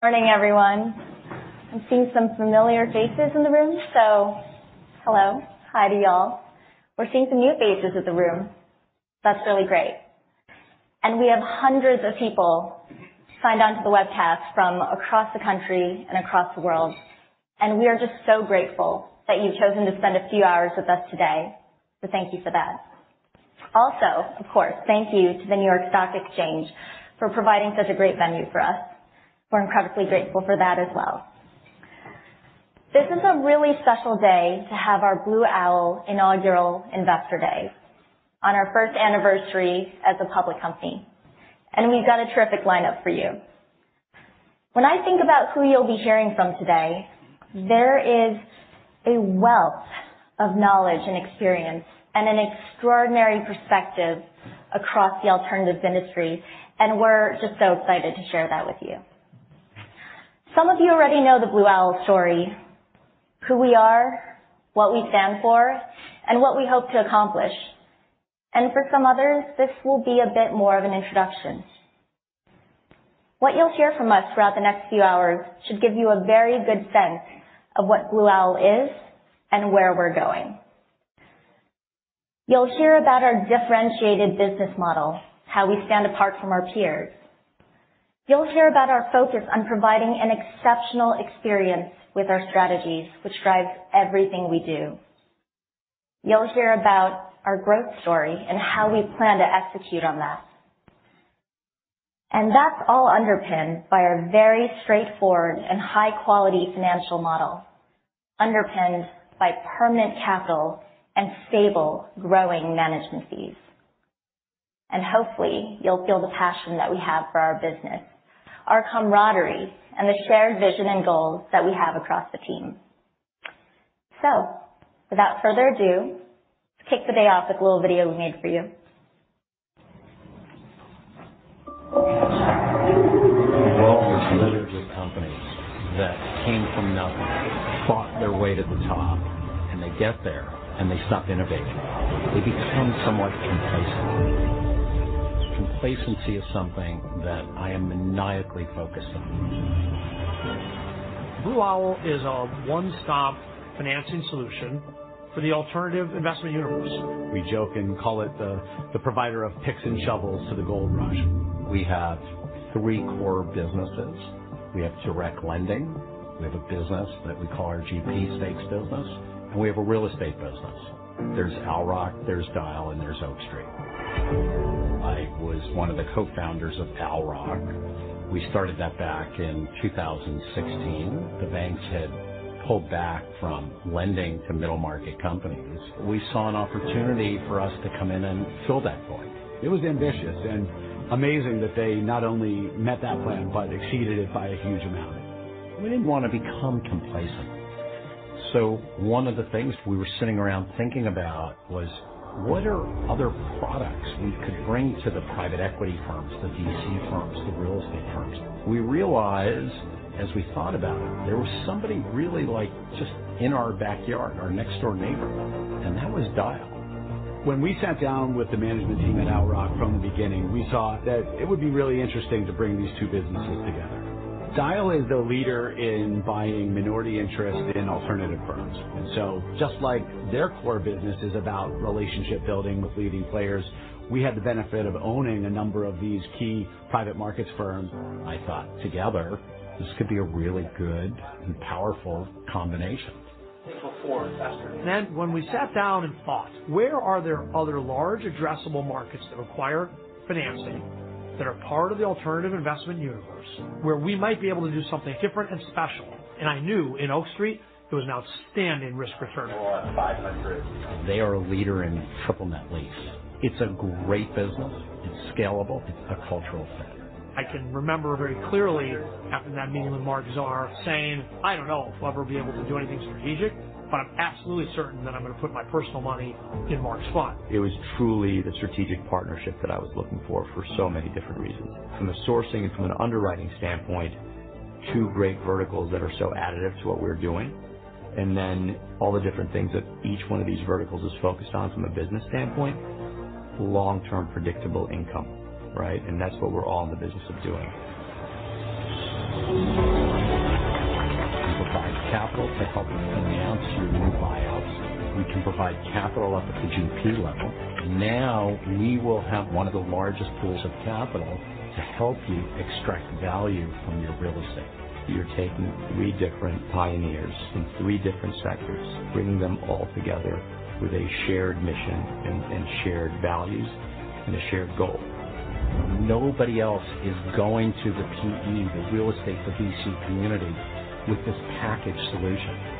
Morning, everyone. I'm seeing some familiar faces in the room, so hello, hi to y'all. We're seeing some new faces in the room. That's really great. We have hundreds of people signed on to the webcast from across the country and across the world, and we are just so grateful that you've chosen to spend a few hours with us today. Thank you for that. Also, of course, thank you to the New York Stock Exchange for providing such a great venue for us. We're incredibly grateful for that as well. This is a really special day to have our Blue Owl Inaugural Investor Day on our first anniversary as a public company, and we've got a terrific lineup for you. When I think about who you'll be hearing from today, there is a wealth of knowledge and experience and an extraordinary perspective across the alternatives industry, and we're just so excited to share that with you. Some of you already know the Blue Owl story: who we are, what we stand for, and what we hope to accomplish. For some others, this will be a bit more of an introduction. What you'll hear from us throughout the next few hours should give you a very good sense of what Blue Owl is and where we're going. You'll hear about our differentiated business model, how we stand apart from our peers. You'll hear about our focus on providing an exceptional experience with our strategies, which drives everything we do. You'll hear about our growth story and how we plan to execute on that. That is all underpinned by our very straightforward and high-quality financial model, underpinned by permanent capital and stable, growing management fees. Hopefully, you'll feel the passion that we have for our business, our camaraderie, and the shared vision and goals that we have across the team. Without further ado, let's kick the day off with a little video we made for you. Blue Owl is literally a company that came from nothing, fought their way to the top, and they get there, and they stop innovating. They become somewhat complacent. Complacency is something that I am maniacally focused on. Blue Owl is a one-stop financing solution for the alternative investment universe. We joke and call it the provider of picks and shovels to the gold rush. We have three core businesses. We have direct lending. We have a business that we call our GP stakes business, and we have a real estate business. There's Owl Rock, there's Dyal, and there's Oak Street. I was one of the co-founders of Owl Rock. We started that back in 2016. The banks had pulled back from lending to middle-market companies. We saw an opportunity for us to come in and fill that void. It was ambitious and amazing that they not only met that plan, but exceeded it by a huge amount. We did not want to become complacent. One of the things we were sitting around thinking about was, what are other products we could bring to the private equity firms, the VC firms, the real estate firms? We realized, as we thought about it, there was somebody really just in our backyard, our next-door neighbor, and that was Dyal. When we sat down with the management team at Owl Rock from the beginning, we saw that it would be really interesting to bring these two businesses together. Dyal is the leader in buying minority interest in alternative firms. Just like their core business is about relationship building with leading players, we had the benefit of owning a number of these key private markets firms. I thought, together, this could be a really good and powerful combination. When we sat down and thought, where are there other large addressable markets that require financing, that are part of the alternative investment universe, where we might be able to do something different and special? I knew in Oak Street there was an outstanding risk-return ratio. They are a leader in triple net lease. It's a great business. It's scalable. It's a cultural thing. I can remember very clearly after that meeting with Marc Zahr saying, "I don't know if we'll ever be able to do anything strategic, but I'm absolutely certain that I'm going to put my personal money in Marc's fund. It was truly the strategic partnership that I was looking for for so many different reasons. From a sourcing and from an underwriting standpoint, two great verticals that are so additive to what we're doing, and then all the different things that each one of these verticals is focused on from a business standpoint, long-term predictable income, right? That's what we're all in the business of doing. We provide capital to help us finance your new buyouts. We can provide capital up at the GP level. Now we will have one of the largest pools of capital to help you extract value from your real estate. You're taking three different pioneers in three different sectors, bringing them all together with a shared mission and shared values and a shared goal. Nobody else is going to the PE, the real estate, the VC community with this package solution,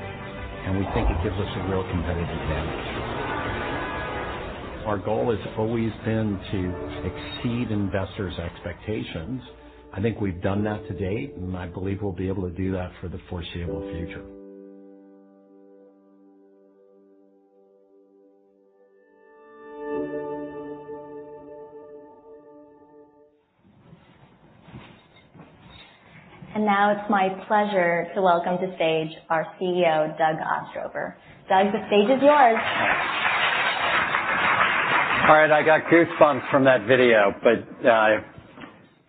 and we think it gives us a real competitive advantage. Our goal has always been to exceed investors' expectations. I think we've done that to date, and I believe we'll be able to do that for the foreseeable future. It is my pleasure to welcome to stage our CEO, Doug Ostrover. Doug, the stage is yours. All right, I got goosebumps from that video, but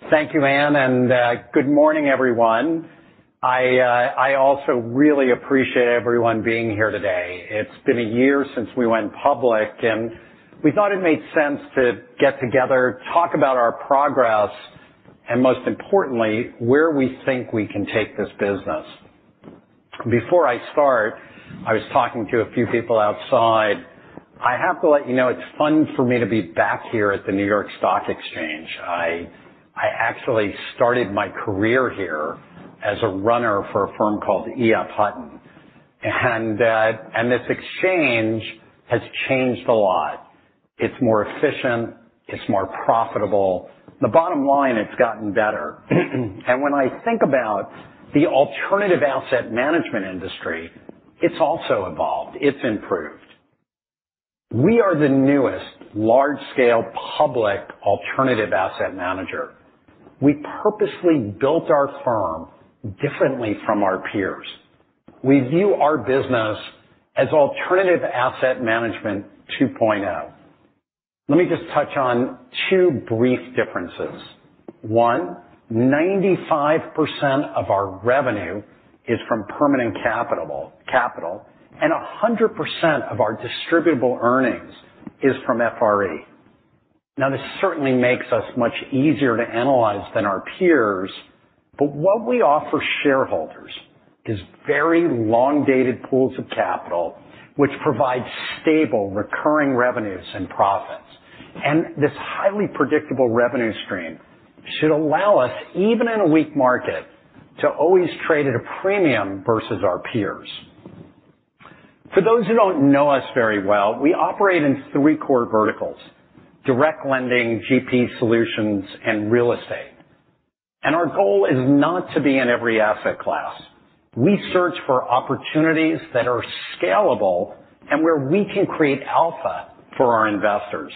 thank you, Ann, and good morning, everyone. I also really appreciate everyone being here today. It's been a year since we went public, and we thought it made sense to get together, talk about our progress, and most importantly, where we think we can take this business. Before I start, I was talking to a few people outside. I have to let you know it's fun for me to be back here at the New York Stock Exchange. I actually started my career here as a runner for a firm called EF Hutton, and this exchange has changed a lot. It's more efficient. It's more profitable. The bottom line, it's gotten better. When I think about the alternative asset management industry, it's also evolved. It's improved. We are the newest large-scale public alternative asset manager. We purposely built our firm differently from our peers. We view our business as alternative asset management 2.0. Let me just touch on two brief differences. One, 95% of our revenue is from permanent capital, and 100% of our distributable earnings is from FRE. This certainly makes us much easier to analyze than our peers, but what we offer shareholders is very long-dated pools of capital, which provide stable, recurring revenues and profits. This highly predictable revenue stream should allow us, even in a weak market, to always trade at a premium versus our peers. For those who don't know us very well, we operate in three core verticals: direct lending, GP solutions, and real estate. Our goal is not to be in every asset class. We search for opportunities that are scalable and where we can create alpha for our investors.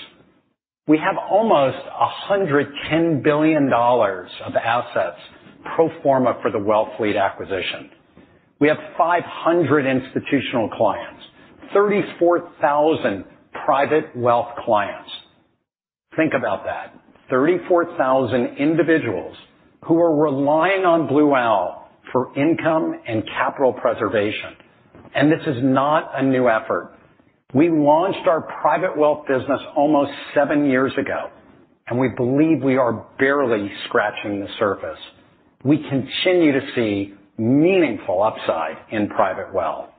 We have almost $110 billion of assets pro forma for the Wellfleet acquisition. We have 500 institutional clients, 34,000 private wealth clients. Think about that. 34,000 individuals who are relying on Blue Owl for income and capital preservation. This is not a new effort. We launched our private wealth business almost seven years ago, and we believe we are barely scratching the surface. We continue to see meaningful upside in private wealth.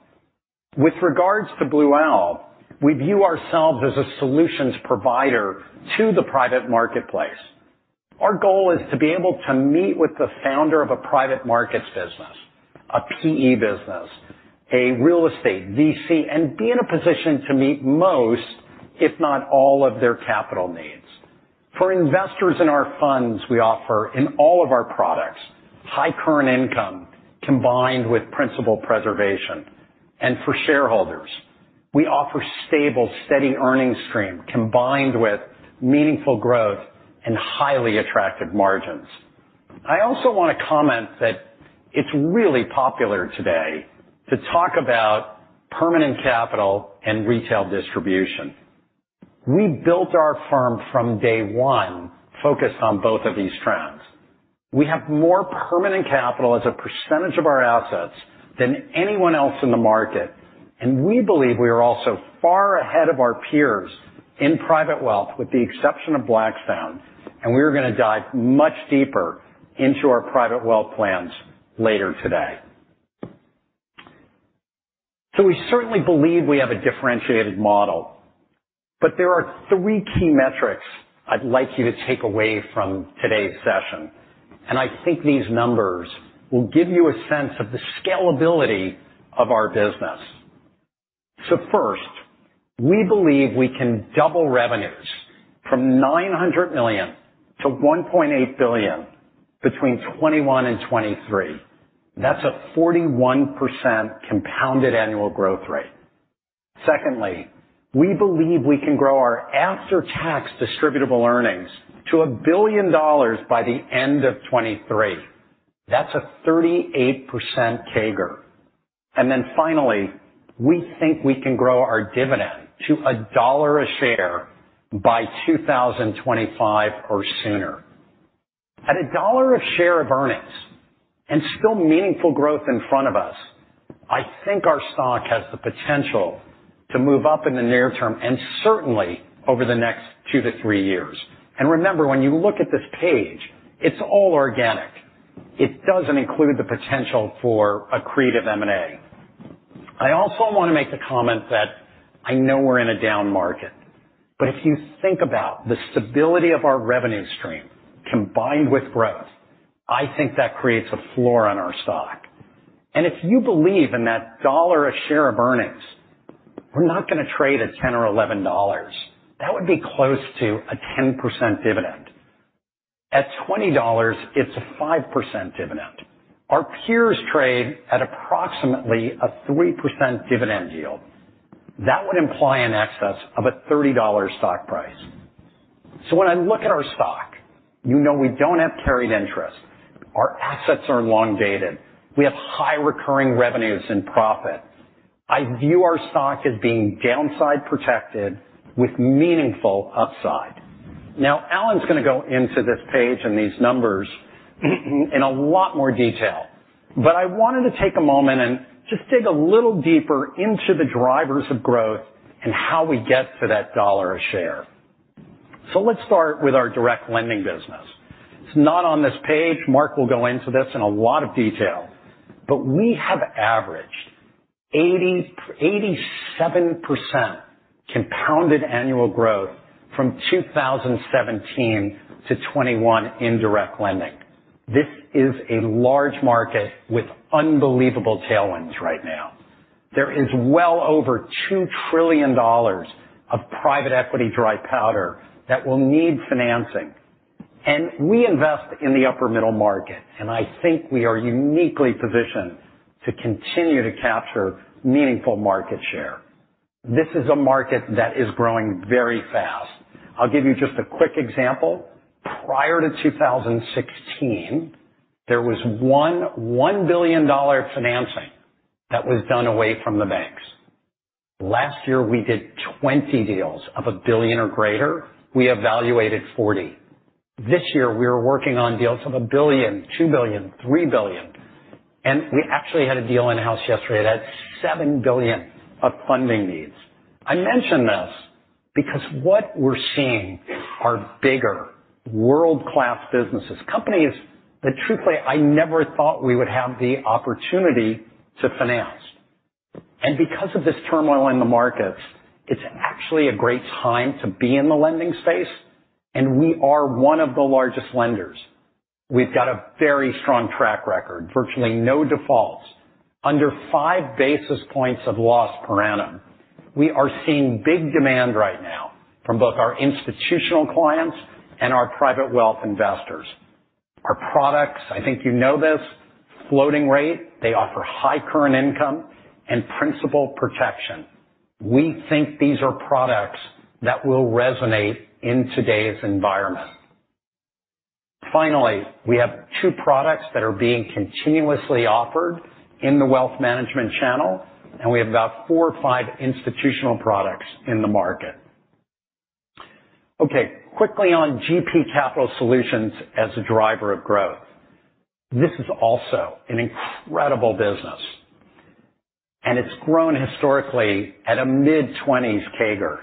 With regards to Blue Owl, we view ourselves as a solutions provider to the private marketplace. Our goal is to be able to meet with the founder of a private markets business, a PE business, a real estate, VC, and be in a position to meet most, if not all, of their capital needs. For investors in our funds, we offer in all of our products high current income combined with principal preservation. For shareholders, we offer a stable, steady earnings stream combined with meaningful growth and highly attractive margins. I also want to comment that it is really popular today to talk about permanent capital and retail distribution. We built our firm from day one focused on both of these trends. We have more permanent capital as a percentage of our assets than anyone else in the market, and we believe we are also far ahead of our peers in private wealth, with the exception of Blackstone, and we are going to dive much deeper into our private wealth plans later today. We certainly believe we have a differentiated model, but there are three key metrics I would like you to take away from today's session, and I think these numbers will give you a sense of the scalability of our business. First, we believe we can double revenues from $900 million to $1.8 billion between 2021 and 2023. That is a 41% compounded annual growth rate. Secondly, we believe we can grow our after-tax distributable earnings to $1 billion by the end of 2023. That is a 38% CAGR. Finally, we think we can grow our dividend to $1 a share by 2025 or sooner. At $1 a share of earnings and still meaningful growth in front of us, I think our stock has the potential to move up in the near term and certainly over the next two to three years. Remember, when you look at this page, it is all organic. It does not include the potential for accretive M&A. I also want to make the comment that I know we're in a down market, but if you think about the stability of our revenue stream combined with growth, I think that creates a floor on our stock. If you believe in that dollar a share of earnings, we're not going to trade at $10 or $11. That would be close to a 10% dividend. At $20, it's a 5% dividend. Our peers trade at approximately a 3% dividend yield. That would imply in excess of a $30 stock price. When I look at our stock, you know we don't have carried interest. Our assets are long-dated. We have high recurring revenues and profit. I view our stock as being downside protected with meaningful upside. Now, Alan's going to go into this page and these numbers in a lot more detail, but I wanted to take a moment and just dig a little deeper into the drivers of growth and how we get to that dollar a share. Let's start with our direct lending business. It's not on this page. Marc will go into this in a lot of detail, but we have averaged 87% compounded annual growth from 2017 - 2021 in direct lending. This is a large market with unbelievable tailwinds right now. There is well over $2 trillion of private equity dry powder that will need financing, and we invest in the upper middle market, and I think we are uniquely positioned to continue to capture meaningful market share. This is a market that is growing very fast. I'll give you just a quick example. Prior to 2016, there was one $1 billion financing that was done away from the banks. Last year, we did 20 deals of a billion or greater. We evaluated 40. This year, we were working on deals of a billion, $2 billion, $3 billion, and we actually had a deal in-house yesterday that had $7 billion of funding needs. I mention this because what we're seeing are bigger, world-class businesses, companies that truthfully I never thought we would have the opportunity to finance. Because of this turmoil in the markets, it's actually a great time to be in the lending space, and we are one of the largest lenders. We've got a very strong track record, virtually no defaults, under five basis points of loss per annum. We are seeing big demand right now from both our institutional clients and our private wealth investors. Our products, I think you know this, floating rate, they offer high current income and principal protection. We think these are products that will resonate in today's environment. Finally, we have two products that are being continuously offered in the wealth management channel, and we have about four or five institutional products in the market. Okay, quickly on GP Capital Solutions as a driver of growth. This is also an incredible business, and it's grown historically at a mid-20s CAGR.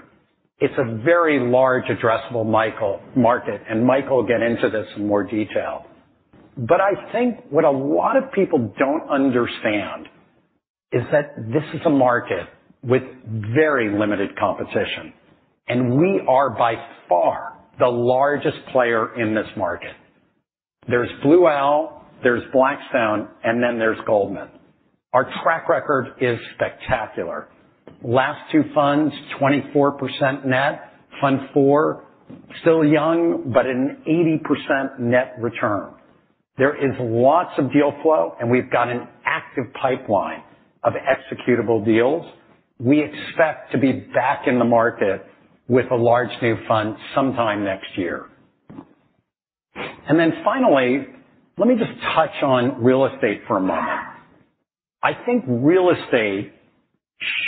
It's a very large addressable market, and Michael will get into this in more detail. I think what a lot of people don't understand is that this is a market with very limited competition, and we are by far the largest player in this market. There's Blue Owl, there's Blackstone, and then there's Goldman. Our track record is spectacular. Last two funds, 24% net, fund four, still young, but an 80% net return. There is lots of deal flow, and we've got an active pipeline of executable deals. We expect to be back in the market with a large new fund sometime next year. Finally, let me just touch on real estate for a moment. I think real estate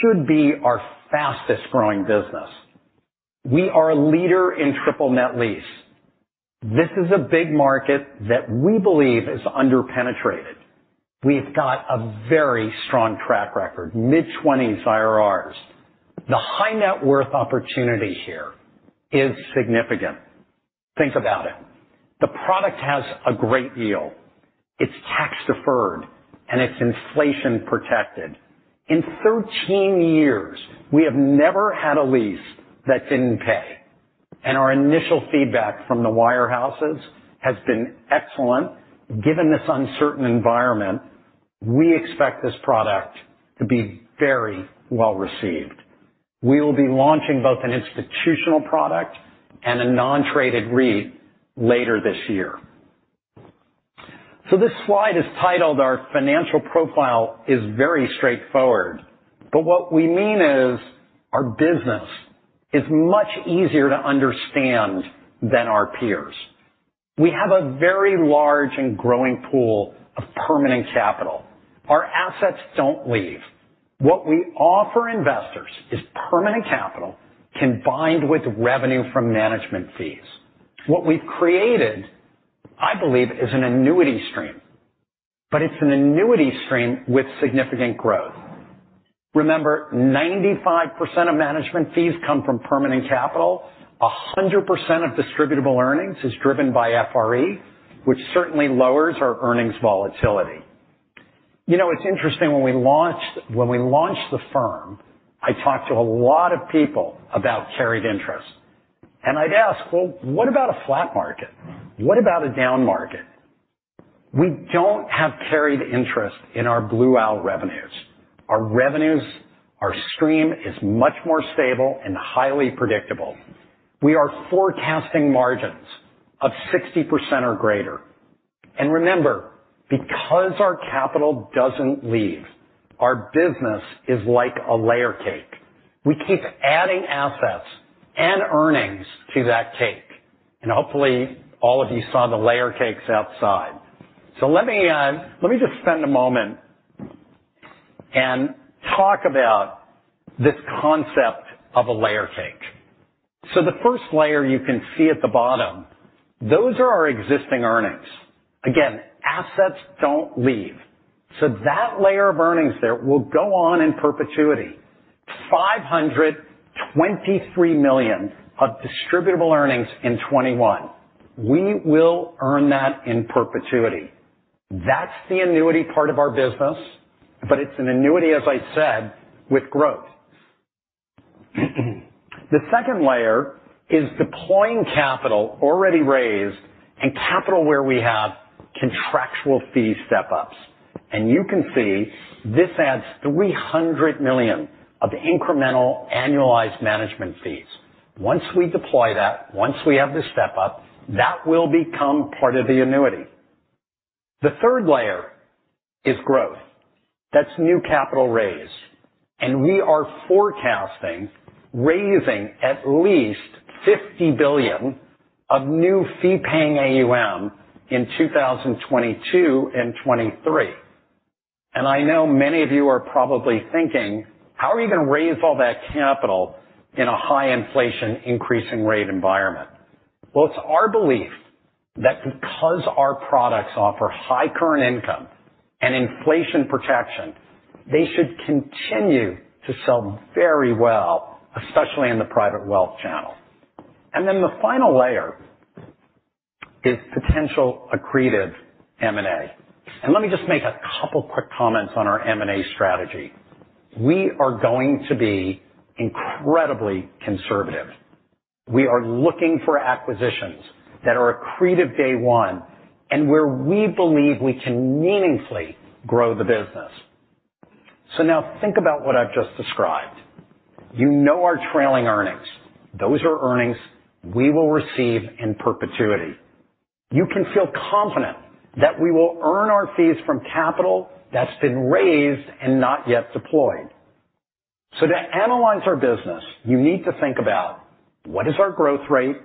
should be our fastest-growing business. We are a leader in triple net lease. This is a big market that we believe is under-penetrated. We've got a very strong track record, mid-20s IRRs. The high net worth opportunity here is significant. Think about it. The product has a great deal. It's tax-deferred, and it's inflation-protected. In 13 years, we have never had a lease that didn't pay. Our initial feedback from the wirehouses has been excellent. Given this uncertain environment, we expect this product to be very well received. We will be launching both an institutional product and a non-traded REIT later this year. This slide is titled, "Our financial profile is very straightforward," but what we mean is our business is much easier to understand than our peers. We have a very large and growing pool of permanent capital. Our assets do not leave. What we offer investors is permanent capital combined with revenue from management fees. What we have created, I believe, is an annuity stream, but it is an annuity stream with significant growth. Remember, 95% of management fees come from permanent capital. 100% of distributable earnings is driven by FRE, which certainly lowers our earnings volatility. You know, it is interesting when we launched the firm, I talked to a lot of people about carried interest. I would ask, "Well, what about a flat market? What about a down market? We do not have carried interest in our Blue Owl revenues. Our revenues, our stream is much more stable and highly predictable. We are forecasting margins of 60% or greater. Remember, because our capital does not leave, our business is like a layer cake. We keep adding assets and earnings to that cake. Hopefully, all of you saw the layer cakes outside. Let me just spend a moment and talk about this concept of a layer cake. The first layer you can see at the bottom, those are our existing earnings. Again, assets do not leave. That layer of earnings there will go on in perpetuity. $523 million of distributable earnings in 2021. We will earn that in perpetuity. That is the annuity part of our business, but it is an annuity, as I said, with growth. The second layer is deploying capital already raised and capital where we have contractual fee step-ups. You can see this adds $300 million of incremental annualized management fees. Once we deploy that, once we have the step-up, that will become part of the annuity. The third layer is growth. That is new capital raised. We are forecasting raising at least $50 billion of new fee-paying AUM in 2022 and 2023. I know many of you are probably thinking, "How are you going to raise all that capital in a high inflation increasing rate environment?" It is our belief that because our products offer high current income and inflation protection, they should continue to sell very well, especially in the private wealth channel. The final layer is potential accretive M&A. Let me just make a couple quick comments on our M&A strategy. We are going to be incredibly conservative. We are looking for acquisitions that are accretive day one and where we believe we can meaningfully grow the business. Now think about what I've just described. You know our trailing earnings. Those are earnings we will receive in perpetuity. You can feel confident that we will earn our fees from capital that's been raised and not yet deployed. To analyze our business, you need to think about what is our growth rate,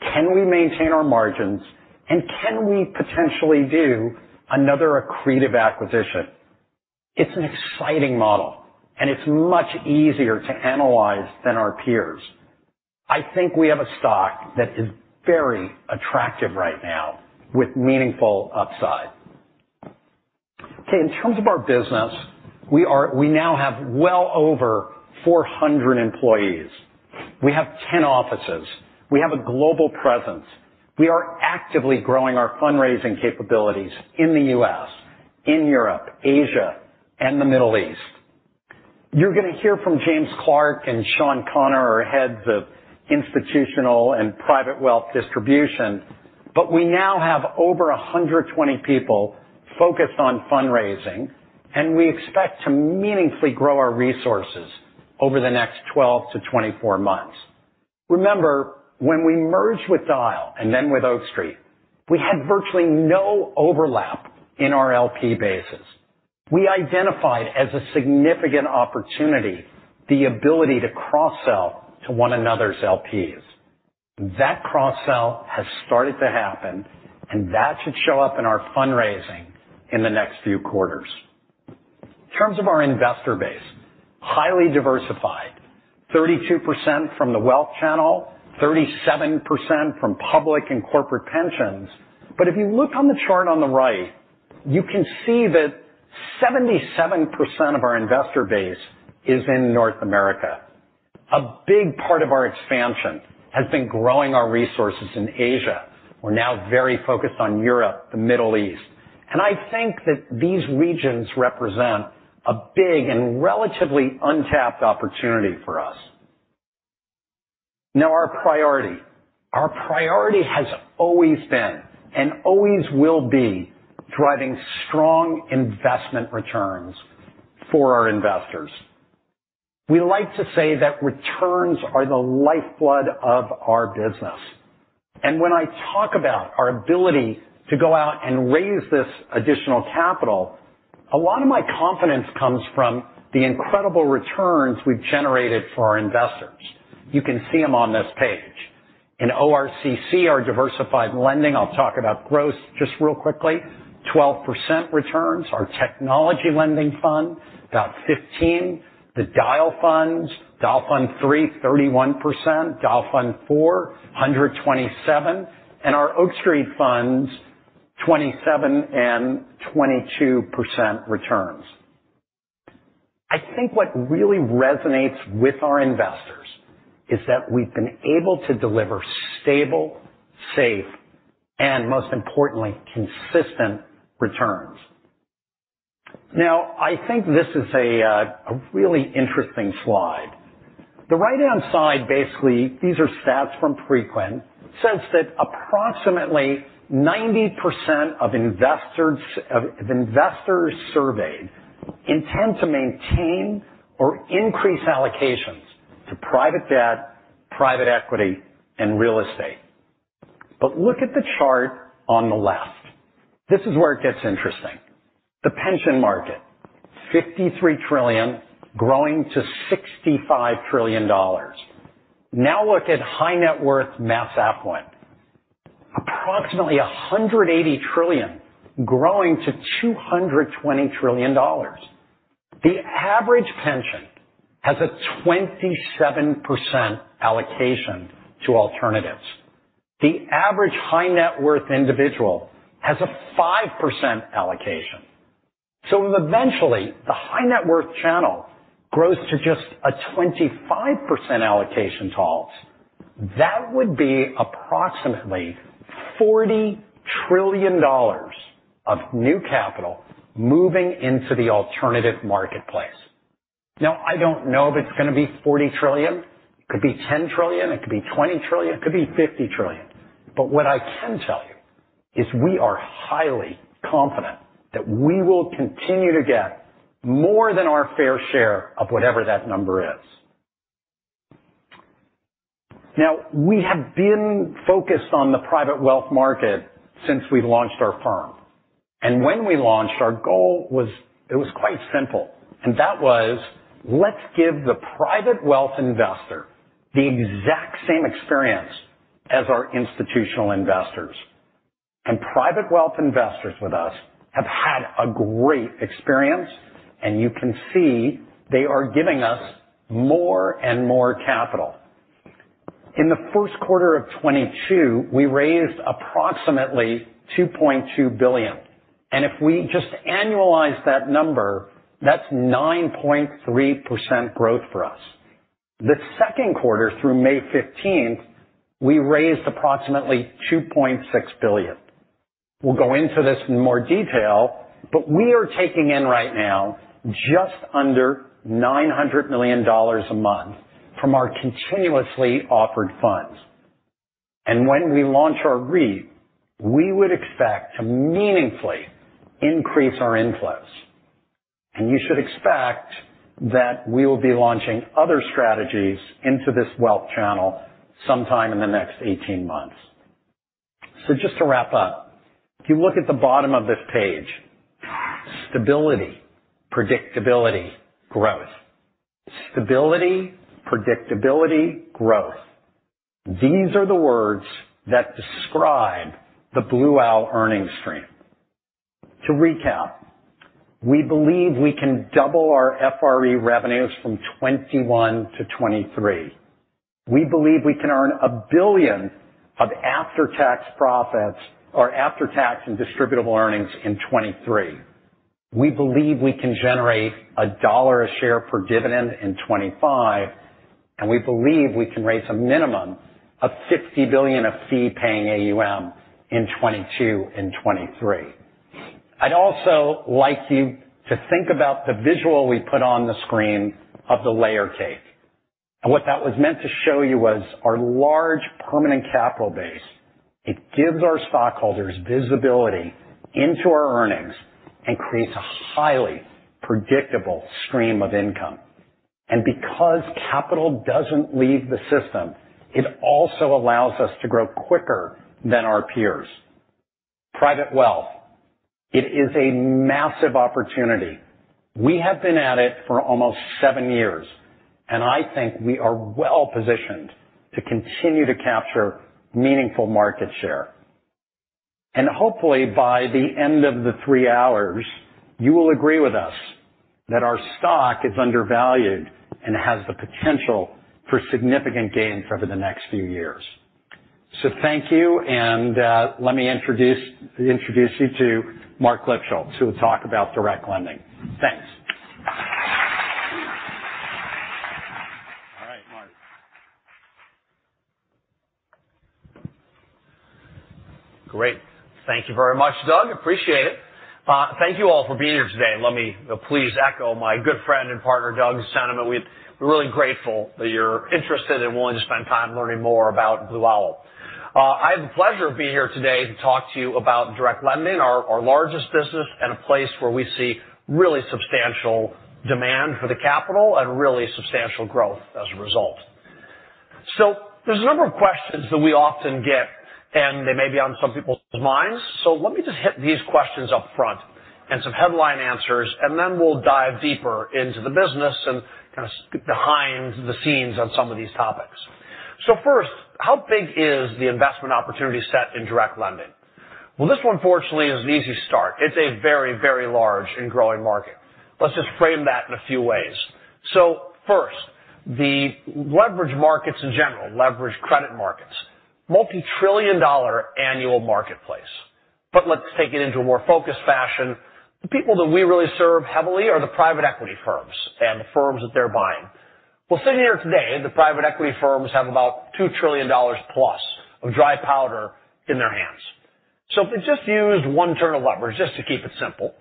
can we maintain our margins, and can we potentially do another accretive acquisition. It's an exciting model, and it's much easier to analyze than our peers. I think we have a stock that is very attractive right now with meaningful upside. In terms of our business, we now have well over 400 employees. We have 10 offices. We have a global presence. We are actively growing our fundraising capabilities in the U.S., in Europe, Asia, and the Middle East. You're going to hear from James Clarke and Sean Connor, our heads of institutional and private wealth distribution, but we now have over 120 people focused on fundraising, and we expect to meaningfully grow our resources over the next 12 to 24 months. Remember, when we merged with Dyal and then with Oak Street, we had virtually no overlap in our LP bases. We identified as a significant opportunity the ability to cross-sell to one another's LPs. That cross-sell has started to happen, and that should show up in our fundraising in the next few quarters. In terms of our investor base, highly diversified, 32% from the wealth channel, 37% from public and corporate pensions. If you look on the chart on the right, you can see that 77% of our investor base is in North America. A big part of our expansion has been growing our resources in Asia. We're now very focused on Europe, the Middle East. I think that these regions represent a big and relatively untapped opportunity for us. Now, our priority. Our priority has always been and always will be driving strong investment returns for our investors. We like to say that returns are the lifeblood of our business. When I talk about our ability to go out and raise this additional capital, a lot of my confidence comes from the incredible returns we've generated for our investors. You can see them on this page. In ORCC, our diversified lending, I'll talk about growth just real quickly, 12% returns. Our technology lending fund, about 15%. The Dyal funds, Dyal Fund 3, 31%. Dyal Fund 4, 127%. And our Oak Street funds, 27% and 22% returns. I think what really resonates with our investors is that we've been able to deliver stable, safe, and most importantly, consistent returns. Now, I think this is a really interesting slide. The right-hand side, basically, these are stats from Preqin, says that approximately 90% of investors surveyed intend to maintain or increase allocations to private debt, private equity, and real estate. Look at the chart on the left. This is where it gets interesting. The pension market, $53 trillion, growing to $65 trillion. Now look at high net worth, mass affluent. Approximately $180 trillion, growing to $220 trillion. The average pension has a 27% allocation to alternatives. The average high net worth individual has a 5% allocation. Eventually, the high net worth channel grows to just a 25% allocation. That would be approximately $40 trillion of new capital moving into the alternative marketplace. Now, I don't know if it's going to be $40 trillion. It could be $10 trillion. It could be $20 trillion. It could be $50 trillion. What I can tell you is we are highly confident that we will continue to get more than our fair share of whatever that number is. We have been focused on the private wealth market since we've launched our firm. When we launched, our goal was, it was quite simple. That was, let's give the private wealth investor the exact same experience as our institutional investors. Private wealth investors with us have had a great experience, and you can see they are giving us more and more capital. In the first quarter of 2022, we raised approximately $2.2 billion. If we just annualize that number, that's 9.3% growth for us. The second quarter, through May 15th, we raised approximately $2.6 billion. We will go into this in more detail, but we are taking in right now just under $900 million a month from our continuously offered funds. When we launch our REIT, we would expect to meaningfully increase our inflows. You should expect that we will be launching other strategies into this wealth channel sometime in the next 18 months. Just to wrap up, if you look at the bottom of this page, stability, predictability, growth. Stability, predictability, growth. These are the words that describe the Blue Owl earnings stream. To recap, we believe we can double our FRE revenues from 2021-2023. We believe we can earn $1 billion of after-tax profits or after-tax and distributable earnings in 2023. We believe we can generate $1 a share per dividend in 2025, and we believe we can raise a minimum of $50 billion of fee-paying AUM in 2022 and 2023. I would also like you to think about the visual we put on the screen of the layer cake. What that was meant to show you was our large permanent capital base. It gives our stockholders visibility into our earnings and creates a highly predictable stream of income. Because capital does not leave the system, it also allows us to grow quicker than our peers. Private wealth, it is a massive opportunity. We have been at it for almost seven years, and I think we are well positioned to continue to capture meaningful market share. Hopefully, by the end of the three hours, you will agree with us that our stock is undervalued and has the potential for significant gains over the next few years. Thank you, and let me introduce you to Marc Lipschultz, who will talk about direct lending. Thanks. Great. Thank you very much, Doug. Appreciate it. Thank you all for being here today. Let me please echo my good friend and partner, Doug Ostrover. We're really grateful that you're interested and willing to spend time learning more about Blue Owl. I have the pleasure of being here today to talk to you about direct lending, our largest business, and a place where we see really substantial demand for the capital and really substantial growth as a result. There are a number of questions that we often get, and they may be on some people's minds. Let me just hit these questions upfront and some headline answers, and then we'll dive deeper into the business and kind of behind the scenes on some of these topics. First, how big is the investment opportunity set in direct lending? This one, fortunately, is an easy start. It's a very, very large and growing market. Let's just frame that in a few ways. First, the leverage markets in general, leverage credit markets, multi-trillion dollar annual marketplace. Let's take it into a more focused fashion. The people that we really serve heavily are the private equity firms and the firms that they're buying. Sitting here today, the private equity firms have about $2 trillion plus of dry powder in their hands. If we just use one term of leverage, just to keep it simple,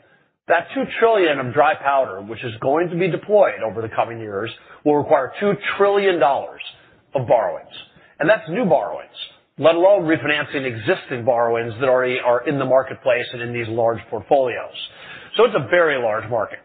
that $2 trillion of dry powder, which is going to be deployed over the coming years, will require $2 trillion of borrowings. And that's new borrowings, let alone refinancing existing borrowings that already are in the marketplace and in these large portfolios. It is a very large market.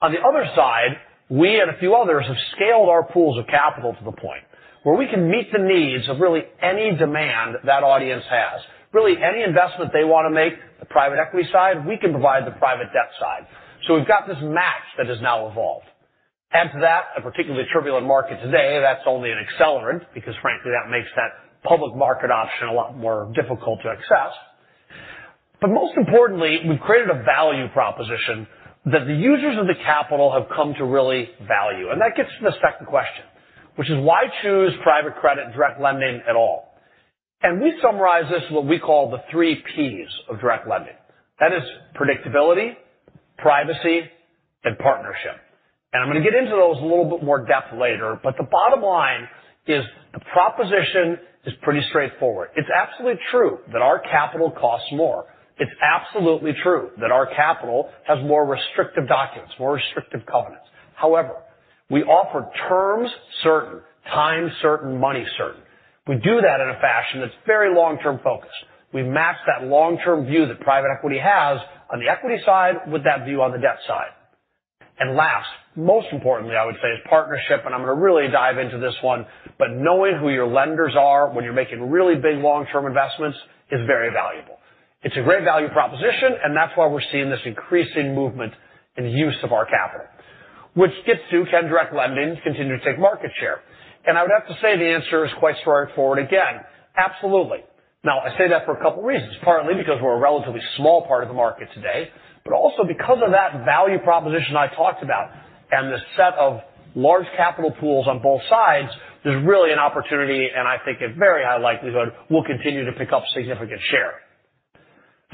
On the other side, we and a few others have scaled our pools of capital to the point where we can meet the needs of really any demand that audience has. Really, any investment they want to make, the private equity side, we can provide the private debt side. We have got this match that has now evolved. Add to that a particularly turbulent market today, that is only an accelerant because, frankly, that makes that public market option a lot more difficult to access. Most importantly, we've created a value proposition that the users of the capital have come to really value. That gets to the second question, which is why choose private credit and direct lending at all. We summarize this with what we call the three P's of direct lending. That is predictability, privacy, and partnership. I'm going to get into those in a little bit more depth later, but the bottom line is the proposition is pretty straightforward. It's absolutely true that our capital costs more. It's absolutely true that our capital has more restrictive documents, more restrictive covenants. However, we offer terms certain, time certain, money certain. We do that in a fashion that's very long-term focused. We've matched that long-term view that private equity has on the equity side with that view on the debt side. Last, most importantly, I would say, is partnership, and I'm going to really dive into this one, but knowing who your lenders are when you're making really big long-term investments is very valuable. It's a great value proposition, and that's why we're seeing this increasing movement in use of our capital, which gets to, can direct lending continue to take market share? I would have to say the answer is quite straightforward again. Absolutely. I say that for a couple of reasons, partly because we're a relatively small part of the market today, but also because of that value proposition I talked about and the set of large capital pools on both sides, there's really an opportunity, and I think at very high likelihood, we'll continue to pick up significant share.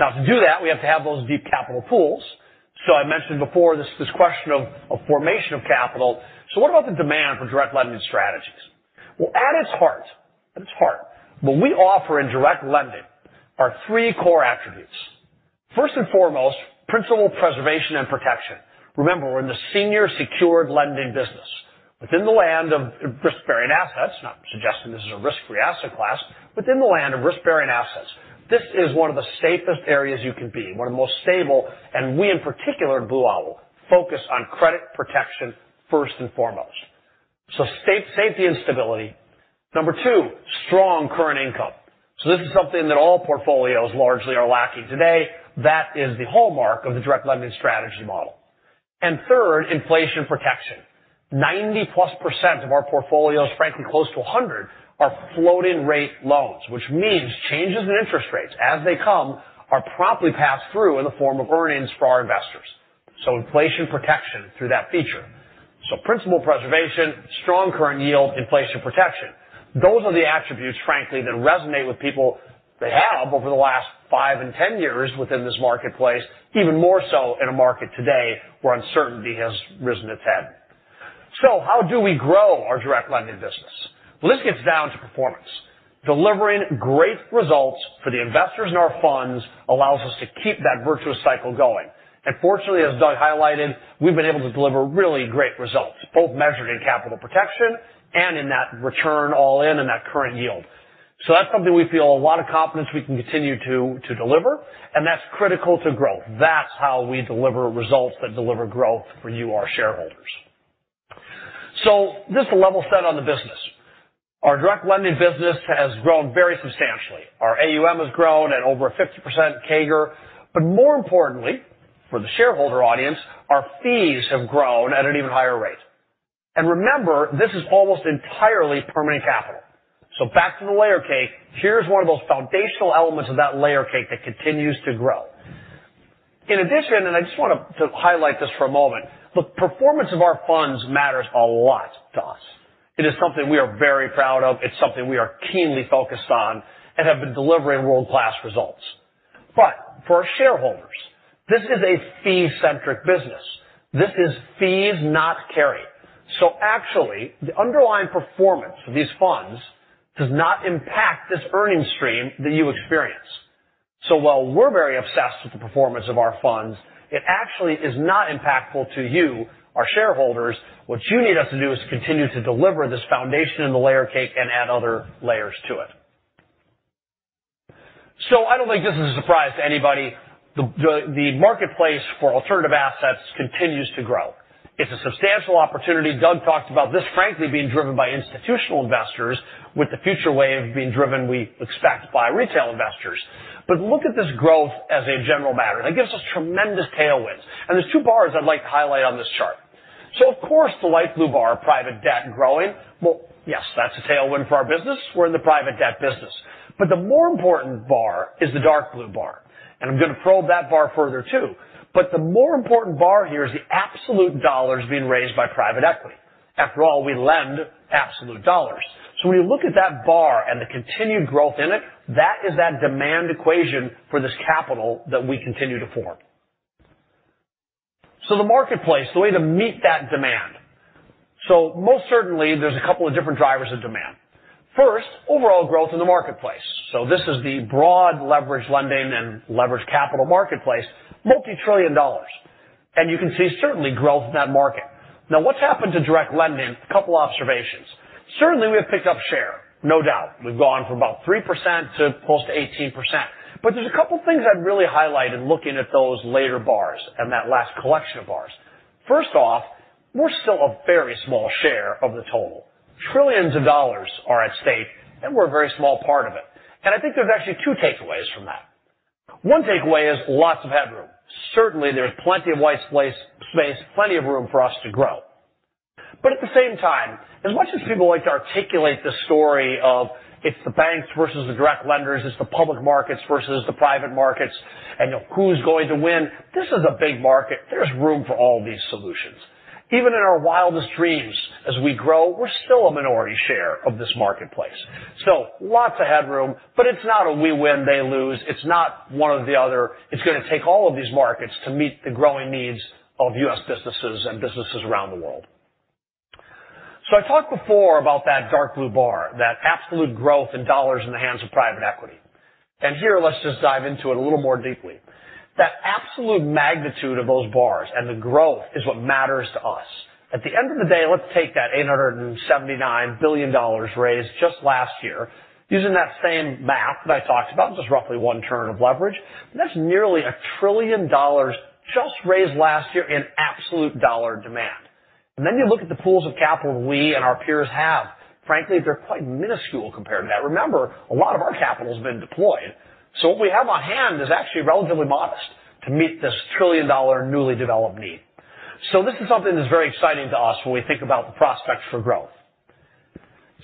To do that, we have to have those deep capital pools. I mentioned before this question of formation of capital. What about the demand for direct lending strategies? At its heart, at its heart, what we offer in direct lending are three core attributes. First and foremost, principal preservation and protection. Remember, we're in the senior secured lending business. Within the land of risk-bearing assets, not suggesting this is a risk-free asset class, within the land of risk-bearing assets, this is one of the safest areas you can be, one of the most stable, and we in particular at Blue Owl focus on credit protection first and foremost. Safety and stability. Number two, strong current income. This is something that all portfolios largely are lacking today. That is the hallmark of the direct lending strategy model. Third, inflation protection. 90% plus of our portfolios, frankly, close to 100%, are floating rate loans, which means changes in interest rates as they come are promptly passed through in the form of earnings for our investors. Inflation protection through that feature. Principal preservation, strong current yield, inflation protection. Those are the attributes, frankly, that resonate with people. They have over the last 5 and 10 years within this marketplace, even more so in a market today where uncertainty has risen its head. How do we grow our direct lending business? This gets down to performance. Delivering great results for the investors in our funds allows us to keep that virtuous cycle going. Fortunately, as Doug highlighted, we've been able to deliver really great results, both measured in capital protection and in that return all in and that current yield. That's something we feel a lot of confidence we can continue to deliver, and that's critical to growth. That's how we deliver results that deliver growth for you, our shareholders. Just to level set on the business, our direct lending business has grown very substantially. Our AUM has grown at over 50% CAGR, but more importantly, for the shareholder audience, our fees have grown at an even higher rate. Remember, this is almost entirely permanent capital. Back to the layer cake, here's one of those foundational elements of that layer cake that continues to grow. In addition, and I just want to highlight this for a moment, the performance of our funds matters a lot to us. It is something we are very proud of. It's something we are keenly focused on and have been delivering world-class results. For our shareholders, this is a fee-centric business. This is fees, not carry. Actually, the underlying performance of these funds does not impact this earnings stream that you experience. While we're very obsessed with the performance of our funds, it actually is not impactful to you, our shareholders. What you need us to do is continue to deliver this foundation in the layer cake and add other layers to it. I don't think this is a surprise to anybody. The marketplace for alternative assets continues to grow. It's a substantial opportunity. Doug talked about this, frankly, being driven by institutional investors, with the future wave being driven, we expect, by retail investors. Look at this growth as a general matter. That gives us tremendous tailwinds. There are two bars I'd like to highlight on this chart. Of course, the light blue bar, private debt growing, yes, that's a tailwind for our business. We're in the private debt business. The more important bar is the dark blue bar. I'm going to probe that bar further too. The more important bar here is the absolute dollars being raised by private equity. After all, we lend absolute dollars. When you look at that bar and the continued growth in it, that is that demand equation for this capital that we continue to form. The marketplace, the way to meet that demand. Most certainly, there's a couple of different drivers of demand. First, overall growth in the marketplace. This is the broad leverage lending and leverage capital marketplace, multi-trillion dollars. You can see certainly growth in that market. Now, what's happened to direct lending? A couple of observations. Certainly, we have picked up share. No doubt. We've gone from about 3% to close to 18%. There are a couple of things I'd really highlight in looking at those later bars and that last collection of bars. First off, we're still a very small share of the total. Trillions of dollars are at stake, and we're a very small part of it. I think there's actually two takeaways from that. One takeaway is lots of headroom. Certainly, there's plenty of white space, plenty of room for us to grow. At the same time, as much as people like to articulate the story of it's the banks versus the direct lenders, it's the public markets versus the private markets, and who's going to win, this is a big market. There's room for all these solutions. Even in our wildest dreams, as we grow, we're still a minority share of this marketplace. Lots of headroom, but it's not a we win, they lose. It's not one or the other. It is going to take all of these markets to meet the growing needs of U.S. businesses and businesses around the world. I talked before about that dark blue bar, that absolute growth in dollars in the hands of private equity. Here, let's just dive into it a little more deeply. That absolute magnitude of those bars and the growth is what matters to us. At the end of the day, let's take that $879 billion raised just last year. Using that same math that I talked about, just roughly one turn of leverage, that's nearly $1 trillion just raised last year in absolute dollar demand. You look at the pools of capital we and our peers have. Frankly, they're quite minuscule compared to that. Remember, a lot of our capital has been deployed. What we have on hand is actually relatively modest to meet this trillion dollar newly developed need. This is something that's very exciting to us when we think about the prospects for growth.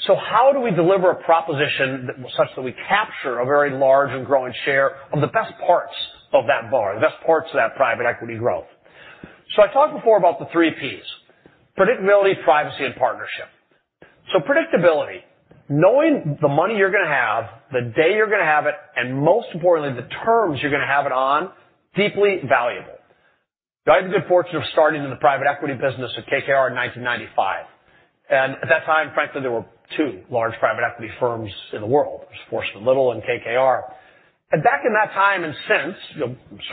How do we deliver a proposition such that we capture a very large and growing share of the best parts of that bar, the best parts of that private equity growth? I talked before about the three P's: predictability, privacy, and partnership. Predictability, knowing the money you're going to have, the day you're going to have it, and most importantly, the terms you're going to have it on, deeply valuable. I had the good fortune of starting in the private equity business at KKR in 1995. At that time, frankly, there were two large private equity firms in the world, Forstmann Little and KKR. Back in that time and since,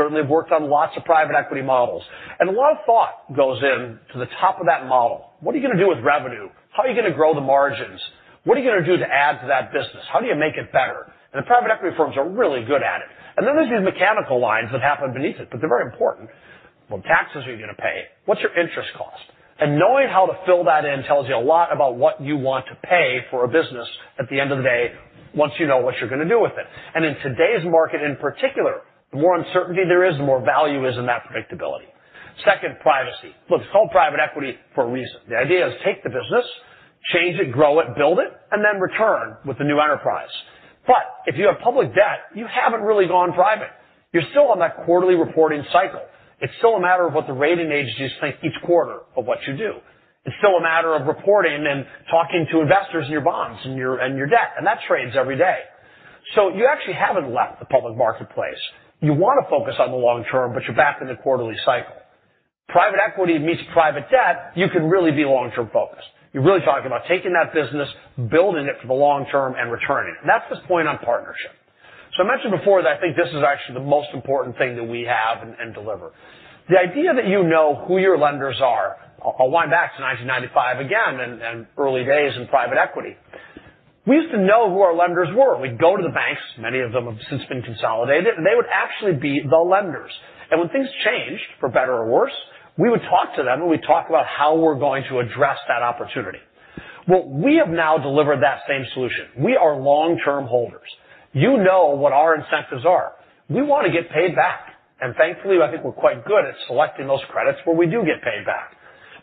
certainly have worked on lots of private equity models. A lot of thought goes into the top of that model. What are you going to do with revenue? How are you going to grow the margins? What are you going to do to add to that business? How do you make it better? The private equity firms are really good at it. Then there are these mechanical lines that happen beneath it, but they are very important. What taxes are you going to pay? What is your interest cost? Knowing how to fill that in tells you a lot about what you want to pay for a business at the end of the day once you know what you're going to do with it. In today's market, in particular, the more uncertainty there is, the more value is in that predictability. Second, privacy. Look, it's called private equity for a reason. The idea is take the business, change it, grow it, build it, and then return with the new enterprise. If you have public debt, you haven't really gone private. You're still on that quarterly reporting cycle. It's still a matter of what the rating agencies think each quarter of what you do. It's still a matter of reporting and talking to investors in your bonds and your debt. That trades every day. You actually haven't left the public marketplace. You want to focus on the long term, but you're back in the quarterly cycle. Private equity meets private debt, you can really be long-term focused. You're really talking about taking that business, building it for the long term, and returning it. That is this point on partnership. I mentioned before that I think this is actually the most important thing that we have and deliver. The idea that you know who your lenders are, I'll wind back to 1995 again and early days in private equity. We used to know who our lenders were. We'd go to the banks, many of them have since been consolidated, and they would actually be the lenders. When things changed, for better or worse, we would talk to them and we'd talk about how we're going to address that opportunity. We have now delivered that same solution. We are long-term holders. You know what our incentives are. We want to get paid back. Thankfully, I think we're quite good at selecting those credits where we do get paid back.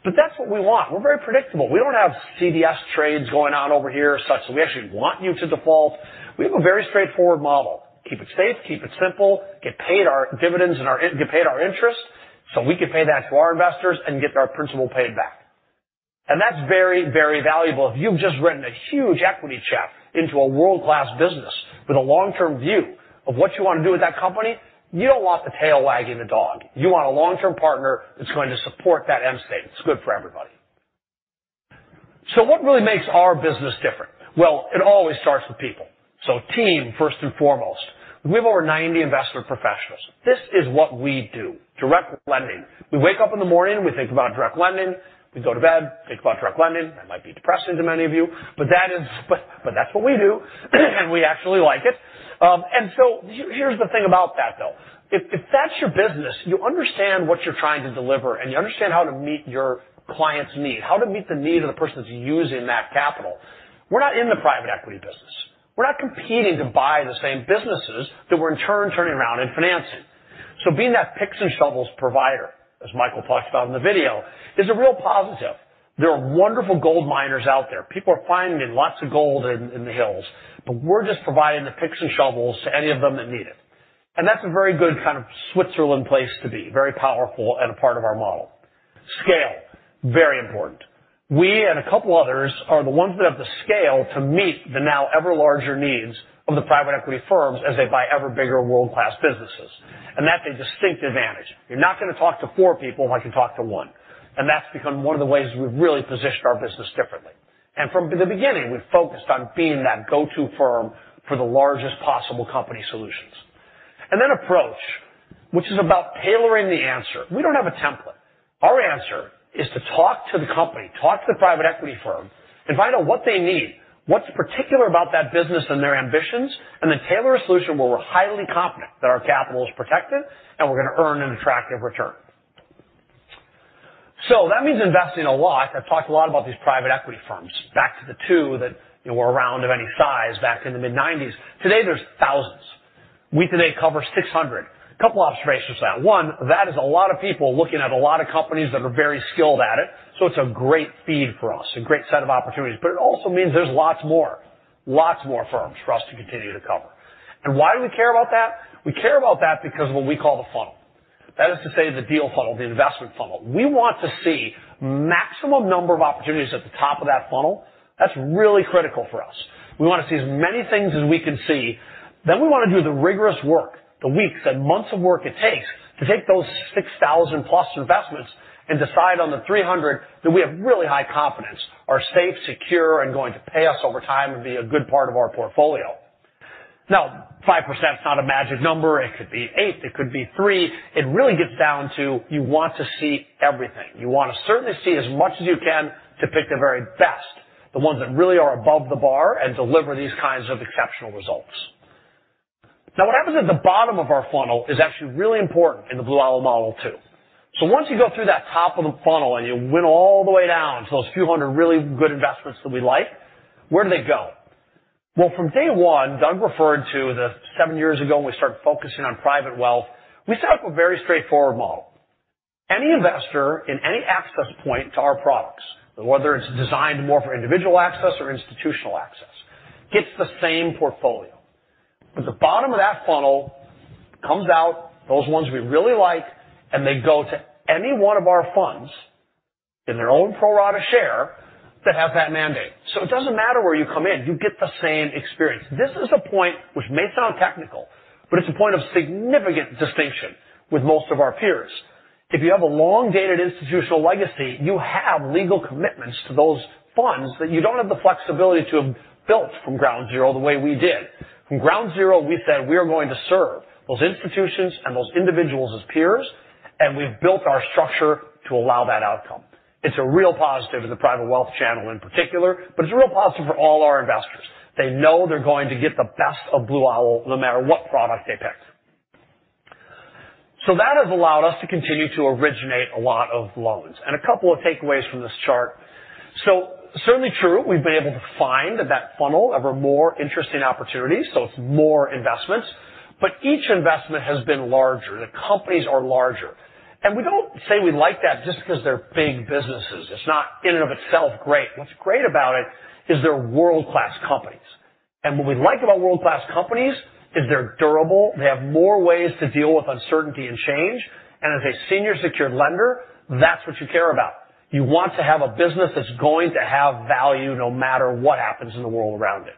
That's what we want. We're very predictable. We don't have CDS trades going on over here such that we actually want you to default. We have a very straightforward model. Keep it safe, keep it simple, get paid our dividends and get paid our interest so we can pay that to our investors and get our principal paid back. That's very, very valuable. If you've just written a huge equity check into a world-class business with a long-term view of what you want to do with that company, you don't want the tail wagging the dog. You want a long-term partner that's going to support that end state. It's good for everybody. What really makes our business different? It always starts with people. Team, first and foremost. We have over 90 investor professionals. This is what we do. Direct lending. We wake up in the morning and we think about direct lending. We go to bed, think about direct lending. That might be depressing to many of you, but that's what we do and we actually like it. Here's the thing about that, though. If that's your business, you understand what you're trying to deliver and you understand how to meet your client's need, how to meet the need of the person that's using that capital. We're not in the private equity business. We're not competing to buy the same businesses that we're in turn turning around and financing. Being that picks and shovels provider, as Michael talks about in the video, is a real positive. There are wonderful gold miners out there. People are finding lots of gold in the hills, but we're just providing the picks and shovels to any of them that need it. That's a very good kind of Switzerland place to be, very powerful and a part of our model. Scale, very important. We and a couple others are the ones that have the scale to meet the now ever larger needs of the private equity firms as they buy ever bigger world-class businesses. That's a distinct advantage. You're not going to talk to four people like you talk to one. That's become one of the ways we've really positioned our business differently. From the beginning, we've focused on being that go-to firm for the largest possible company solutions. Then approach, which is about tailoring the answer. We don't have a template. Our answer is to talk to the company, talk to the private equity firm, and find out what they need, what's particular about that business and their ambitions, and then tailor a solution where we're highly confident that our capital is protected and we're going to earn an attractive return. That means investing a lot. I've talked a lot about these private equity firms. Back to the two that were around of any size back in the mid-1990s. Today, there's thousands. We today cover 600. A couple of observations to that. One, that is a lot of people looking at a lot of companies that are very skilled at it. It is a great feed for us, a great set of opportunities. It also means there's lots more, lots more firms for us to continue to cover. Why do we care about that? We care about that because of what we call the funnel. That is to say the deal funnel, the investment funnel. We want to see maximum number of opportunities at the top of that funnel. That's really critical for us. We want to see as many things as we can see. Then we want to do the rigorous work, the weeks and months of work it takes to take those 6,000 plus investments and decide on the 300 that we have really high confidence are safe, secure, and going to pay us over time and be a good part of our portfolio. Now, 5% is not a magic number. It could be 8%. It could be 3%. It really gets down to you want to see everything. You want to certainly see as much as you can to pick the very best, the ones that really are above the bar and deliver these kinds of exceptional results. Now, what happens at the bottom of our funnel is actually really important in the Blue Owl model too. Once you go through that top of the funnel and you win all the way down to those few hundred really good investments that we like, where do they go? From day one, Doug referred to the seven years ago when we started focusing on private wealth, we set up a very straightforward model. Any investor in any access point to our products, whether it's designed more for individual access or institutional access, gets the same portfolio. The bottom of that funnel comes out, those ones we really like, and they go to any one of our funds in their own pro rata share that have that mandate. It does not matter where you come in. You get the same experience. This is a point which may sound technical, but it is a point of significant distinction with most of our peers. If you have a long-dated institutional legacy, you have legal commitments to those funds that you do not have the flexibility to have built from ground zero the way we did. From ground zero, we said we are going to serve those institutions and those individuals as peers, and we have built our structure to allow that outcome. It is a real positive to the private wealth channel in particular, but it is a real positive for all our investors. They know they're going to get the best of Blue Owl no matter what product they pick. That has allowed us to continue to originate a lot of loans. A couple of takeaways from this chart. It is certainly true, we've been able to find that funnel of a more interesting opportunity. It is more investments, but each investment has been larger. The companies are larger. We do not say we like that just because they're big businesses. It is not in and of itself great. What is great about it is they're world-class companies. What we like about world-class companies is they're durable. They have more ways to deal with uncertainty and change. As a senior secured lender, that's what you care about. You want to have a business that's going to have value no matter what happens in the world around it.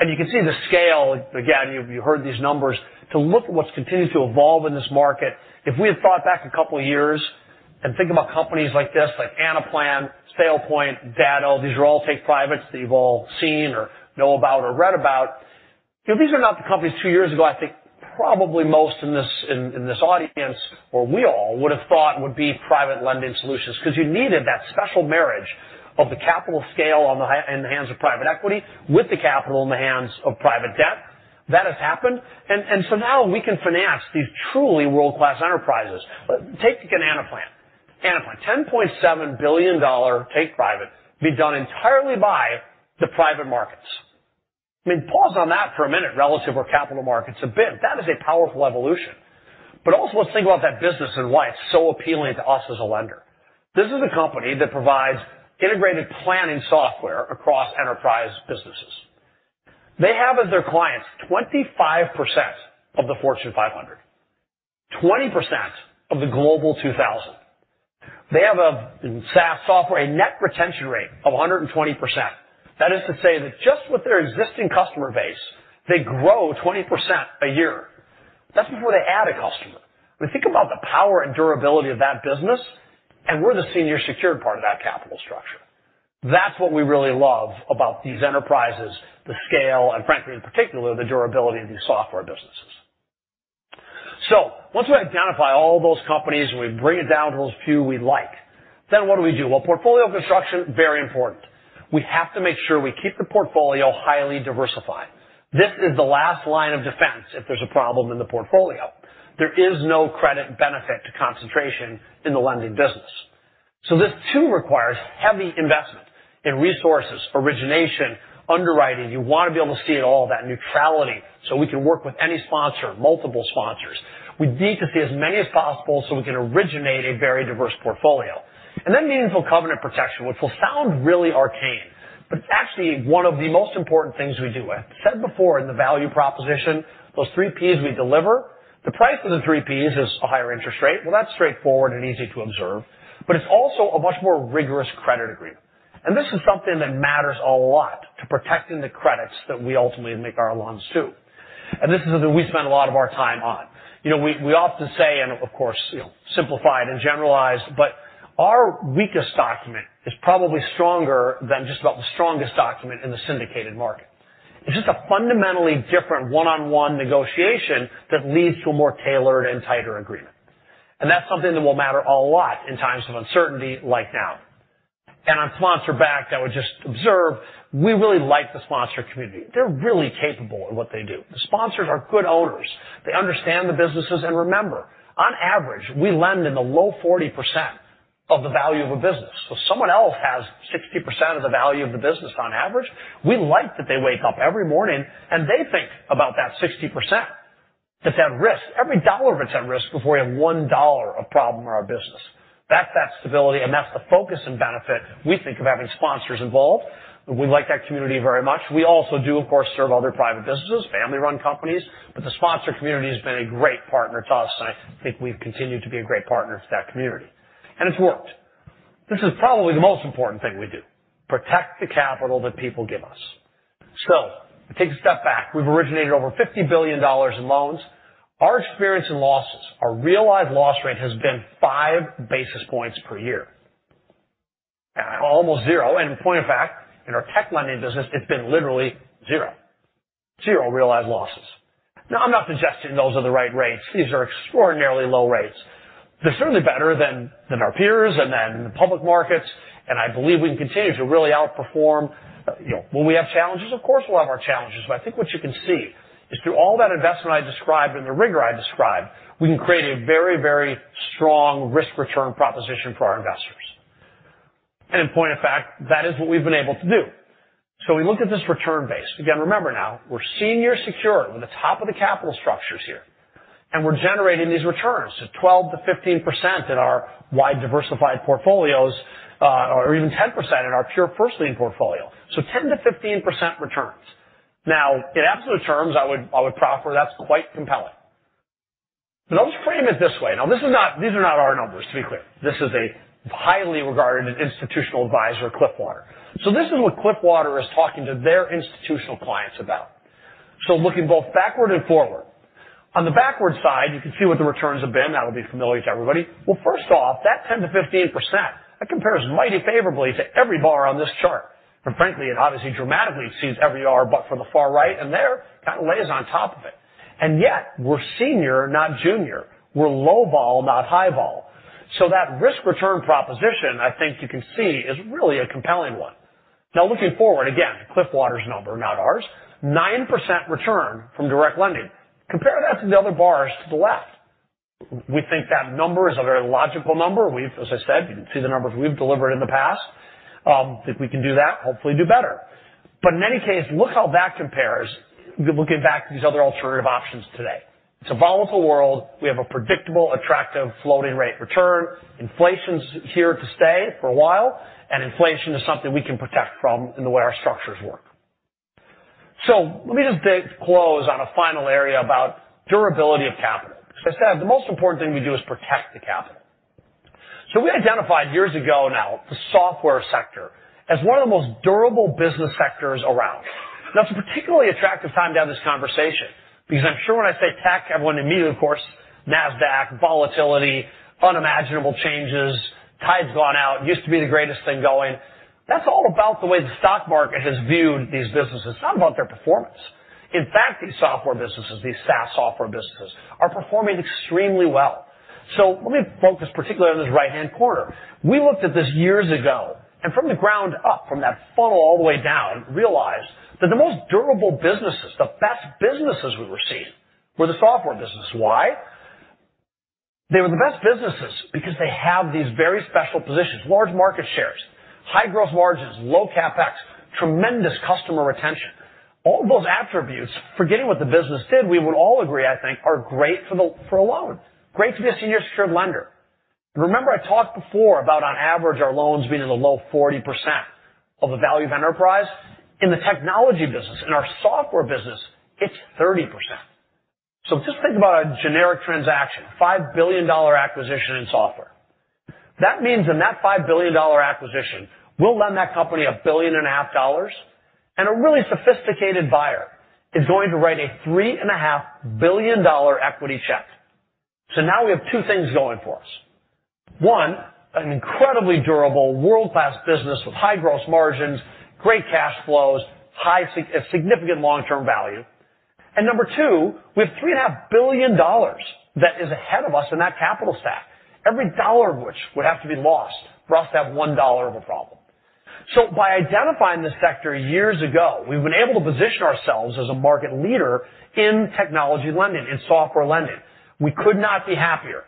You can see the scale. Again, you've heard these numbers to look at what's continued to evolve in this market. If we had thought back a couple of years and think about companies like this, like Annaplan, SailPoint, DATO, these are all take privates that you've all seen or know about or read about. These are not the companies two years ago, I think probably most in this audience or we all would have thought would be private lending solutions because you needed that special marriage of the capital scale in the hands of private equity with the capital in the hands of private debt. That has happened. Now we can finance these truly world-class enterprises. Take Annaplan. Annaplan, $10.7 billion take private, be done entirely by the private markets. I mean, pause on that for a minute relative where capital markets have been. That is a powerful evolution. Also, let's think about that business and why it's so appealing to us as a lender. This is a company that provides integrated planning software across enterprise businesses. They have as their clients 25% of the Fortune 500, 20% of the Global 2000. They have a SaaS software, a net retention rate of 120%. That is to say that just with their existing customer base, they grow 20% a year. That's before they add a customer. I mean, think about the power and durability of that business, and we're the senior secured part of that capital structure. That's what we really love about these enterprises, the scale, and frankly, in particular, the durability of these software businesses. Once we identify all those companies and we bring it down to those few we like, what do we do? Portfolio construction, very important. We have to make sure we keep the portfolio highly diversified. This is the last line of defense if there's a problem in the portfolio. There is no credit benefit to concentration in the lending business. This too requires heavy investment in resources, origination, underwriting. You want to be able to see it all, that neutrality, so we can work with any sponsor, multiple sponsors. We need to see as many as possible so we can originate a very diverse portfolio. Meaningful covenant protection, which will sound really arcane, but it's actually one of the most important things we do. I've said before in the value proposition, those three P's we deliver. The price of the three P's is a higher interest rate. That is straightforward and easy to observe, but it's also a much more rigorous credit agreement. This is something that matters a lot to protecting the credits that we ultimately make our loans to. This is something we spend a lot of our time on. We often say, and of course, simplified and generalized, but our weakest document is probably stronger than just about the strongest document in the syndicated market. It's just a fundamentally different one-on-one negotiation that leads to a more tailored and tighter agreement. That is something that will matter a lot in times of uncertainty like now. On sponsor back, I would just observe, we really like the sponsor community. They're really capable in what they do. The sponsors are good owners. They understand the businesses and remember, on average, we lend in the low 40% of the value of a business. Someone else has 60% of the value of the business on average. We like that they wake up every morning and they think about that 60%. It is at risk. Every dollar of it is at risk before we have one dollar of problem in our business. That is that stability, and that is the focus and benefit we think of having sponsors involved. We like that community very much. We also do, of course, serve other private businesses, family-run companies, but the sponsor community has been a great partner to us, and I think we have continued to be a great partner to that community. It has worked. This is probably the most important thing we do: protect the capital that people give us. We take a step back. We have originated over $50 billion in loans. Our experience in losses, our realized loss rate has been five basis points per year. Almost zero. In point of fact, in our tech lending business, it's been literally zero. Zero realized losses. Now, I'm not suggesting those are the right rates. These are extraordinarily low rates. They're certainly better than our peers and than the public markets, and I believe we can continue to really outperform. When we have challenges, of course, we'll have our challenges, but I think what you can see is through all that investment I described and the rigor I described, we can create a very, very strong risk-return proposition for our investors. In point of fact, that is what we've been able to do. We look at this return base. Again, remember now, we're senior secured with the top of the capital structures here, and we're generating these returns, 12%-15% in our wide diversified portfolios or even 10% in our pure first-line portfolio. 10%-15% returns. In absolute terms, I would proffer that's quite compelling. Let's frame it this way. These are not our numbers, to be clear. This is a highly regarded institutional advisor, Cliffwater. This is what Cliffwater is talking to their institutional clients about. Looking both backward and forward. On the backward side, you can see what the returns have been. That'll be familiar to everybody. First off, that 10%-15%, that compares mighty favorably to every bar on this chart. Frankly, it obviously dramatically exceeds every R but for the far right, and there kind of lays on top of it. Yet, we're senior, not junior. We're low vol, not high vol. That risk-return proposition, I think you can see, is really a compelling one. Now, looking forward, again, Cliffwater's number, not ours, 9% return from direct lending. Compare that to the other bars to the left. We think that number is a very logical number. As I said, you can see the numbers we've delivered in the past. If we can do that, hopefully do better. In any case, look how that compares looking back to these other alternative options today. It's a volatile world. We have a predictable, attractive floating rate return. Inflation's here to stay for a while, and inflation is something we can protect from in the way our structures work. Let me just close on a final area about durability of capital. As I said, the most important thing we do is protect the capital. We identified years ago now the software sector as one of the most durable business sectors around. Now, it's a particularly attractive time to have this conversation because I'm sure when I say tech, everyone immediately, of course, NASDAQ, volatility, unimaginable changes, tide's gone out, used to be the greatest thing going. That's all about the way the stock market has viewed these businesses. It's not about their performance. In fact, these software businesses, these SaaS software businesses, are performing extremely well. Let me focus particularly on this right-hand corner. We looked at this years ago, and from the ground up, from that funnel all the way down, realized that the most durable businesses, the best businesses we were seeing, were the software businesses. Why? They were the best businesses because they have these very special positions: large market shares, high gross margins, low CapEx, tremendous customer retention. All of those attributes, forgetting what the business did, we would all agree, I think, are great for a loan. Great to be a senior secured lender. Remember I talked before about on average our loans being in the low 40% of the value of enterprise. In the technology business, in our software business, it's 30%. Just think about a generic transaction, $5 billion acquisition in software. That means in that $5 billion acquisition, we'll lend that company $1.5 billion, and a really sophisticated buyer is going to write a $3.5 billion equity check. Now we have two things going for us. One, an incredibly durable, world-class business with high gross margins, great cash flows, significant long-term value. Number two, we have $3.5 billion that is ahead of us in that capital stack, every dollar of which would have to be lost for us to have one dollar of a problem. By identifying this sector years ago, we've been able to position ourselves as a market leader in technology lending, in software lending. We could not be happier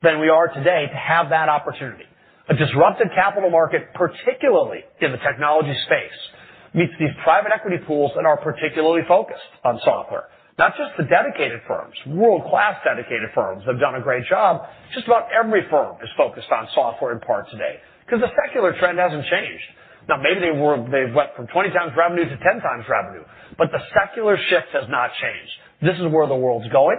than we are today to have that opportunity. A disruptive capital market, particularly in the technology space, meets these private equity pools that are particularly focused on software. Not just the dedicated firms, world-class dedicated firms have done a great job. Just about every firm is focused on software in part today because the secular trend hasn't changed. Now, maybe they've went from 20 times revenue to 10 times revenue, but the secular shift has not changed. This is where the world's going,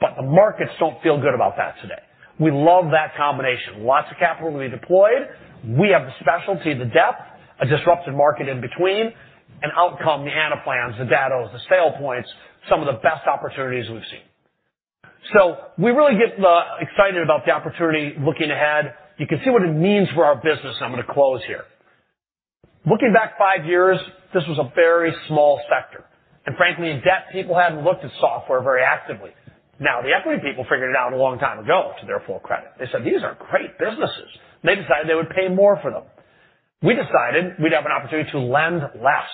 but the markets do not feel good about that today. We love that combination. Lots of capital to be deployed. We have the specialty, the depth, a disruptive market in between, and outcome, the Annaplan, the DATOs, the SailPoints, some of the best opportunities we have seen. We really get excited about the opportunity looking ahead. You can see what it means for our business, and I am going to close here. Looking back five years, this was a very small sector. Frankly, in debt, people had not looked at software very actively. Now, the equity people figured it out a long time ago to their full credit. They said, "These are great businesses." They decided they would pay more for them. We decided we would have an opportunity to lend less.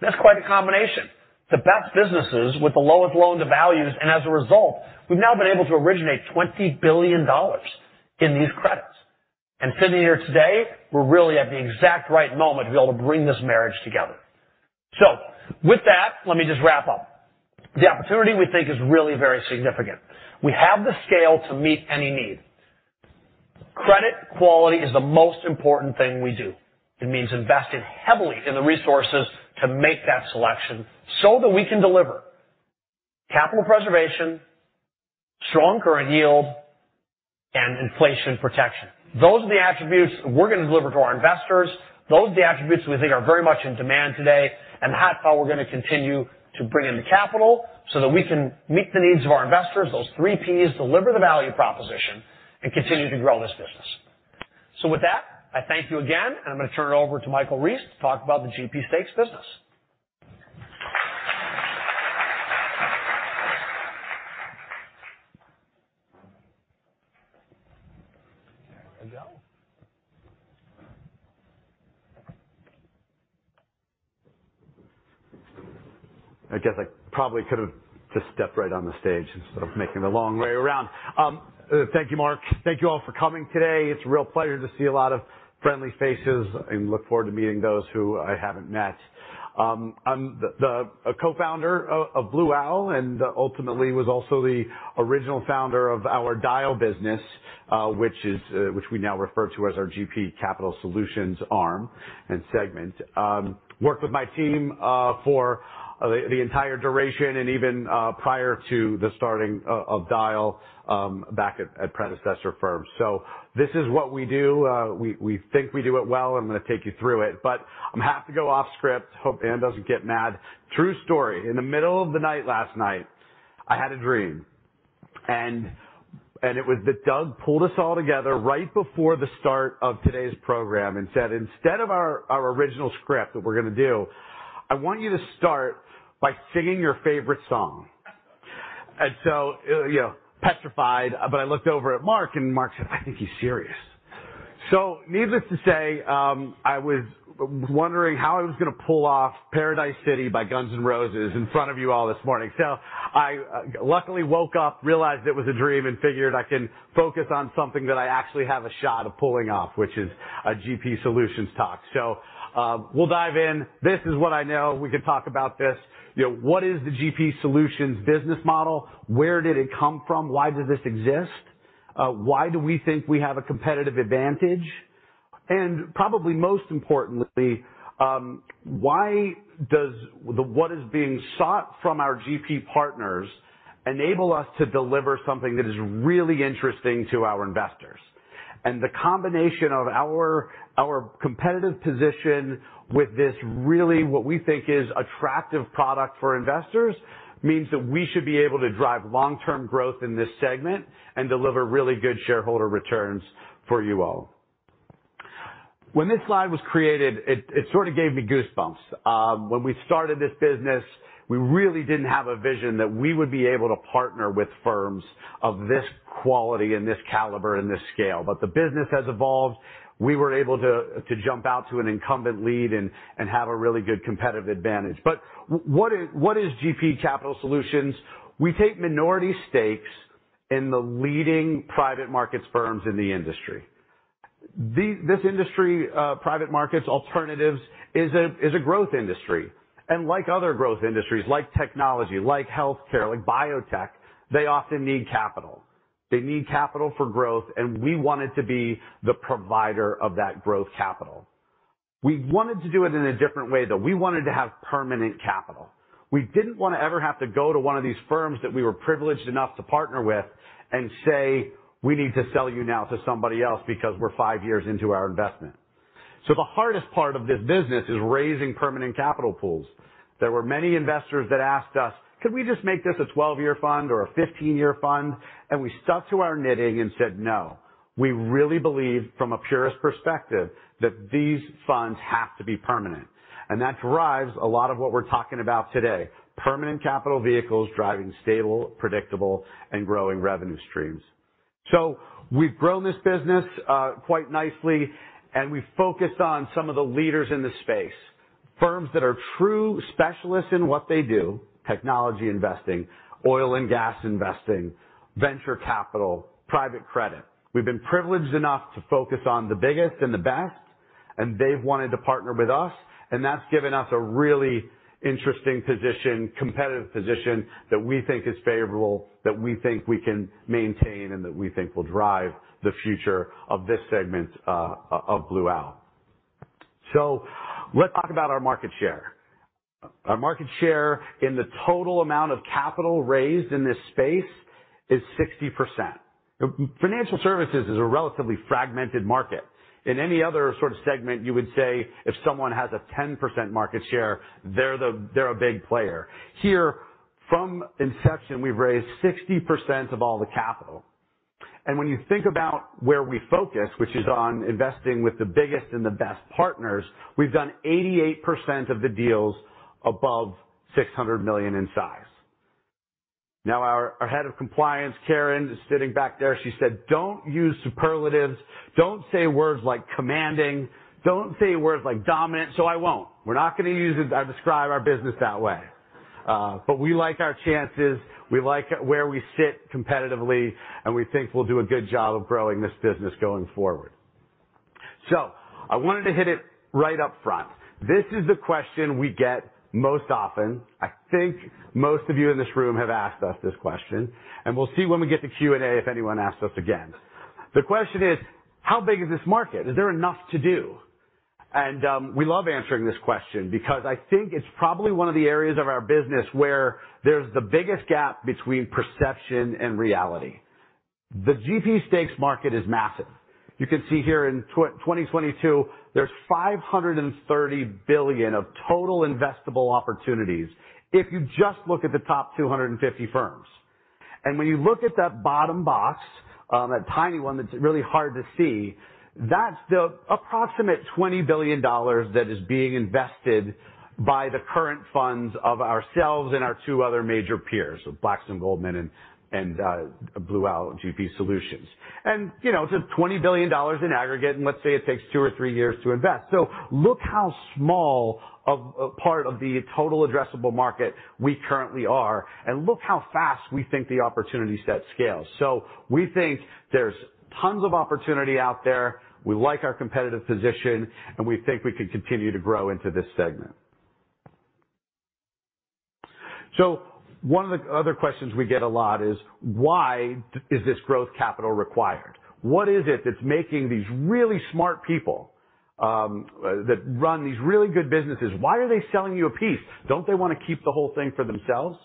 That is quite a combination. The best businesses with the lowest loan to values, and as a result, we've now been able to originate $20 billion in these credits. Sitting here today, we're really at the exact right moment to be able to bring this marriage together. With that, let me just wrap up. The opportunity we think is really very significant. We have the scale to meet any need. Credit quality is the most important thing we do. It means investing heavily in the resources to make that selection so that we can deliver capital preservation, strong current yield, and inflation protection. Those are the attributes we're going to deliver to our investors. Those are the attributes we think are very much in demand today, and that's how we're going to continue to bring in the capital so that we can meet the needs of our investors, those three P's, deliver the value proposition, and continue to grow this business. With that, I thank you again, and I'm going to turn it over to Michael Reese to talk about the GP Stakes business. There we go. I guess I probably could have just stepped right on the stage instead of making the long way around. Thank you, Mark. Thank you all for coming today. It's a real pleasure to see a lot of friendly faces, and look forward to meeting those who I haven't met. I'm the co-founder of Blue Owl and ultimately was also the original founder of our Dyal business, which we now refer to as our GP Capital Solutions arm and segment. Worked with my team for the entire duration and even prior to the starting of Dyal back at predecessor firms. This is what we do. We think we do it well. I'm going to take you through it, but I'm happy to go off script. Hope Ann doesn't get mad. True story. In the middle of the night last night, I had a dream, and it was that Doug pulled us all together right before the start of today's program and said, "Instead of our original script that we're going to do, I want you to start by singing your favorite song." Petrified, I looked over at Mark, and Mark said, "I think he's serious." Needless to say, I was wondering how I was going to pull off Paradise City by Guns N' Roses in front of you all this morning. I luckily woke up, realized it was a dream, and figured I can focus on something that I actually have a shot of pulling off, which is a GP Solutions talk. We'll dive in. This is what I know. We can talk about this. What is the GP Solutions business model? Where did it come from? Why does this exist? Why do we think we have a competitive advantage? Probably most importantly, why does what is being sought from our GP partners enable us to deliver something that is really interesting to our investors? The combination of our competitive position with this really what we think is attractive product for investors means that we should be able to drive long-term growth in this segment and deliver really good shareholder returns for you all. When this slide was created, it sort of gave me goosebumps. When we started this business, we really did not have a vision that we would be able to partner with firms of this quality and this caliber and this scale. The business has evolved. We were able to jump out to an incumbent lead and have a really good competitive advantage. What is GP Capital Solutions? We take minority stakes in the leading private markets firms in the industry. This industry, private markets, alternatives, is a growth industry. Like other growth industries, like technology, like healthcare, like biotech, they often need capital. They need capital for growth, and we wanted to be the provider of that growth capital. We wanted to do it in a different way, though. We wanted to have permanent capital. We did not want to ever have to go to one of these firms that we were privileged enough to partner with and say, "We need to sell you now to somebody else because we're five years into our investment." The hardest part of this business is raising permanent capital pools. There were many investors that asked us, "Could we just make this a 12-year fund or a 15-year fund?" We stuck to our knitting and said, "No." We really believe, from a purist perspective, that these funds have to be permanent. That drives a lot of what we're talking about today: permanent capital vehicles driving stable, predictable, and growing revenue streams. We've grown this business quite nicely, and we've focused on some of the leaders in the space, firms that are true specialists in what they do: technology investing, oil and gas investing, venture capital, private credit. We've been privileged enough to focus on the biggest and the best, and they've wanted to partner with us, and that's given us a really interesting position, competitive position that we think is favorable, that we think we can maintain, and that we think will drive the future of this segment of Blue Owl. Let's talk about our market share. Our market share in the total amount of capital raised in this space is 60%. Financial services is a relatively fragmented market. In any other sort of segment, you would say if someone has a 10% market share, they're a big player. Here, from inception, we've raised 60% of all the capital. When you think about where we focus, which is on investing with the biggest and the best partners, we've done 88% of the deals above $600 million in size. Now, our head of compliance, Karen, is sitting back there. She said, "Don't use superlatives. Don't say words like commanding. Don't say words like dominant." I won't. We're not going to use it. I describe our business that way. We like our chances. We like where we sit competitively, and we think we'll do a good job of growing this business going forward. I wanted to hit it right up front. This is the question we get most often. I think most of you in this room have asked us this question. We'll see when we get to Q&A if anyone asks us again. The question is, how big is this market? Is there enough to do? We love answering this question because I think it's probably one of the areas of our business where there's the biggest gap between perception and reality. The GP Stakes market is massive. You can see here in 2022, there is $530 billion of total investable opportunities if you just look at the top 250 firms. When you look at that bottom box, that tiny one that is really hard to see, that is the approximate $20 billion that is being invested by the current funds of ourselves and our two other major peers, Blackstone, Goldman, and Blue Owl GP Solutions. It is $20 billion in aggregate, and let's say it takes two or three years to invest. Look how small a part of the total addressable market we currently are, and look how fast we think the opportunity set scales. We think there is tons of opportunity out there. We like our competitive position, and we think we can continue to grow into this segment. One of the other questions we get a lot is, why is this growth capital required? What is it that's making these really smart people that run these really good businesses? Why are they selling you a piece? Don't they want to keep the whole thing for themselves?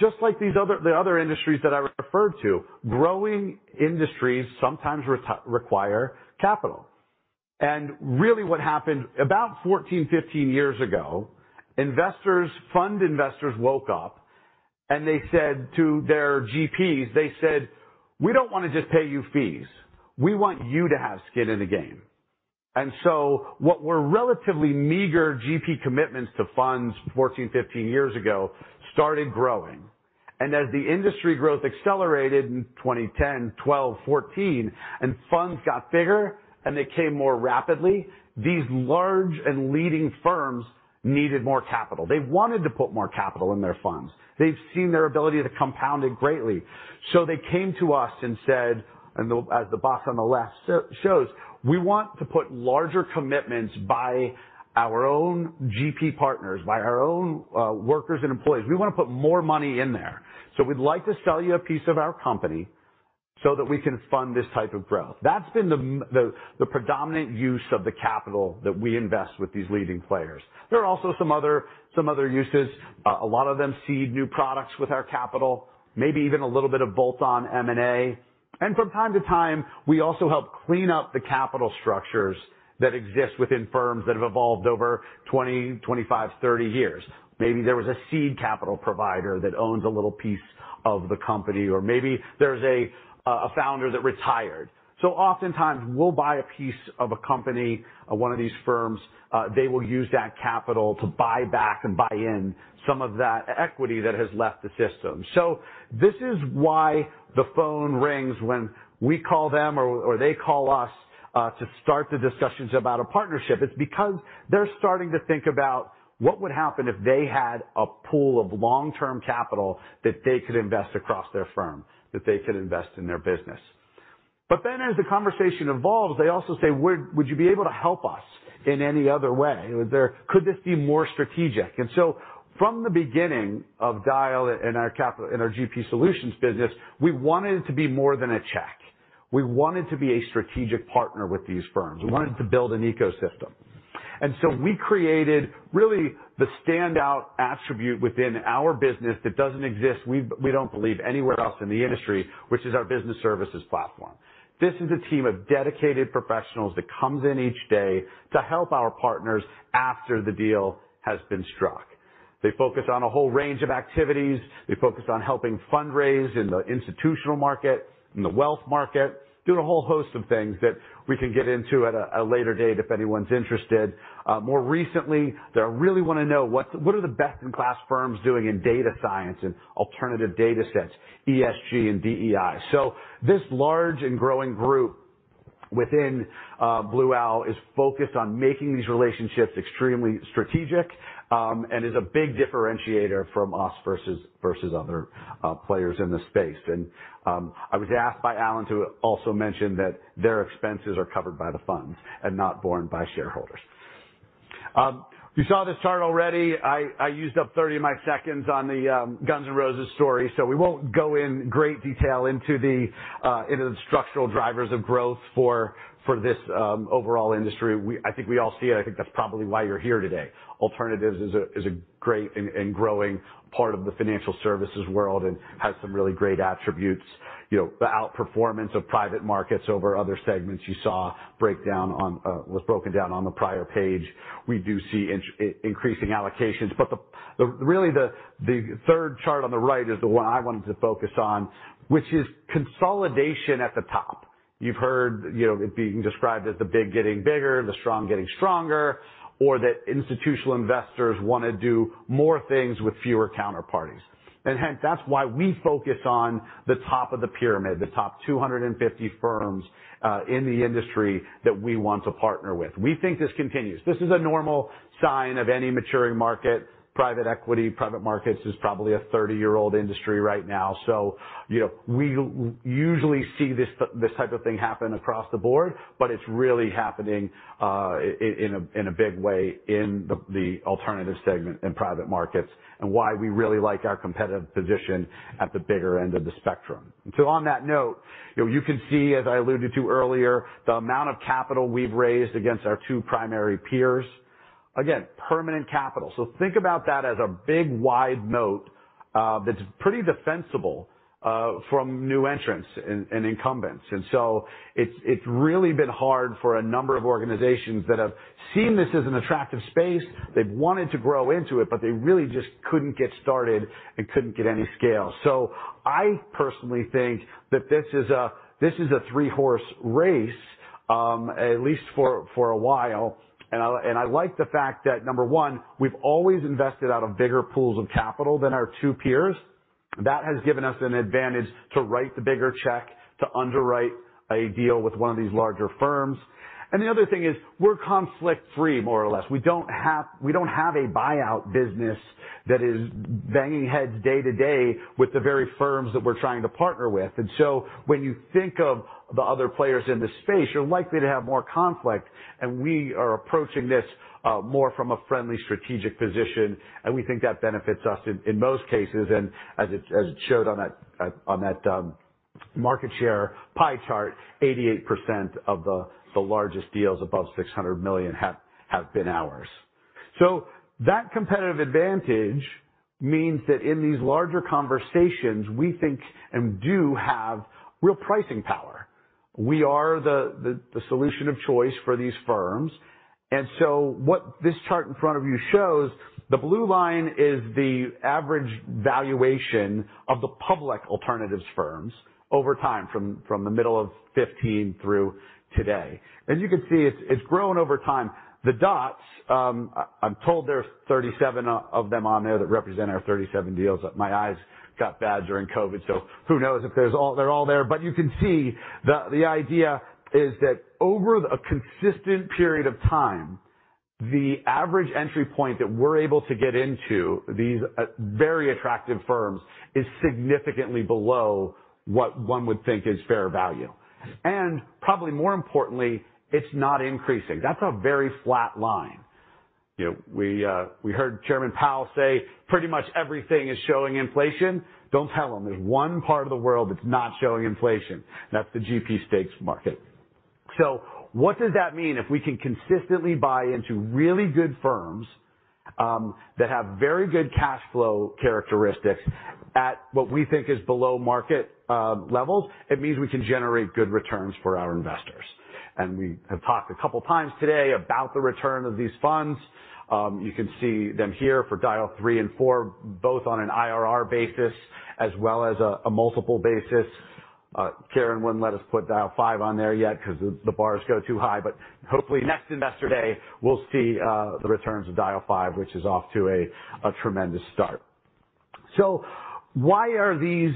Just like the other industries that I referred to, growing industries sometimes require capital. Really what happened about 14, 15 years ago, fund investors woke up, and they said to their GPs, they said, "We don't want to just pay you fees. We want you to have skin in the game." What were relatively meager GP commitments to funds 14, 15 years ago started growing. As the industry growth accelerated in 2010, 2012, 2014, and funds got bigger and they came more rapidly, these large and leading firms needed more capital. They wanted to put more capital in their funds. They've seen their ability to compound it greatly. They came to us and said, and as the box on the left shows, "We want to put larger commitments by our own GP partners, by our own workers and employees. We want to put more money in there. We'd like to sell you a piece of our company so that we can fund this type of growth." That's been the predominant use of the capital that we invest with these leading players. There are also some other uses. A lot of them seed new products with our capital, maybe even a little bit of bolt-on M&A. From time to time, we also help clean up the capital structures that exist within firms that have evolved over 20, 25, 30 years. Maybe there was a seed capital provider that owns a little piece of the company, or maybe there's a founder that retired. Oftentimes, we'll buy a piece of a company, one of these firms. They will use that capital to buy back and buy in some of that equity that has left the system. This is why the phone rings when we call them or they call us to start the discussions about a partnership. It's because they're starting to think about what would happen if they had a pool of long-term capital that they could invest across their firm, that they could invest in their business. As the conversation evolves, they also say, "Would you be able to help us in any other way? Could this be more strategic? From the beginning of Dyal and our GP Solutions business, we wanted it to be more than a check. We wanted to be a strategic partner with these firms. We wanted to build an ecosystem. We created really the standout attribute within our business that does not exist, we do not believe, anywhere else in the industry, which is our business services platform. This is a team of dedicated professionals that comes in each day to help our partners after the deal has been struck. They focus on a whole range of activities. They focus on helping fundraise in the institutional market, in the wealth market, doing a whole host of things that we can get into at a later date if anyone is interested. More recently, they really want to know what are the best-in-class firms doing in data science and alternative data sets, ESG and DEI. This large and growing group within Blue Owl is focused on making these relationships extremely strategic and is a big differentiator from us versus other players in the space. I was asked by Alan to also mention that their expenses are covered by the funds and not borne by shareholders. You saw this chart already. I used up 30 of my seconds on the Guns N' Roses story, so we won't go in great detail into the structural drivers of growth for this overall industry. I think we all see it. I think that's probably why you're here today. Alternatives is a great and growing part of the financial services world and has some really great attributes. The outperformance of private markets over other segments you saw was broken down on the prior page. We do see increasing allocations. Really, the third chart on the right is the one I wanted to focus on, which is consolidation at the top. You've heard it being described as the big getting bigger, the strong getting stronger, or that institutional investors want to do more things with fewer counterparties. Hence, that's why we focus on the top of the pyramid, the top 250 firms in the industry that we want to partner with. We think this continues. This is a normal sign of any maturing market. Private equity, private markets is probably a 30-year-old industry right now. We usually see this type of thing happen across the board, but it's really happening in a big way in the alternative segment and private markets and why we really like our competitive position at the bigger end of the spectrum. On that note, you can see, as I alluded to earlier, the amount of capital we've raised against our two primary peers. Again, permanent capital. Think about that as a big, wide moat that's pretty defensible from new entrants and incumbents. It's really been hard for a number of organizations that have seen this as an attractive space. They've wanted to grow into it, but they really just couldn't get started and couldn't get any scale. I personally think that this is a three-horse race, at least for a while. I like the fact that, number one, we've always invested out of bigger pools of capital than our two peers. That has given us an advantage to write the bigger check, to underwrite a deal with one of these larger firms. The other thing is we're conflict-free, more or less. We don't have a buyout business that is banging heads day to day with the very firms that we're trying to partner with. When you think of the other players in the space, you're likely to have more conflict. We are approaching this more from a friendly, strategic position, and we think that benefits us in most cases. As it showed on that market share pie chart, 88% of the largest deals above $600 million have been ours. That competitive advantage means that in these larger conversations, we think and do have real pricing power. We are the solution of choice for these firms. What this chart in front of you shows, the blue line is the average valuation of the public alternatives firms over time from the middle of 2015 through today. As you can see, it has grown over time. The dots, I am told there are 37 of them on there that represent our 37 deals. My eyes got bad during COVID, so who knows if they are all there. You can see the idea is that over a consistent period of time, the average entry point that we are able to get into these very attractive firms is significantly below what one would think is fair value. Probably more importantly, it is not increasing. That is a very flat line. We heard Chairman Powell say pretty much everything is showing inflation. Do not tell him. There is one part of the world that is not showing inflation. That is the GP Stakes market. What does that mean? If we can consistently buy into really good firms that have very good cash flow characteristics at what we think is below market levels, it means we can generate good returns for our investors. We have talked a couple of times today about the return of these funds. You can see them here for Dyal Fund 3 and 4, both on an IRR basis as well as a multiple basis. Karen would not let us put Dyal Fund 5 on there yet because the bars go too high. Hopefully, next investor day, we will see the returns of Dyal Fund 5, which is off to a tremendous start. Why are these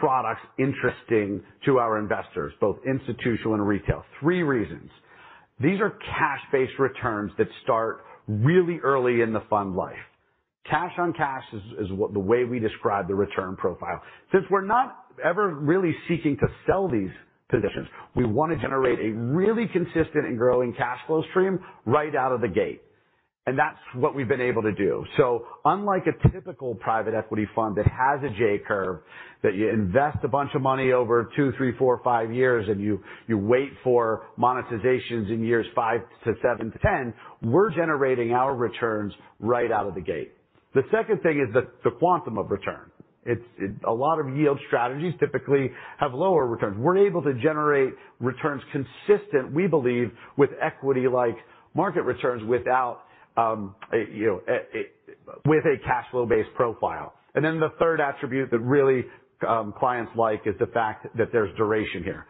products interesting to our investors, both institutional and retail? Three reasons. These are cash-based returns that start really early in the fund life. Cash on cash is the way we describe the return profile. Since we're not ever really seeking to sell these positions, we want to generate a really consistent and growing cash flow stream right out of the gate. That's what we've been able to do. Unlike a typical private equity fund that has a J curve, that you invest a bunch of money over two, three, four, five years, and you wait for monetizations in years five to seven to ten, we're generating our returns right out of the gate. The second thing is the quantum of return. A lot of yield strategies typically have lower returns. We're able to generate returns consistent, we believe, with equity-like market returns with a cash flow-based profile. The third attribute that really clients like is the fact that there's duration here.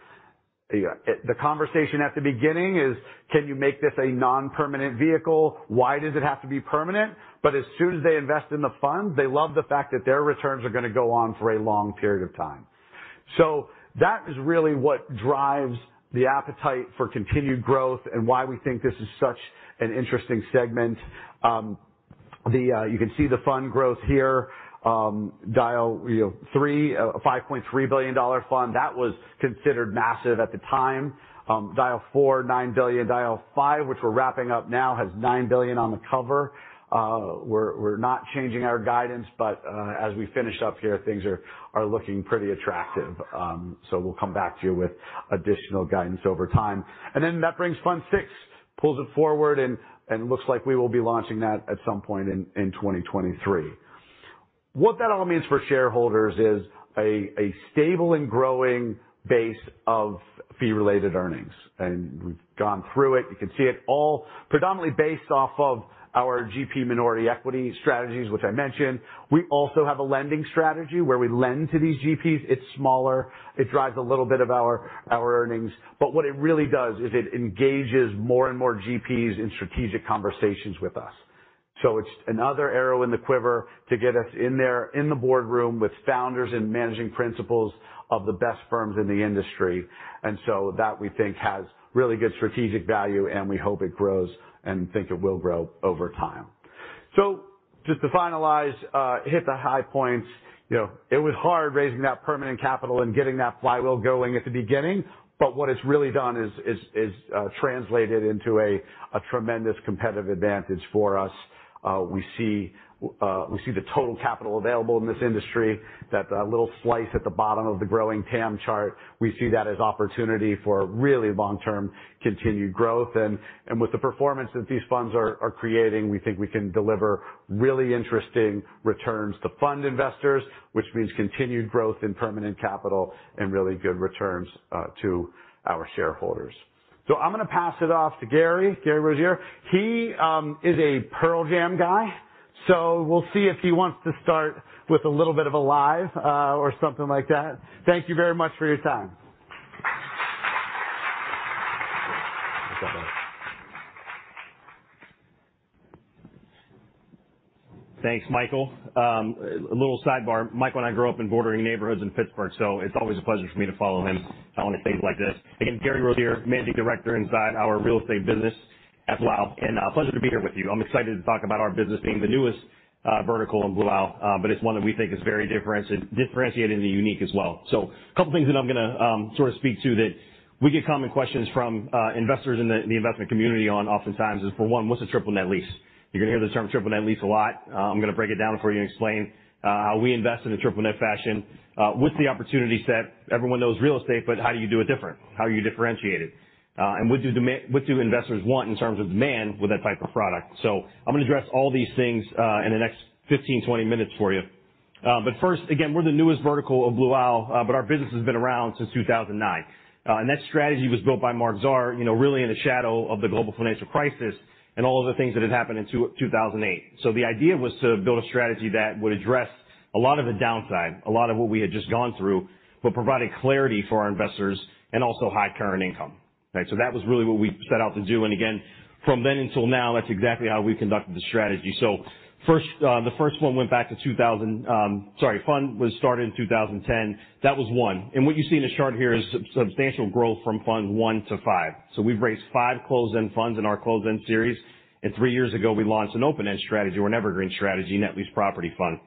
The conversation at the beginning is, can you make this a non-permanent vehicle? Why does it have to be permanent? As soon as they invest in the fund, they love the fact that their returns are going to go on for a long period of time. That is really what drives the appetite for continued growth and why we think this is such an interesting segment. You can see the fund growth here. Dyal Fund 3, a $5.3 billion fund. That was considered massive at the time. Dyal Fund 4, $9 billion. Dyal Fund 5, which we're wrapping up now, has $9 billion on the cover. We're not changing our guidance, but as we finish up here, things are looking pretty attractive. We'll come back to you with additional guidance over time. That brings Fund 6, pulls it forward, and looks like we will be launching that at some point in 2023. What that all means for shareholders is a stable and growing base of fee-related earnings. We've gone through it. You can see it all predominantly based off of our GP minority equity strategies, which I mentioned. We also have a lending strategy where we lend to these GPs. It's smaller. It drives a little bit of our earnings. What it really does is it engages more and more GPs in strategic conversations with us. It is another arrow in the quiver to get us in there in the boardroom with founders and managing principals of the best firms in the industry. That, we think, has really good strategic value, and we hope it grows and think it will grow over time. Just to finalize, hit the high points. It was hard raising that permanent capital and getting that flywheel going at the beginning, but what it has really done is translated into a tremendous competitive advantage for us. We see the total capital available in this industry, that little slice at the bottom of the growing TAM chart. We see that as opportunity for really long-term continued growth. With the performance that these funds are creating, we think we can deliver really interesting returns to fund investors, which means continued growth in permanent capital and really good returns to our shareholders. I'm going to pass it off to Gary. Gary Rozier. He is a Pearl Jam guy. We'll see if he wants to start with a little bit of "Alive" or something like that. Thank you very much for your time. Thanks, Michael. A little sidebar. Mike and I grew up in bordering neighborhoods in Pittsburgh, so it's always a pleasure for me to follow him on things like this. Again, Gary Rozier, Managing Director inside our real estate business at Blue Owl. A pleasure to be here with you. I'm excited to talk about our business being the newest vertical in Blue Owl, but it's one that we think is very differentiated and unique as well. A couple of things that I'm going to sort of speak to that we get common questions from investors in the investment community on oftentimes is, for one, what's a triple net lease? You're going to hear the term triple net lease a lot. I'm going to break it down for you and explain how we invest in a triple net fashion with the opportunity set. Everyone knows real estate, but how do you do it different? How are you differentiated? And what do investors want in terms of demand with that type of product? I'm going to address all these things in the next 15-20 minutes for you. First, again, we're the newest vertical of Blue Owl, but our business has been around since 2009. That strategy was built by Marc Zahr, really in the shadow of the global financial crisis and all of the things that had happened in 2008. The idea was to build a strategy that would address a lot of the downside, a lot of what we had just gone through, but provide clarity for our investors and also high current income. That was really what we set out to do. Again, from then until now, that's exactly how we conducted the strategy. The first one went back to 2000. Sorry, fund was started in 2010. That was one. What you see in the chart here is substantial growth from fund one to five. We've raised five closed-end funds in our closed-end series. Three years ago, we launched an open-end strategy or an evergreen strategy, Net Lease Property Fund.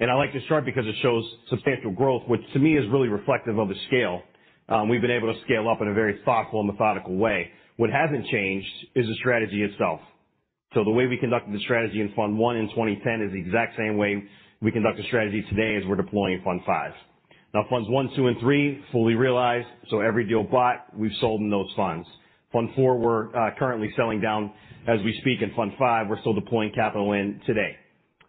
I like to start because it shows substantial growth, which to me is really reflective of the scale. We've been able to scale up in a very thoughtful and methodical way. What hasn't changed is the strategy itself. The way we conducted the strategy in fund one in 2010 is the exact same way we conduct the strategy today as we're deploying fund five. Now, funds one, two, and three are fully realized. Every deal bought, we've sold in those funds. Fund four, we're currently selling down as we speak. Fund five, we're still deploying capital in today.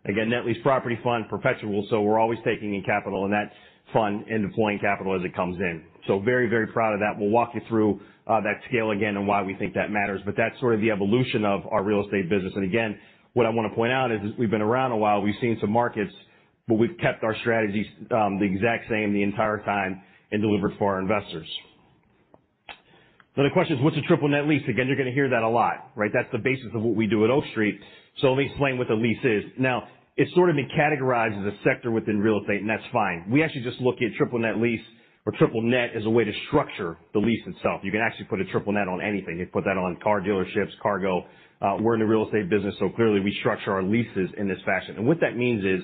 Again, Net Lease Property Fund is perpetual. We're always taking in capital in that fund and deploying capital as it comes in. I'm very, very proud of that. We'll walk you through that scale again and why we think that matters. That is sort of the evolution of our real estate business. Again, what I want to point out is we've been around a while. We've seen some markets, but we've kept our strategies the exact same the entire time and delivered for our investors. Another question is, what's a triple net lease? Again, you're going to hear that a lot. That's the basis of what we do at Oak Street. Let me explain what the lease is. Now, it's sort of been categorized as a sector within real estate, and that's fine. We actually just look at triple net lease or triple net as a way to structure the lease itself. You can actually put a triple net on anything. You can put that on car dealerships, cargo. We're in the real estate business, so clearly we structure our leases in this fashion. What that means is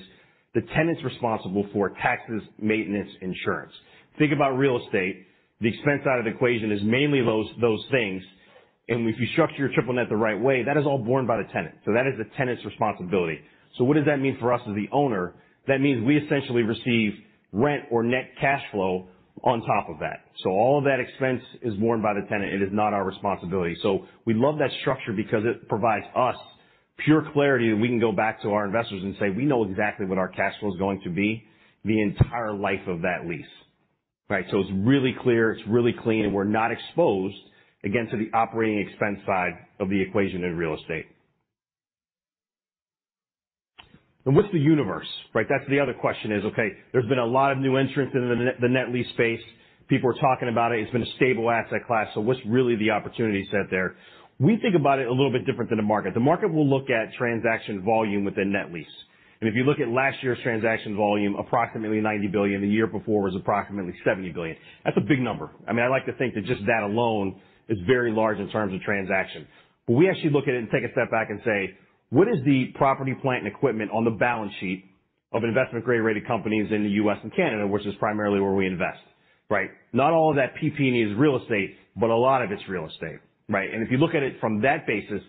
the tenant's responsible for taxes, maintenance, insurance. Think about real estate. The expense side of the equation is mainly those things. If you structure your triple net the right way, that is all borne by the tenant. That is the tenant's responsibility. What does that mean for us as the owner? That means we essentially receive rent or net cash flow on top of that. All of that expense is borne by the tenant. It is not our responsibility. We love that structure because it provides us pure clarity that we can go back to our investors and say, "We know exactly what our cash flow is going to be the entire life of that lease." It is really clear. It is really clean. We are not exposed, again, to the operating expense side of the equation in real estate. What's the universe? That's the other question is, okay, there's been a lot of new entrants in the net lease space. People are talking about it. It's been a stable asset class. What's really the opportunity set there? We think about it a little bit different than the market. The market will look at transaction volume within net lease. If you look at last year's transaction volume, approximately $90 billion. The year before was approximately $70 billion. That's a big number. I mean, I like to think that just that alone is very large in terms of transaction. We actually look at it and take a step back and say, "What is the property, plant, and equipment on the balance sheet of investment-grade rated companies in the U.S. and Canada, which is primarily where we invest?" Not all of that PP&E is real estate, but a lot of it is real estate. If you look at it from that basis,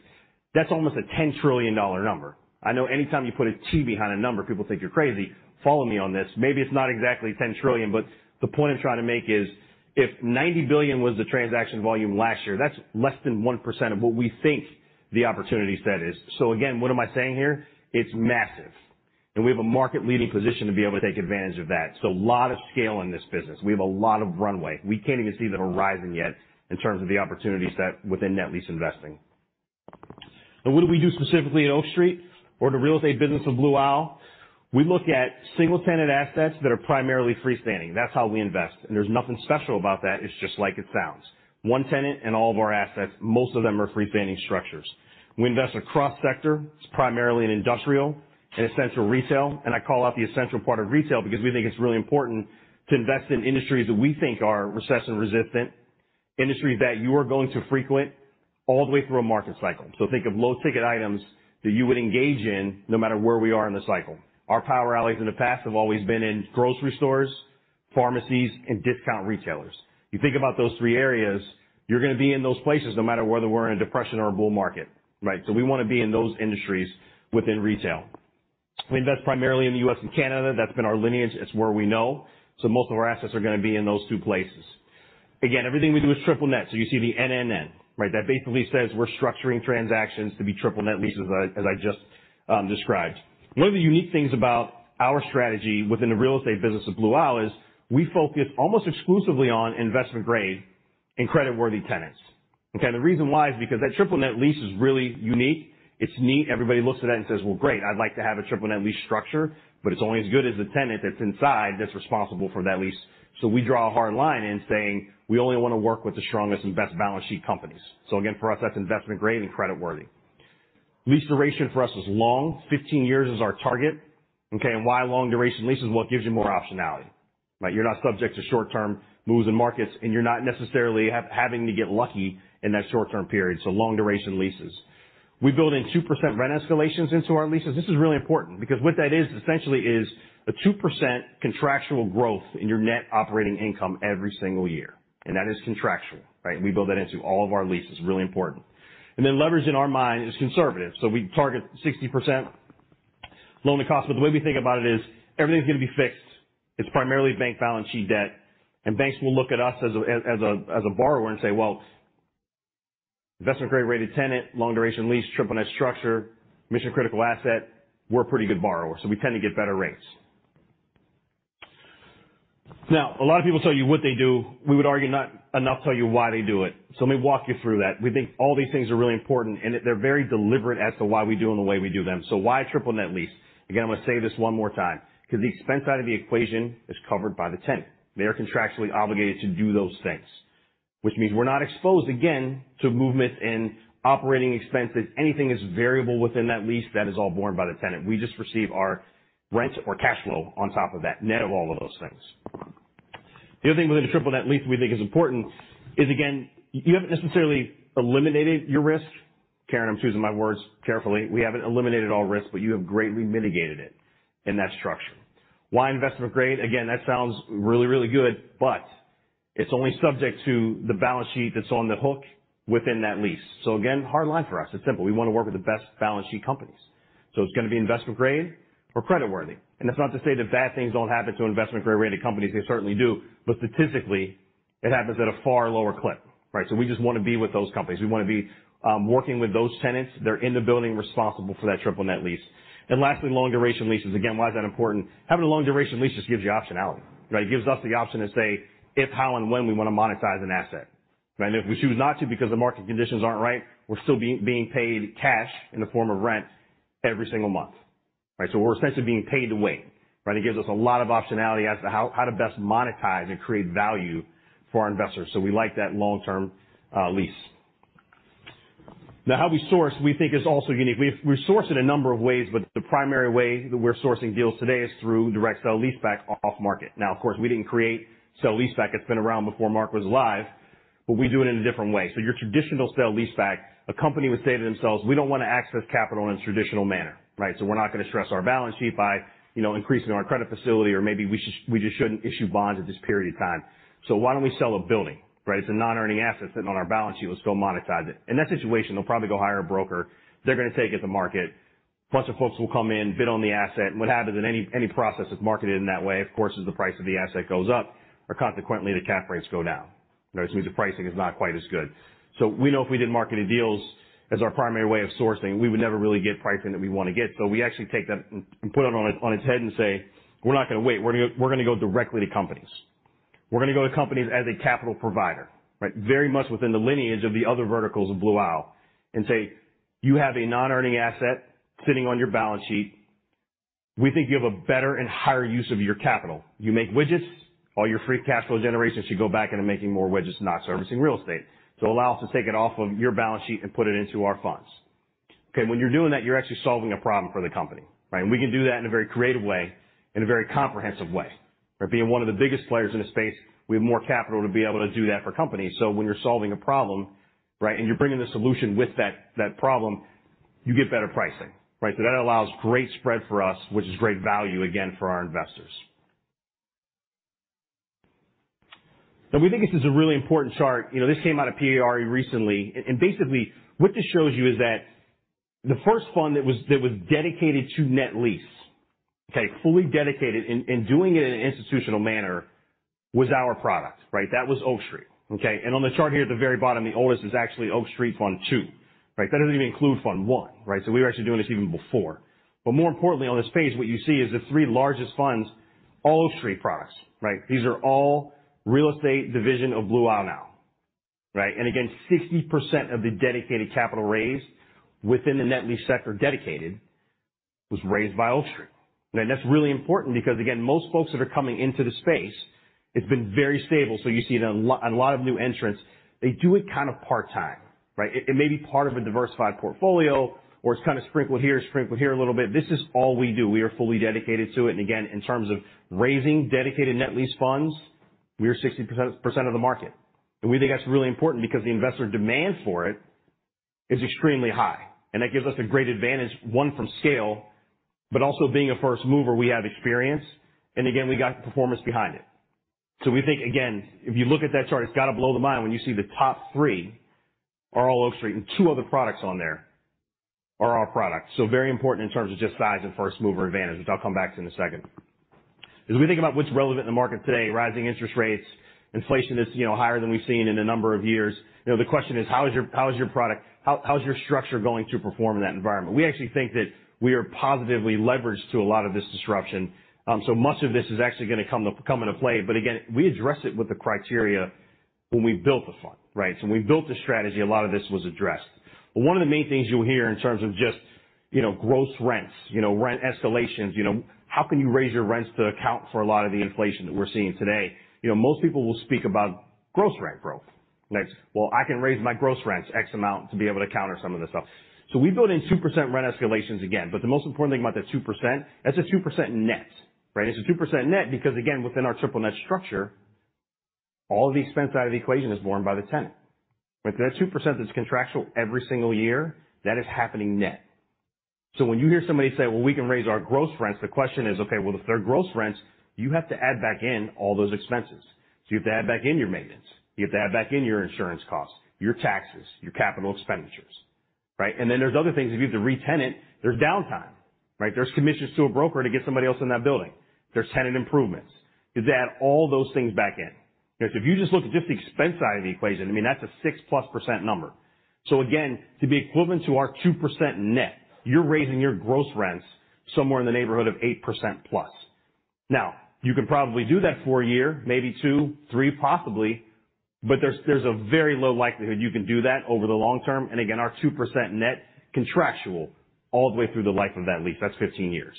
that's almost a $10 trillion number. I know anytime you put a T behind a number, people think you're crazy. Follow me on this. Maybe it's not exactly $10 trillion, but the point I'm trying to make is if $90 billion was the transaction volume last year, that's less than 1% of what we think the opportunity set is. Again, what am I saying here? It's massive. We have a market-leading position to be able to take advantage of that. A lot of scale in this business. We have a lot of runway. We can't even see the horizon yet in terms of the opportunity set within net lease investing. What do we do specifically at Oak Street or the real estate business of Blue Owl? We look at single-tenant assets that are primarily freestanding. That's how we invest. There's nothing special about that. It's just like it sounds. One tenant and all of our assets, most of them are freestanding structures. We invest across sectors. It's primarily in industrial and essential retail. I call out the essential part of retail because we think it's really important to invest in industries that we think are recession-resistant, industries that you are going to frequent all the way through a market cycle. Think of low-ticket items that you would engage in no matter where we are in the cycle. Our power alleys in the past have always been in grocery stores, pharmacies, and discount retailers. You think about those three areas, you're going to be in those places no matter whether we're in a depression or a bull market. We want to be in those industries within retail. We invest primarily in the U.S. and Canada. That's been our lineage. It's where we know. Most of our assets are going to be in those two places. Again, everything we do is triple net. You see the NNN. That basically says we're structuring transactions to be triple net leases, as I just described. One of the unique things about our strategy within the real estate business of Blue Owl is we focus almost exclusively on investment-grade and credit-worthy tenants. The reason why is because that triple net lease is really unique. It's neat. Everybody looks at that and says, "Well, great. I'd like to have a triple net lease structure," but it's only as good as the tenant that's inside that's responsible for that lease. We draw a hard line in saying we only want to work with the strongest and best balance sheet companies. Again, for us, that's investment-grade and credit-worthy. Lease duration for us is long. Fifteen years is our target. Why long-duration leases? It gives you more optionality. You're not subject to short-term moves in markets, and you're not necessarily having to get lucky in that short-term period. Long-duration leases. We build in 2% rent escalations into our leases. This is really important because what that is essentially is a 2% contractual growth in your net operating income every single year. That is contractual. We build that into all of our leases. Really important. Leverage in our mind is conservative. We target 60% loan to cost. The way we think about it is everything's going to be fixed. It's primarily bank balance sheet debt. Banks will look at us as a borrower and say, "Well, investment-grade rated tenant, long-duration lease, triple net structure, mission-critical asset. We're a pretty good borrower." We tend to get better rates. A lot of people tell you what they do. We would argue not enough tell you why they do it. Let me walk you through that. We think all these things are really important, and they're very deliberate as to why we do them the way we do them. Why triple net lease? Again, I'm going to say this one more time because the expense side of the equation is covered by the tenant. They are contractually obligated to do those things, which means we're not exposed, again, to movements in operating expenses. Anything is variable within that lease. That is all borne by the tenant. We just receive our rent or cash flow on top of that, net of all of those things. The other thing within a triple net lease that we think is important is, again, you haven't necessarily eliminated your risk. Karen, I'm choosing my words carefully. We haven't eliminated all risk, but you have greatly mitigated it in that structure. Why investment-grade? Again, that sounds really, really good, but it's only subject to the balance sheet that's on the hook within that lease. Again, hard line for us. It's simple. We want to work with the best balance sheet companies. It's going to be investment-grade or credit-worthy. That's not to say that bad things don't happen to investment-grade rated companies. They certainly do. Statistically, it happens at a far lower clip. We just want to be with those companies. We want to be working with those tenants. They're in the building responsible for that triple net lease. Lastly, long-duration leases. Why is that important? Having a long-duration lease just gives you optionality. It gives us the option to say if, how, and when we want to monetize an asset. If we choose not to because the market conditions are not right, we are still being paid cash in the form of rent every single month. We are essentially being paid to wait. It gives us a lot of optionality as to how to best monetize and create value for our investors. We like that long-term lease. Now, how we source, we think, is also unique. We have sourced in a number of ways, but the primary way that we are sourcing deals today is through direct sale leaseback off-market. Of course, we did not create sale leaseback. It has been around before Mark was alive, but we do it in a different way. Your traditional sale leaseback, a company would say to themselves, "We do not want to access capital in a traditional manner. We're not going to stress our balance sheet by increasing our credit facility, or maybe we just shouldn't issue bonds at this period of time. Why don't we sell a building? It's a non-earning asset sitting on our balance sheet. Let's go monetize it. In that situation, they'll probably go hire a broker. They're going to take it to market. A bunch of folks will come in, bid on the asset. What happens in any process that's marketed in that way, of course, is the price of the asset goes up, or consequently, the cap rates go down. It means the pricing is not quite as good. We know if we did marketed deals as our primary way of sourcing, we would never really get pricing that we want to get. We actually take that and put it on its head and say, "We're not going to wait. We're going to go directly to companies. We're going to go to companies as a capital provider," very much within the lineage of the other verticals of Blue Owl, and say, "You have a non-earning asset sitting on your balance sheet. We think you have a better and higher use of your capital. You make widgets. All your free cash flow generation should go back into making more widgets, not servicing real estate. So allow us to take it off of your balance sheet and put it into our funds." When you're doing that, you're actually solving a problem for the company. We can do that in a very creative way, in a very comprehensive way. Being one of the biggest players in the space, we have more capital to be able to do that for companies. When you're solving a problem and you're bringing the solution with that problem, you get better pricing. That allows great spread for us, which is great value, again, for our investors. We think this is a really important chart. This came out of PERI recently. Basically, what this shows you is that the first fund that was dedicated to net lease, fully dedicated and doing it in an institutional manner, was our product. That was Oak Street. On the chart here at the very bottom, the oldest is actually Oak Street Fund Two. That does not even include Fund One. We were actually doing this even before. More importantly, on this page, what you see is the three largest funds, all Oak Street products. These are all real estate division of Blue Owl now. Again, 60% of the dedicated capital raised within the net lease sector dedicated was raised by Oak Street. That's really important because, again, most folks that are coming into the space, it's been very stable. You see a lot of new entrants. They do it kind of part-time. It may be part of a diversified portfolio, or it's kind of sprinkled here, sprinkled here a little bit. This is all we do. We are fully dedicated to it. Again, in terms of raising dedicated net lease funds, we are 60% of the market. We think that's really important because the investor demand for it is extremely high. That gives us a great advantage, one, from scale, but also being a first mover, we have experience. Again, we got performance behind it. We think, again, if you look at that chart, it has to blow the mind when you see the top three are all Oak Street, and two other products on there are our product. Very important in terms of just size and first mover advantage, which I'll come back to in a second. As we think about what's relevant in the market today, rising interest rates, inflation that's higher than we've seen in a number of years, the question is, how is your product? How is your structure going to perform in that environment? We actually think that we are positively leveraged to a lot of this disruption. Much of this is actually going to come into play. Again, we address it with the criteria when we built the fund. When we built the strategy, a lot of this was addressed. One of the main things you'll hear in terms of just gross rents, rent escalations, how can you raise your rents to account for a lot of the inflation that we're seeing today? Most people will speak about gross rent growth. I can raise my gross rents X amount to be able to counter some of this stuff. We built in 2% rent escalations again. The most important thing about that 2% is that's a 2% net. It's a 2% net because, again, within our triple net structure, all of the expense side of the equation is borne by the tenant. That 2% that's contractual every single year, that is happening net. When you hear somebody say, "Well, we can raise our gross rents," the question is, okay, if they're gross rents, you have to add back in all those expenses. You have to add back in your maintenance. You have to add back in your insurance costs, your taxes, your capital expenditures. Then there's other things. If you have to rent it, there's downtime. There's commissions to a broker to get somebody else in that building. There's tenant improvements. You have to add all those things back in. If you just look at just the expense side of the equation, I mean, that's a +6% number. Again, to be equivalent to our 2% net, you're raising your gross rents somewhere in the neighborhood of +8%. Now, you can probably do that for a year, maybe two, three, possibly, but there's a very low likelihood you can do that over the long term. Again, our 2% net contractual all the way through the life of that lease. That's 15 years.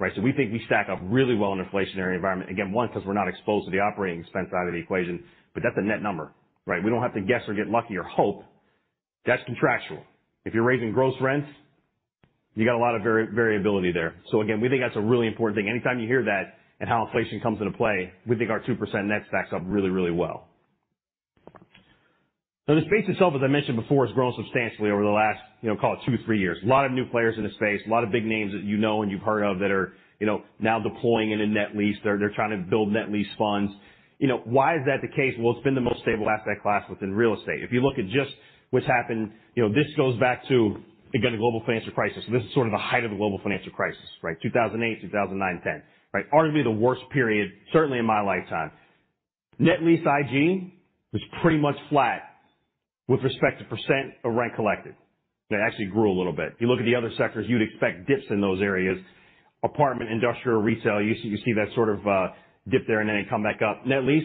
We think we stack up really well in an inflationary environment. One, because we're not exposed to the operating expense side of the equation, but that's a net number. We don't have to guess or get lucky or hope. That's contractual. If you're raising gross rents, you got a lot of variability there. We think that's a really important thing. Anytime you hear that and how inflation comes into play, we think our 2% net stacks up really, really well. Now, the space itself, as I mentioned before, has grown substantially over the last, call it, two, three years. A lot of new players in the space, a lot of big names that you know and you've heard of that are now deploying in a net lease. They're trying to build net lease funds. Why is that the case? It has been the most stable asset class within real estate. If you look at just what's happened, this goes back to, again, the global financial crisis. This is sort of the height of the global financial crisis, 2008, 2009, 2010. Arguably the worst period, certainly in my lifetime. Net lease IG was pretty much flat with respect to percent of rent collected. It actually grew a little bit. You look at the other sectors, you'd expect dips in those areas. Apartment, industrial, retail, you see that sort of dip there and then it come back up. Net lease,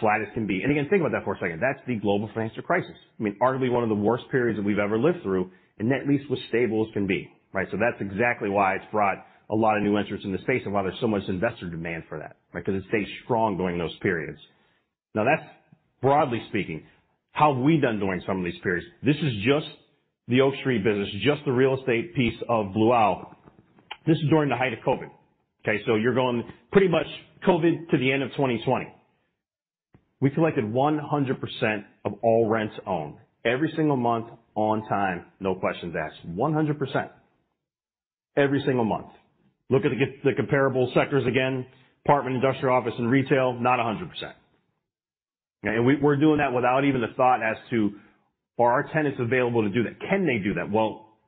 flat as can be. Again, think about that for a second. That's the global financial crisis. I mean, arguably one of the worst periods that we've ever lived through, and net lease was stable as can be. That's exactly why it's brought a lot of new entrants in the space and why there's so much investor demand for that, because it stays strong during those periods. Now, that's broadly speaking, how have we done during some of these periods? This is just the Oak Street business, just the real estate piece of Blue Owl. This is during the height of COVID. You're going pretty much COVID to the end of 2020. We collected 100% of all rents owed. Every single month, on time, no questions asked. 100%. Every single month. Look at the comparable sectors again. Apartment, industrial, office, and retail, not 100%. We're doing that without even a thought as to, are our tenants available to do that? Can they do that?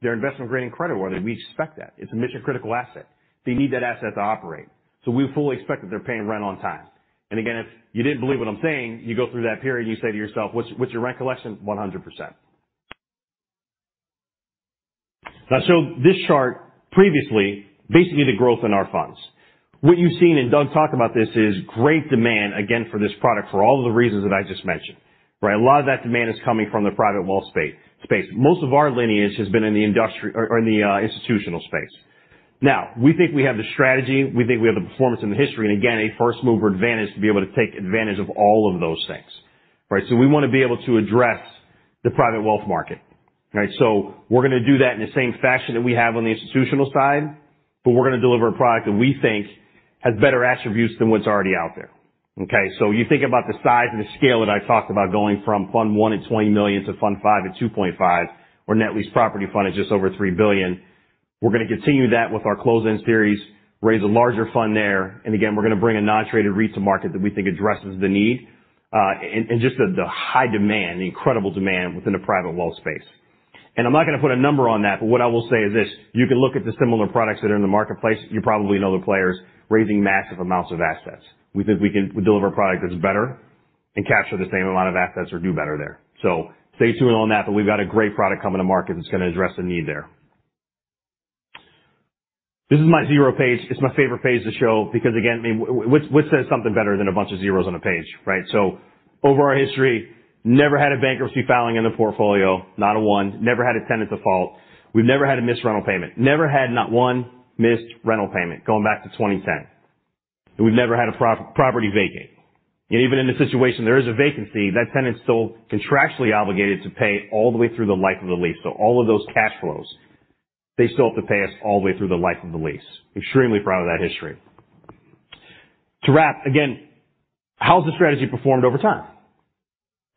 They're investment-grade and credit-worthy. We expect that. It's a mission-critical asset. They need that asset to operate. We fully expect that they're paying rent on time. Again, if you didn't believe what I'm saying, you go through that period and you say to yourself, "What's your rent collection?" 100%. I showed this chart previously, basically the growth in our funds. What you've seen, and Doug talked about this, is great demand, again, for this product for all of the reasons that I just mentioned. A lot of that demand is coming from the private wealth space. Most of our lineage has been in the institutional space. Now, we think we have the strategy. We think we have the performance and the history, and again, a first mover advantage to be able to take advantage of all of those things. We want to be able to address the private wealth market. We are going to do that in the same fashion that we have on the institutional side, but we are going to deliver a product that we think has better attributes than what is already out there. You think about the size and the scale that I talked about going from Fund One at $20 million to Fund Five at $2.5 billion, where Net Lease Property Fund is just over $3 billion. We are going to continue that with our close-in series, raise a larger fund there. We're going to bring a non-traded REIT to market that we think addresses the need and just the high demand, the incredible demand within the private wealth space. I'm not going to put a number on that, but what I will say is this. You can look at the similar products that are in the marketplace. You probably know the players raising massive amounts of assets. We think we can deliver a product that's better and capture the same amount of assets or do better there. Stay tuned on that, but we've got a great product coming to market that's going to address the need there. This is my zero page. It's my favorite page to show because, again, what says something better than a bunch of zeros on a page? Over our history, never had a bankruptcy filing in the portfolio, not a one. Never had a tenant default. We've never had a missed rental payment. Never had not one missed rental payment going back to 2010. We've never had a property vacate. Even in the situation there is a vacancy, that tenant is still contractually obligated to pay all the way through the life of the lease. All of those cash flows, they still have to pay us all the way through the life of the lease. Extremely proud of that history. To wrap, again, how's the strategy performed over time?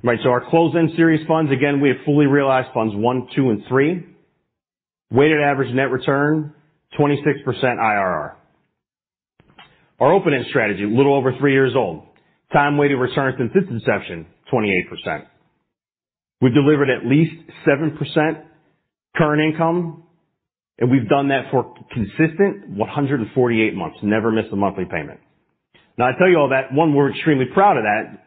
Our close-in series funds, we have fully realized funds one, two, and three. Weighted average net return, 26% IRR. Our open-end strategy, a little over three years old. Time-weighted return since its inception, 28%. We've delivered at least 7% current income, and we've done that for a consistent 148 months. Never missed a monthly payment. Now, I tell you all that, one, we're extremely proud of that,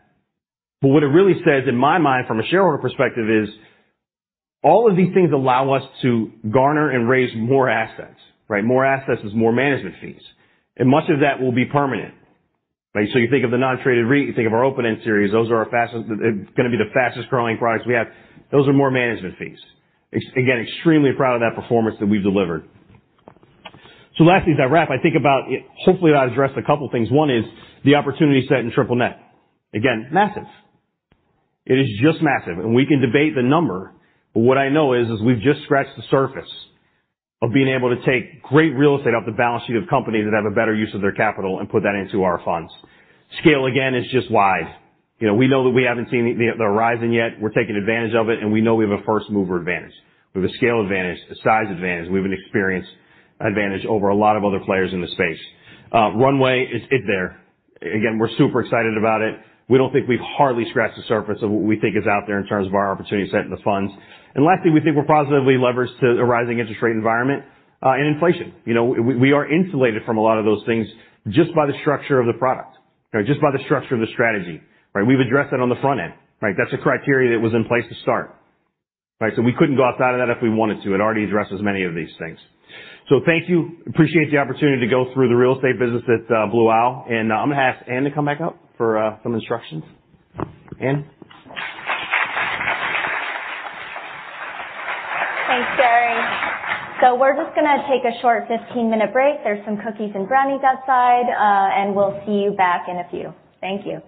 but what it really says in my mind from a shareholder perspective is all of these things allow us to garner and raise more assets. More assets is more management fees. Much of that will be permanent. You think of the non-traded REIT, you think of our open-end series, those are going to be the fastest growing products we have. Those are more management fees. Again, extremely proud of that performance that we've delivered. Lastly, as I wrap, I think about, hopefully, I've addressed a couple of things. One is the opportunity set in triple net. Again, massive. It is just massive. We can debate the number, but what I know is we've just scratched the surface of being able to take great real estate off the balance sheet of companies that have a better use of their capital and put that into our funds. Scale, again, is just wide. We know that we haven't seen the horizon yet. We're taking advantage of it, and we know we have a first mover advantage. We have a scale advantage, a size advantage. We have an experience advantage over a lot of other players in the space. Runway, it's there. Again, we're super excited about it. We don't think we've hardly scratched the surface of what we think is out there in terms of our opportunity set in the funds. Lastly, we think we're positively leveraged to a rising interest rate environment and inflation. We are insulated from a lot of those things just by the structure of the product, just by the structure of the strategy. We've addressed that on the front end. That's a criteria that was in place to start. We couldn't go outside of that if we wanted to. It already addresses many of these things. Thank you. Appreciate the opportunity to go through the real estate business at Blue Owl. I'm going to ask Ann to come back up for some instructions. Ann? Thanks, Gary. We're just going to take a short 15-minute break. There's some cookies and brownies outside, and we'll see you back in a few. Thank you.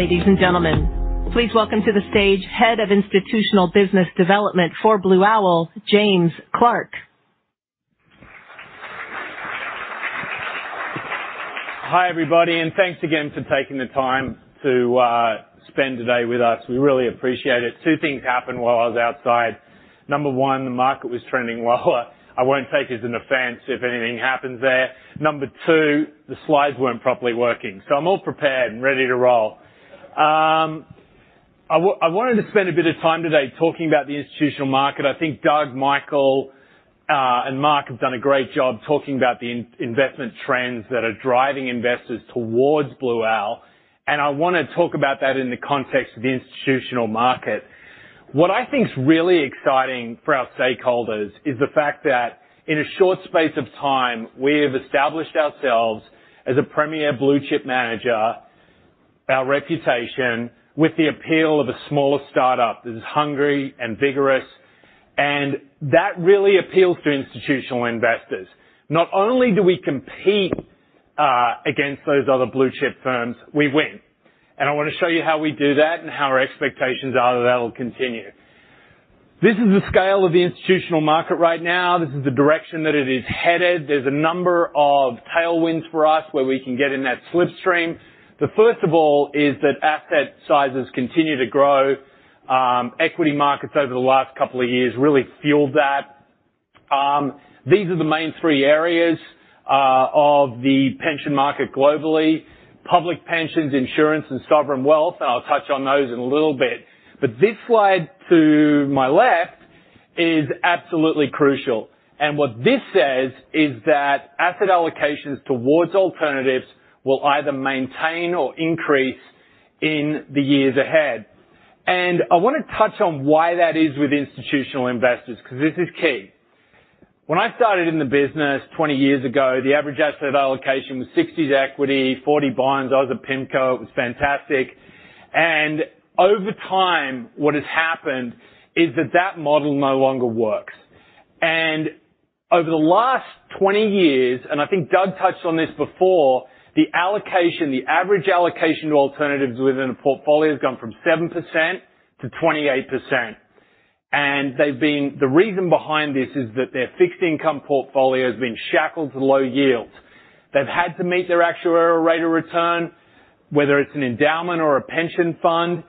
Ladies and gentlemen, please welcome to the stage Head of Institutional Business Development for Blue Owl, James Clarke. Hi everybody, and thanks again for taking the time to spend today with us. We really appreciate it. Two things happened while I was outside. Number one, the market was trending lower. I won't take this in offense if anything happens there. Number two, the slides weren't properly working, so I'm all prepared and ready to roll. I wanted to spend a bit of time today talking about the institutional market. I think Doug, Michael, and Mark have done a great job talking about the investment trends that are driving investors towards Blue Owl, and I want to talk about that in the context of the institutional market. What I think's really exciting for our stakeholders is the fact that in a short space of time, we have established ourselves as a premier blue chip manager, our reputation with the appeal of a smaller startup that is hungry and vigorous, and that really appeals to institutional investors. Not only do we compete, against those other blue chip firms, we win, and I want to show you how we do that and how our expectations are that that'll continue. This is the scale of the institutional market right now. This is the direction that it is headed. There's a number of tailwinds for us where we can get in that slipstream. The first of all is that asset sizes continue to grow. Equity markets over the last couple of years really fueled that. These are the main three areas of the pension market globally: public pensions, insurance, and sovereign wealth, and I'll touch on those in a little bit. This slide to my left is absolutely crucial, and what this says is that asset allocations towards alternatives will either maintain or increase in the years ahead. I want to touch on why that is with institutional investors because this is key. When I started in the business 20 years ago, the average asset allocation was 60% equity, 40% bonds. I was at PIMCO. It was fantastic. Over time, what has happened is that that model no longer works. Over the last 20 years, and I think Doug touched on this before, the allocation, the average allocation to alternatives within a portfolio has gone from 7%-28%. The reason behind this is that their fixed income portfolio has been shackled to low yields. They've had to meet their actual error rate of return, whether it's an endowment or a pension fund.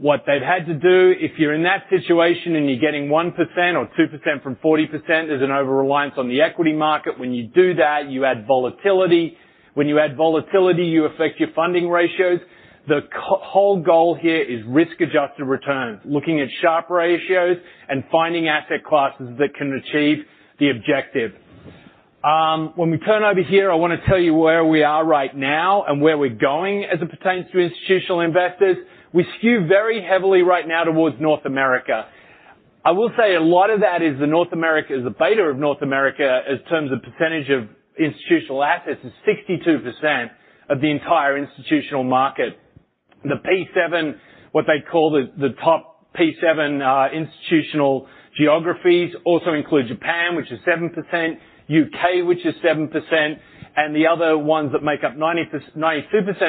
What they've had to do, if you're in that situation and you're getting 1% or 2% from 40%, there's an over-reliance on the equity market. When you do that, you add volatility. When you add volatility, you affect your funding ratios. The whole goal here is risk-adjusted returns, looking at sharp ratios and finding asset classes that can achieve the objective. When we turn over here, I want to tell you where we are right now and where we're going as it pertains to institutional investors. We skew very heavily right now towards North America. I will say a lot of that is the North America is the beta of North America as terms of percentage of institutional assets is 62% of the entire institutional market. The P7, what they call the top P7 institutional geographies, also include Japan, which is 7%, U.K., which is 7%, and the other ones that make up 92%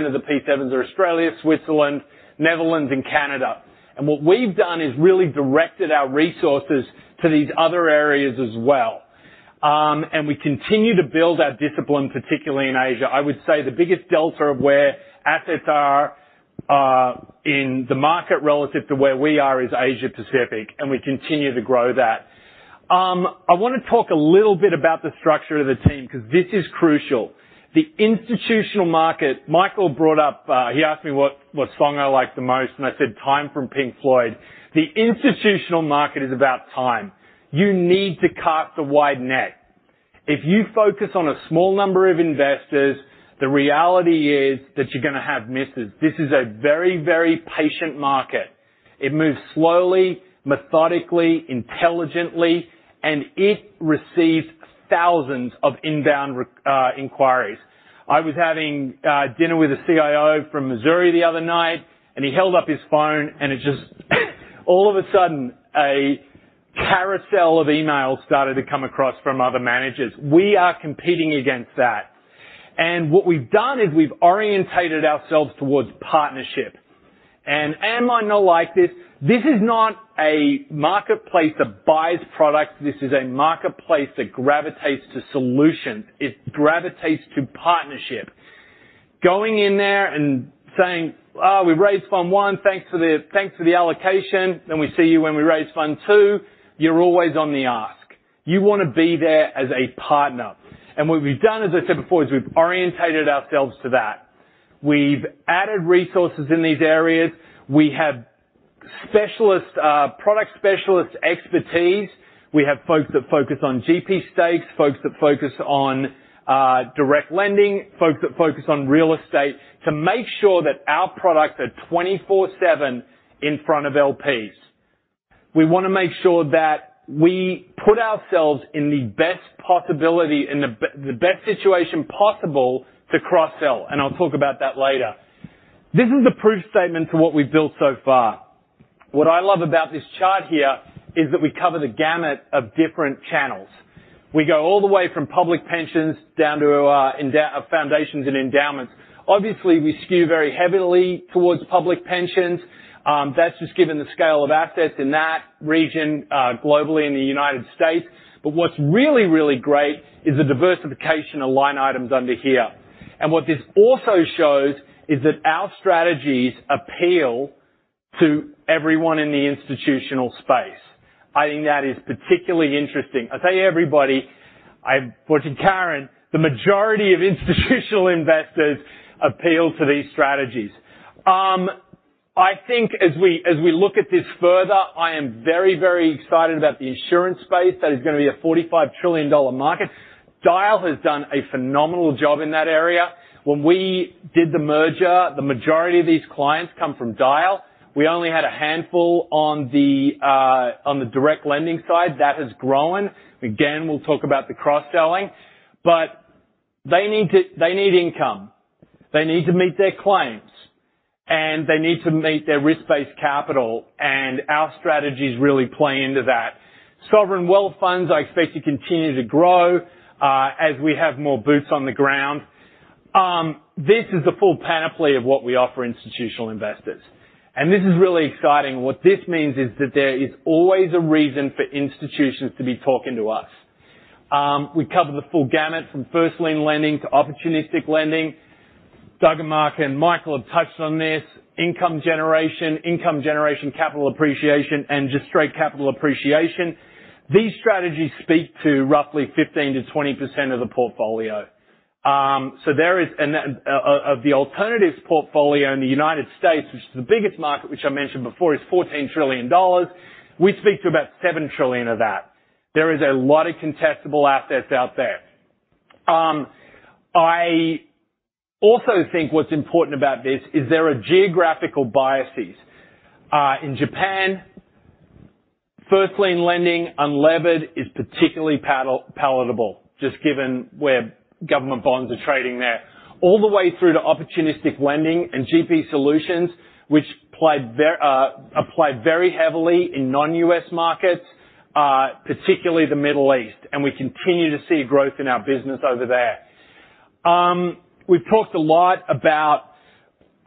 of the P7s are Australia, Switzerland, Netherlands, and Canada. What we've done is really directed our resources to these other areas as well. We continue to build our discipline, particularly in Asia. I would say the biggest delta of where assets are, in the market relative to where we are is Asia-Pacific, and we continue to grow that. I want to talk a little bit about the structure of the team because this is crucial. The institutional market, Michael brought up, he asked me what song I like the most, and I said, "Time" from Pink Floyd. The institutional market is about time. You need to cast a wide net. If you focus on a small number of investors, the reality is that you're going to have misses. This is a very, very patient market. It moves slowly, methodically, intelligently, and it receives thousands of inbound inquiries. I was having dinner with a CIO from Missouri the other night, and he held up his phone, and it just, all of a sudden, a carousel of emails started to come across from other managers. We are competing against that. What we've done is we've orientated ourselves towards partnership. Am I not like this? This is not a marketplace that buys products. This is a marketplace that gravitates to solutions. It gravitates to partnership. Going in there and saying, "Oh, we raised fund one. Thanks for the, thanks for the allocation, and we see you when we raise fund two," you're always on the ask. You want to be there as a partner. What we've done, as I said before, is we've orientated ourselves to that. We've added resources in these areas. We have specialist, product specialist expertise. We have folks that focus on GP stakes, folks that focus on direct lending, folks that focus on real estate to make sure that our products are 24/7 in front of LPs. We want to make sure that we put ourselves in the best possibility, in the best situation possible to cross-sell, and I'll talk about that later. This is the proof statement to what we've built so far. What I love about this chart here is that we cover the gamut of different channels. We go all the way from public pensions down to foundations and endowments. Obviously, we skew very heavily towards public pensions. That is just given the scale of assets in that region, globally in the United States. What is really, really great is the diversification of line items under here. What this also shows is that our strategies appeal to everyone in the institutional space. I think that is particularly interesting. I say everybody, I've brought in Karen. The majority of institutional investors appeal to these strategies. I think as we look at this further, I am very, very excited about the insurance space. That is going to be a $45 trillion market. Dyal has done a phenomenal job in that area. When we did the merger, the majority of these clients come from Dyal. We only had a handful on the direct lending side. That has grown. Again, we'll talk about the cross-selling, but they need to, they need income. They need to meet their claims, and they need to meet their risk-based capital, and our strategies really play into that. Sovereign wealth funds, I expect to continue to grow, as we have more boots on the ground. This is the full panoply of what we offer institutional investors, and this is really exciting. What this means is that there is always a reason for institutions to be talking to us. We cover the full gamut from first-line lending to opportunistic lending. Doug and Marc and Michael have touched on this: income generation, income generation, capital appreciation, and just straight capital appreciation. These strategies speak to roughly 15%-20% of the portfolio. There is, and of the alternatives portfolio in the United States, which is the biggest market, which I mentioned before, is $14 trillion. We speak to about $7 trillion of that. There is a lot of contestable assets out there. I also think what is important about this is there are geographical biases. In Japan, first-line lending unlevered is particularly palatable, just given where government bonds are trading there, all the way through to opportunistic lending and GP solutions, which play very, apply very heavily in non-U.S. markets, particularly the Middle East. We continue to see growth in our business over there. We've talked a lot about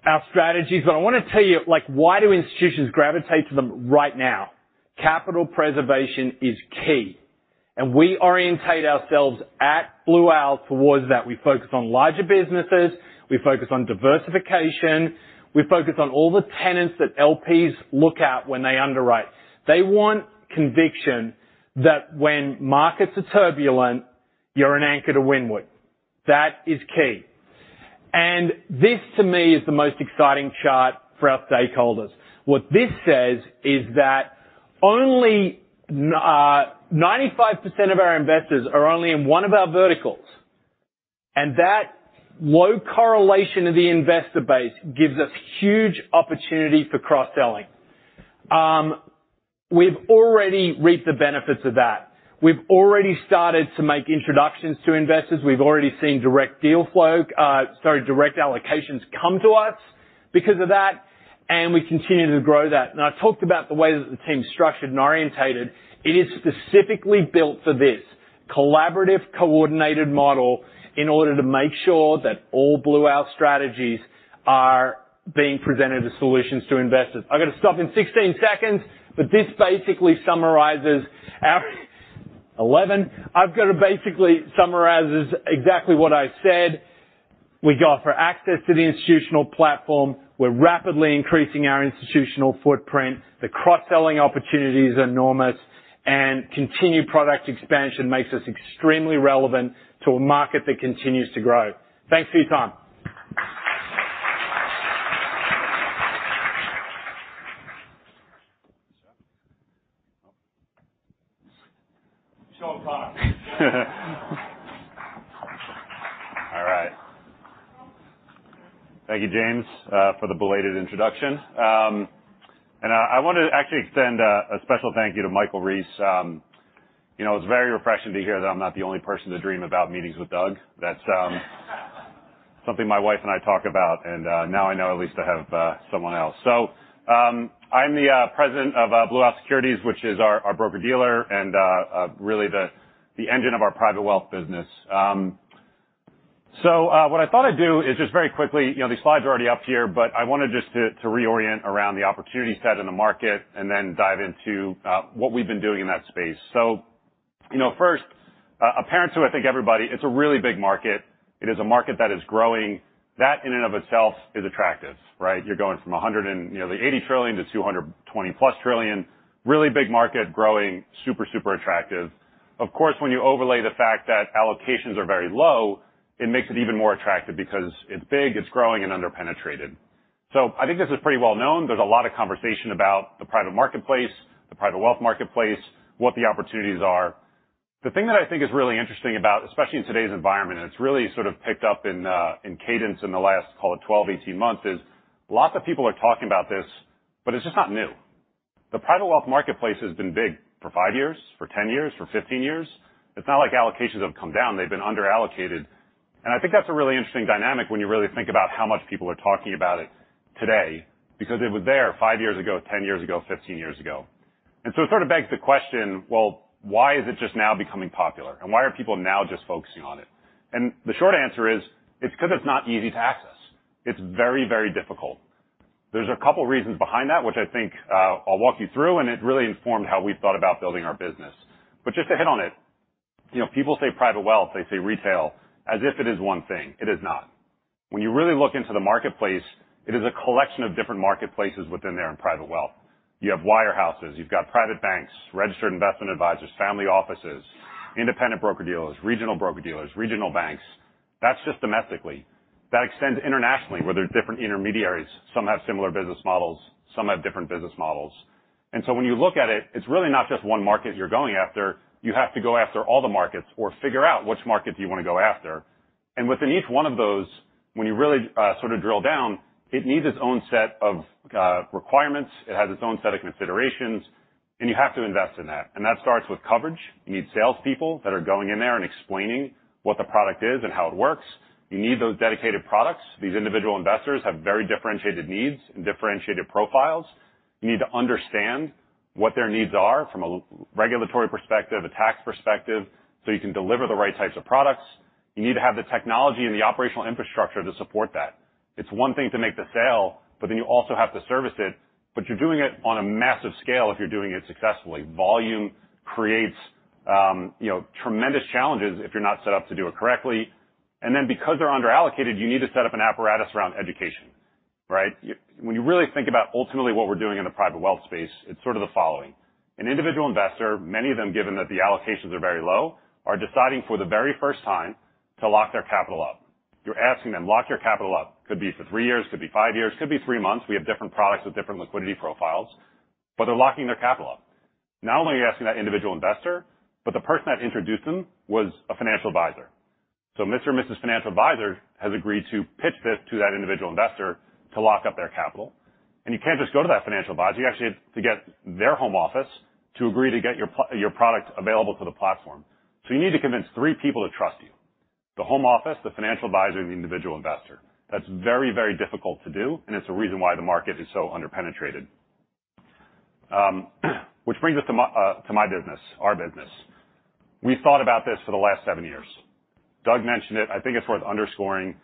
our strategies, but I want to tell you, like, why do institutions gravitate to them right now? Capital preservation is key, and we orientate ourselves at Blue Owl towards that. We focus on larger businesses. We focus on diversification. We focus on all the tenets that LPs look at when they underwrite. They want conviction that when markets are turbulent, you're an anchor to win with. That is key. This, to me, is the most exciting chart for our stakeholders. What this says is that 95% of our investors are only in one of our verticals, and that low correlation of the investor base gives us huge opportunity for cross-selling. We've already reaped the benefits of that. We've already started to make introductions to investors. We've already seen direct deal flow, sorry, direct allocations come to us because of that, and we continue to grow that. I talked about the way that the team's structured and orientated. It is specifically built for this collaborative coordinated model in order to make sure that all Blue Owl strategies are being presented as solutions to investors. I'm going to stop in 16 seconds, but this basically summarizes our 11. I've got to basically summarize exactly what I said. We go for access to the institutional platform. We're rapidly increasing our institutional footprint. The cross-selling opportunities are enormous, and continued product expansion makes us extremely relevant to a market that continues to grow. Thanks for your time. All right. Thank you, James, for the belated introduction. I want to actually extend a special thank you to Michael Reese. You know, it's very refreshing to hear that I'm not the only person to dream about meetings with Doug. That's something my wife and I talk about, and now I know at least I have someone else. I am the president of Blue Owl Securities, which is our broker-dealer and really the engine of our private wealth business. What I thought I'd do is just very quickly, you know, these slides are already up here, but I wanted just to reorient around the opportunity set in the market and then dive into what we've been doing in that space. You know, first, apparent to, I think, everybody, it's a really big market. It is a market that is growing. That in and of itself is attractive, right? You're going from $180 trillion to $220 trillion-plus. Really big market growing, super, super attractive. Of course, when you overlay the fact that allocations are very low, it makes it even more attractive because it's big, it's growing, and under-penetrated. I think this is pretty well known. There's a lot of conversation about the private marketplace, the private wealth marketplace, what the opportunities are. The thing that I think is really interesting about, especially in today's environment, and it's really sort of picked up in cadence in the last, call it 12-18 months, is lots of people are talking about this, but it's just not new. The private wealth marketplace has been big for 5 years, for 10 years, for 15 years. It's not like allocations have come down. They've been under-allocated. I think that's a really interesting dynamic when you really think about how much people are talking about it today because it was there 5 years ago, 10 years ago, 15 years ago. It sort of begs the question, why is it just now becoming popular, and why are people now just focusing on it? The short answer is it's because it's not easy to access. It's very, very difficult. There's a couple of reasons behind that, which I think I'll walk you through, and it really informed how we've thought about building our business. Just to hit on it, you know, people say private wealth, they say retail, as if it is one thing. It is not. When you really look into the marketplace, it is a collection of different marketplaces within there in private wealth. You have wirehouses, you've got private banks, registered investment advisors, family offices, independent broker-dealers, regional broker-dealers, regional banks. That is just domestically. That extends internationally where there are different intermediaries. Some have similar business models, some have different business models. When you look at it, it is really not just one market you are going after. You have to go after all the markets or figure out which markets you want to go after. Within each one of those, when you really, sort of drill down, it needs its own set of requirements. It has its own set of considerations, and you have to invest in that. That starts with coverage. You need salespeople that are going in there and explaining what the product is and how it works. You need those dedicated products. These individual investors have very differentiated needs and differentiated profiles. You need to understand what their needs are from a regulatory perspective, a tax perspective, so you can deliver the right types of products. You need to have the technology and the operational infrastructure to support that. It's one thing to make the sale, but then you also have to service it, but you're doing it on a massive scale if you're doing it successfully. Volume creates, you know, tremendous challenges if you're not set up to do it correctly. Because they're under-allocated, you need to set up an apparatus around education, right? When you really think about ultimately what we're doing in the private wealth space, it's sort of the following. An individual investor, many of them, given that the allocations are very low, are deciding for the very first time to lock their capital up. You're asking them, "Lock your capital up." Could be for three years, could be five years, could be three months. We have different products with different liquidity profiles, but they're locking their capital up. Not only are you asking that individual investor, but the person that introduced them was a financial advisor. Mr. and Mrs. Financial Advisor has agreed to pitch this to that individual investor to lock up their capital. You can't just go to that financial advisor. You actually have to get their home office to agree to get your product available to the platform. You need to convince three people to trust you: the home office, the financial advisor, and the individual investor. That's very, very difficult to do, and it's a reason why the market is so under-penetrated. Which brings us to my, to my business, our business. We've thought about this for the last seven years. Doug mentioned it. I think it's worth underscoring.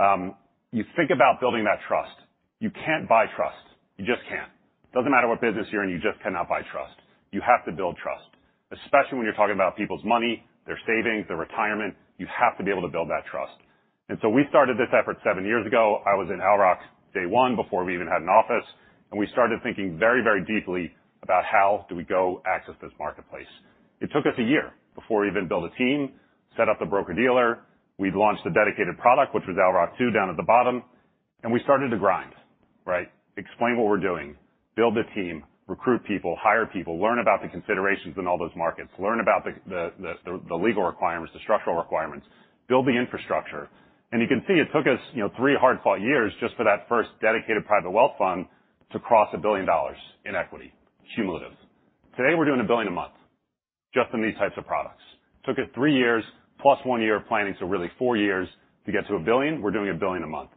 You think about building that trust. You can't buy trust. You just can't. Doesn't matter what business you're in, you just cannot buy trust. You have to build trust, especially when you're talking about people's money, their savings, their retirement. You have to be able to build that trust. We started this effort seven years ago. I was in Owl Rock day one before we even had an office, and we started thinking very, very deeply about how do we go access this marketplace. It took us a year before we even built a team, set up the broker-dealer. We'd launched a dedicated product, which was Alroc 2 down at the bottom, and we started to grind, right? Explain what we're doing, build a team, recruit people, hire people, learn about the considerations in all those markets, learn about the legal requirements, the structural requirements, build the infrastructure. You can see it took us, you know, three hard-fought years just for that first dedicated private wealth fund to cross $1 billion in equity cumulative. Today, we're doing $1 billion a month just in these types of products. Took us three years plus one year of planning, so really four years to get to $1 billion. We're doing $1 billion a month.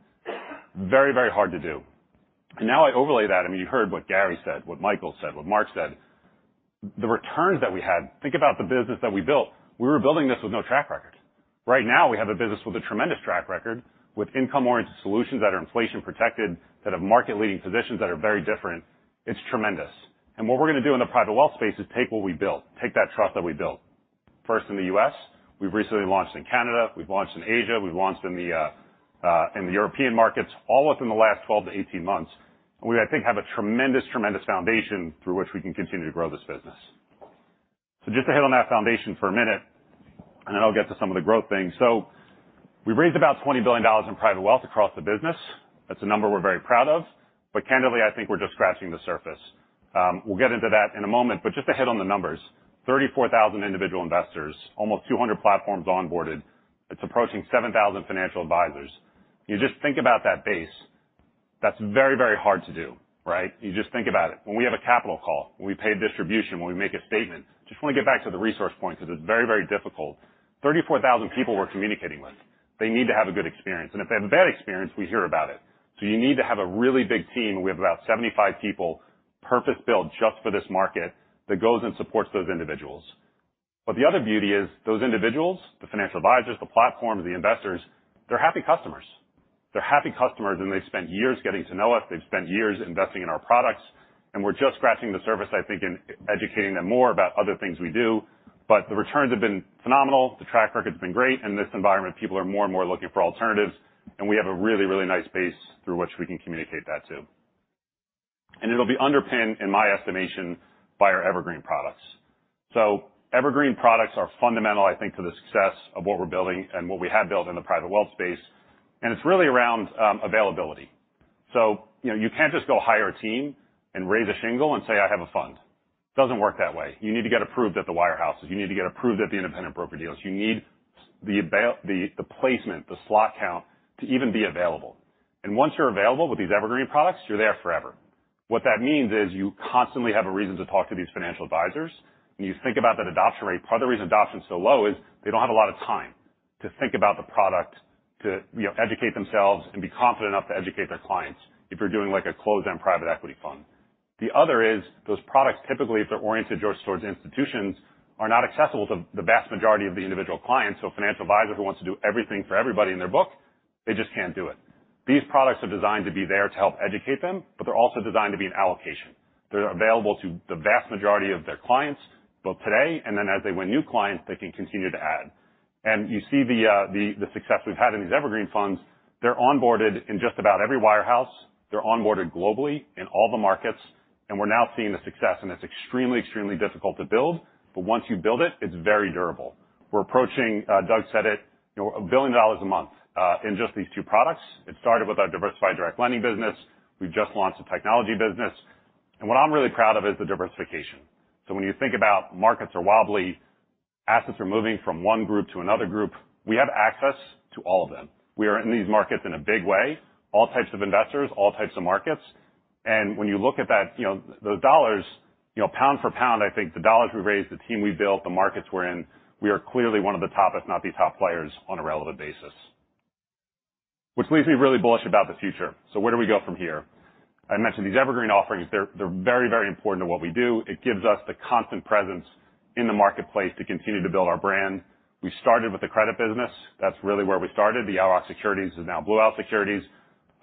Very, very hard to do. Now I overlay that. I mean, you heard what Gary said, what Michael said, what Mark said. The returns that we had, think about the business that we built. We were building this with no track record. Right now, we have a business with a tremendous track record with income-oriented solutions that are inflation-protected, that have market-leading positions that are very different. It's tremendous. What we're going to do in the private wealth space is take what we built, take that trust that we built. First in the U.S., we've recently launched in Canada, we've launched in Asia, we've launched in the European markets all within the last 12-18 months. I think we have a tremendous, tremendous foundation through which we can continue to grow this business. Just to hit on that foundation for a minute, and then I'll get to some of the growth things. We've raised about $20 billion in private wealth across the business. That's a number we're very proud of, but candidly, I think we're just scratching the surface. We'll get into that in a moment, but just to hit on the numbers: 34,000 individual investors, almost 200 platforms onboarded. It's approaching 7,000 financial advisors. You just think about that base. That's very, very hard to do, right? You just think about it. When we have a capital call, when we pay distribution, when we make a statement, just want to get back to the resource point because it's very, very difficult. 34,000 people we're communicating with. They need to have a good experience. If they have a bad experience, we hear about it. You need to have a really big team. We have about 75 people purpose-built just for this market that goes and supports those individuals. The other beauty is those individuals, the financial advisors, the platforms, the investors, they're happy customers. They're happy customers, and they've spent years getting to know us. They've spent years investing in our products, and we're just scratching the surface, I think, in educating them more about other things we do. The returns have been phenomenal. The track record's been great. In this environment, people are more and more looking for alternatives, and we have a really, really nice base through which we can communicate that too. It'll be underpinned, in my estimation, by our evergreen products. Evergreen products are fundamental, I think, to the success of what we're building and what we have built in the private wealth space. It's really around availability. You know, you can't just go hire a team and raise a shingle and say, "I have a fund." Doesn't work that way. You need to get approved at the wirehouses. You need to get approved at the independent broker-dealers. You need the placement, the slot count to even be available. Once you're available with these evergreen products, you're there forever. What that means is you constantly have a reason to talk to these financial advisors, and you think about that adoption rate. Part of the reason adoption's so low is they don't have a lot of time to think about the product, to, you know, educate themselves and be confident enough to educate their clients if you're doing like a closed-end private equity fund. The other is those products, typically, if they're oriented just towards institutions, are not accessible to the vast majority of the individual clients. A financial advisor who wants to do everything for everybody in their book, they just can't do it. These products are designed to be there to help educate them, but they're also designed to be an allocation. They're available to the vast majority of their clients both today and then as they win new clients, they can continue to add. You see the success we've had in these evergreen funds. They're onboarded in just about every wirehouse. They're onboarded globally in all the markets, and we're now seeing the success. It's extremely, extremely difficult to build, but once you build it, it's very durable. We're approaching, Doug said it, you know, a billion dollars a month, in just these two products. It started with our diversified direct lending business. We've just launched a technology business. What I'm really proud of is the diversification. When you think about markets are wobbly, assets are moving from one group to another group. We have access to all of them. We are in these markets in a big way, all types of investors, all types of markets. When you look at that, you know, those dollars, you know, pound for pound, I think the dollars we raised, the team we built, the markets we're in, we are clearly one of the top, if not the top players on a relevant basis, which leaves me really bullish about the future. Where do we go from here? I mentioned these evergreen offerings. They're, they're very, very important to what we do. It gives us the constant presence in the marketplace to continue to build our brand. We started with the credit business. That's really where we started. The Owl Rock Securities is now Blue Owl Securities,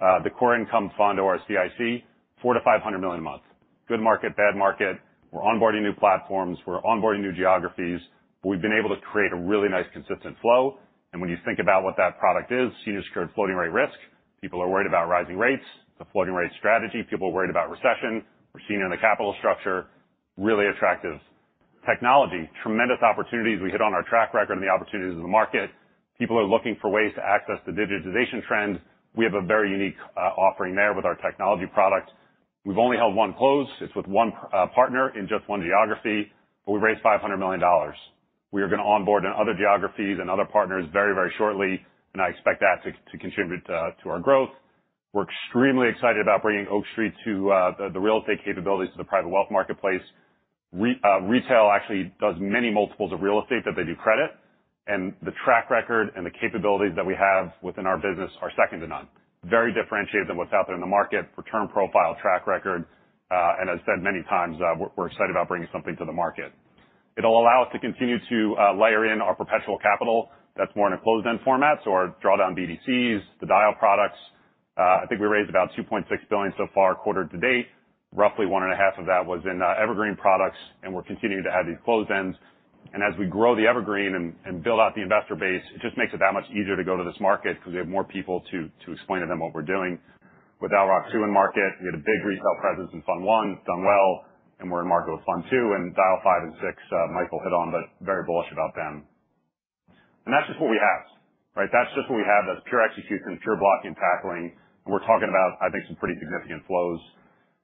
the Core Income Fund, or CIC, $400 million-$500 million a month. Good market, bad market. We're onboarding new platforms. We're onboarding new geographies, but we've been able to create a really nice consistent flow. When you think about what that product is, senior secured floating rate risk, people are worried about rising rates. It's a floating rate strategy. People are worried about recession. We're seeing it in the capital structure. Really attractive technology, tremendous opportunities. We hit on our track record and the opportunities of the market. People are looking for ways to access the digitization trend. We have a very unique offering there with our technology product. We've only held one close. It's with one partner in just one geography, but we raised $500 million. We are going to onboard in other geographies and other partners very, very shortly, and I expect that to contribute to our growth. We're extremely excited about bringing Oak Street to the real estate capabilities to the private wealth marketplace. Retail actually does many multiples of real estate that they do credit, and the track record and the capabilities that we have within our business are second to none, very differentiated than what's out there in the market for term profile track record. As said many times, we're excited about bringing something to the market. It'll allow us to continue to layer in our perpetual capital that's more in a closed-end format. Our drawdown BDCs, the Dyal products, I think we raised about $2.6 billion so far, quarter to date. Roughly one and a half of that was in evergreen products, and we're continuing to have these closed ends. As we grow the evergreen and build out the investor base, it just makes it that much easier to go to this market because we have more people to explain to them what we're doing. With Owl Rock 2 in market, we had a big resale presence in Fund 1, done well, and we're in market with Fund 2 and Dyal 5 and 6. Michael hit on, very bullish about them. That's just what we have, right? That's just what we have. That's pure execution, pure blocking and tackling. We're talking about, I think, some pretty significant flows.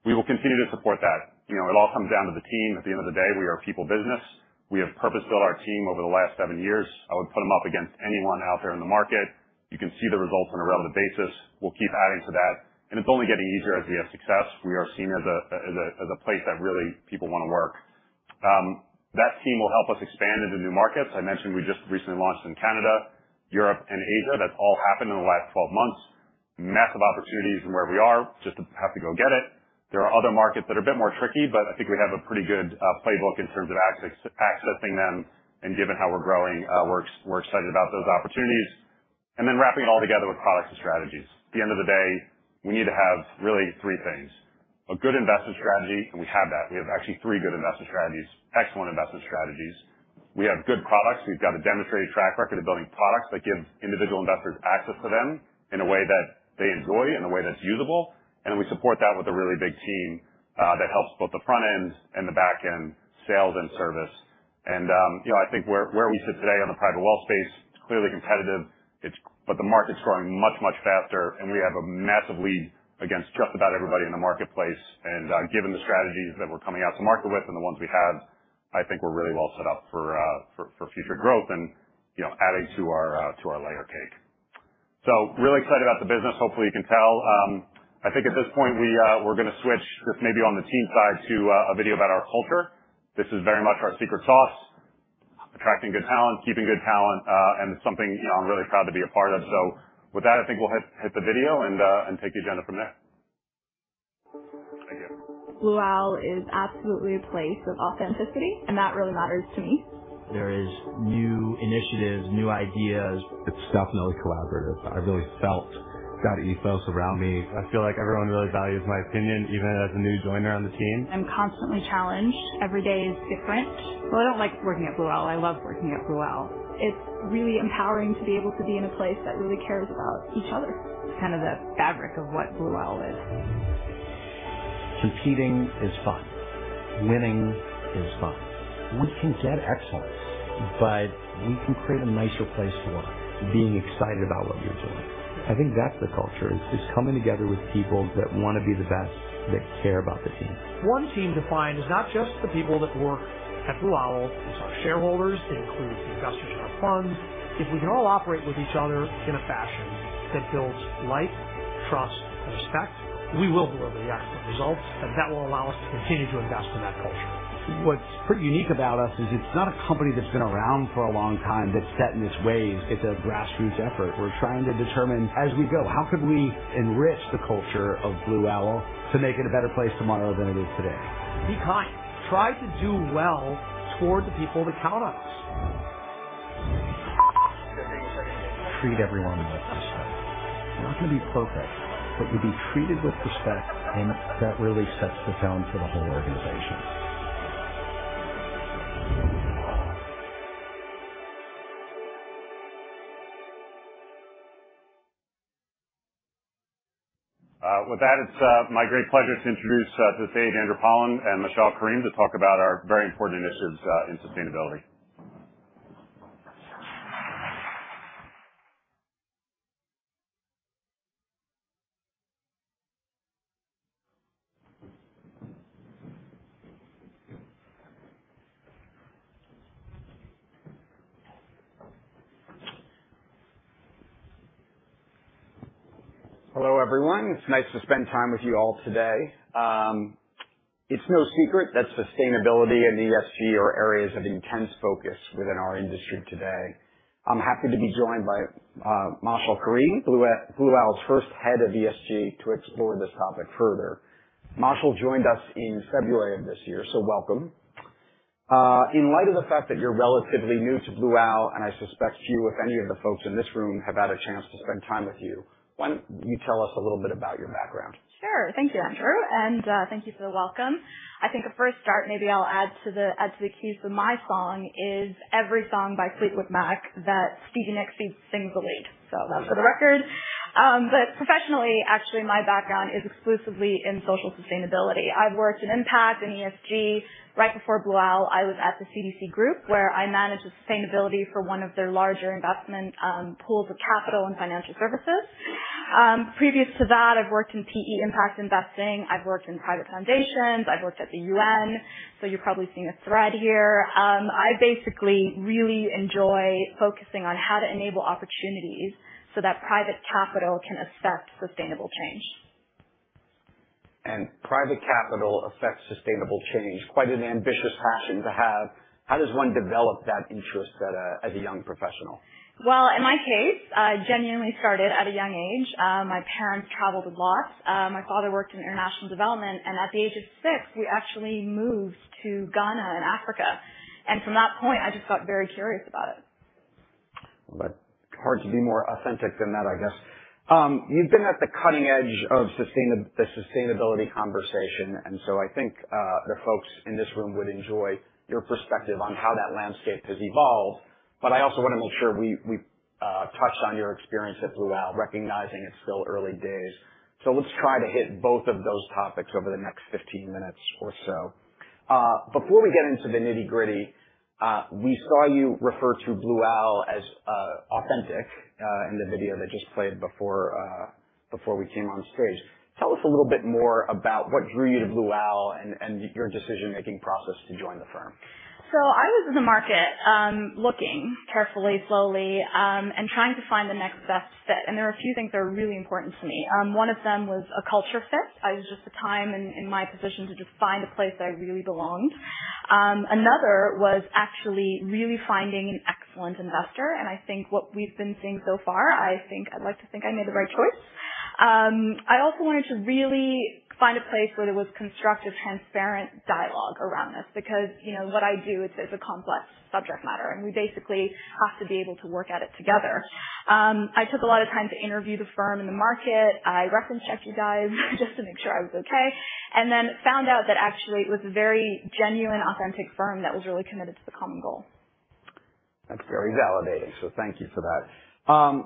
We will continue to support that. You know, it all comes down to the team. At the end of the day, we are a people business. We have purpose-built our team over the last seven years. I would put them up against anyone out there in the market. You can see the results on a relative basis. We'll keep adding to that, and it's only getting easier as we have success. We are seen as a place that really people want to work. That team will help us expand into new markets. I mentioned we just recently launched in Canada, Europe, and Asia. That's all happened in the last 12 months. Massive opportunities in where we are, just have to go get it. There are other markets that are a bit more tricky, but I think we have a pretty good playbook in terms of accessing them. Given how we're growing, we're excited about those opportunities. Wrapping it all together with products and strategies. At the end of the day, we need to have really three things: a good investment strategy, and we have that. We have actually three good investment strategies, excellent investment strategies. We have good products. We've got a demonstrated track record of building products that give individual investors access to them in a way that they enjoy, in a way that's usable. You know, I think where we sit today on the private wealth space, it's clearly competitive. The market's growing much, much faster, and we have a massive lead against just about everybody in the marketplace. Given the strategies that we're coming out to market with and the ones we have, I think we're really well set up for future growth and, you know, adding to our layer cake. Really excited about the business. Hopefully, you can tell. I think at this point, we're going to switch just maybe on the team side to a video about our culture. This is very much our secret sauce: attracting good talent, keeping good talent, and it's something, you know, I'm really proud to be a part of. With that, I think we'll hit the video and take the agenda from there. Thank you. Blue Owl is absolutely a place of authenticity, and that really matters to me. There is new initiatives, new ideas. It's definitely collaborative. I really felt that ethos around me. I feel like everyone really values my opinion, even as a new joiner on the team. I'm constantly challenged. Every day is different. I don't like working at Blue Owl. I love working at Blue Owl. It's really empowering to be able to be in a place that really cares about each other. It's kind of the fabric of what Blue Owl is. Competing is fun. Winning is fun. We can get excellence, but we can create a nicer place for work. Being excited about what you're doing, I think that's the culture: is, is coming together with people that want to be the best, that care about the team. One team defined is not just the people that work at Blue Owl. It's our shareholders, including the investors in our funds. If we can all operate with each other in a fashion that builds light, trust, and respect, we will deliver the excellent results, and that will allow us to continue to invest in that culture. What's pretty unique about us is it's not a company that's been around for a long time that's set in its ways. It's a grassroots effort. We're trying to determine, as we go, how could we enrich the culture of Blue Owl to make it a better place tomorrow than it is today. Be kind. Try to do well toward the people that count on us. Treat everyone with respect. You're not going to be perfect, but you'll be treated with respect, and that really sets the tone for the whole organization. With that, it's my great pleasure to introduce, to this day, Andrew Pollan and Marshall Karim to talk about our very important initiatives in sustainability. Hello, everyone. It's nice to spend time with you all today. It's no secret that sustainability and ESG are areas of intense focus within our industry today. I'm happy to be joined by Machal Karim, Blue Owl's first head of ESG, to explore this topic further. Marshall joined us in February of this year, so welcome. In light of the fact that you're relatively new to Blue Owl, and I suspect few, if any, of the folks in this room have had a chance to spend time with you, why don't you tell us a little bit about your background? Sure. Thank you, Andrew. Thank you for the welcome. I think a first start, maybe I'll add to the, add to the cues of my song is every song by Fleetwood Mac that Stevie Nicks sings, sings the lead. So that's for the record. Professionally, actually, my background is exclusively in social sustainability. I've worked in impact and ESG. Right before Blue Owl, I was at the CDC Group where I managed the sustainability for one of their larger investment, pools of capital and financial services. Previous to that, I've worked in PE impact investing. I've worked in private foundations. I've worked at the UN. You are probably seeing a thread here. I basically really enjoy focusing on how to enable opportunities so that private capital can affect sustainable change. And private capital affects sustainable change. Quite an ambitious passion to have. How does one develop that interest as a, as a young professional? In my case, I genuinely started at a young age. My parents traveled a lot. My father worked in international development. At the age of six, we actually moved to Ghana in Africa. From that point, I just got very curious about it. That is hard to be more authentic than that, I guess. You have been at the cutting edge of the sustainability conversation. I think the folks in this room would enjoy your perspective on how that landscape has evolved. I also want to make sure we touched on your experience at Blue Owl, recognizing it is still early days. Let us try to hit both of those topics over the next 15 minutes or so. Before we get into the nitty-gritty, we saw you refer to Blue Owl as authentic in the video that just played before we came on stage. Tell us a little bit more about what drew you to Blue Owl and your decision-making process to join the firm. I was in the market, looking carefully, slowly, and trying to find the next best fit. There are a few things that are really important to me. One of them was a culture fit. I was just at the time in my position to just find a place I really belonged. Another was actually really finding an excellent investor. I think what we have been seeing so far, I think I would like to think I made the right choice. I also wanted to really find a place where there was constructive, transparent dialogue around this because, you know, what I do, it's, it's a complex subject matter, and we basically have to be able to work at it together. I took a lot of time to interview the firm and the market. I reference-checked you guys just to make sure I was okay, and then found out that actually it was a very genuine, authentic firm that was really committed to the common goal. That's very validating. So thank you for that.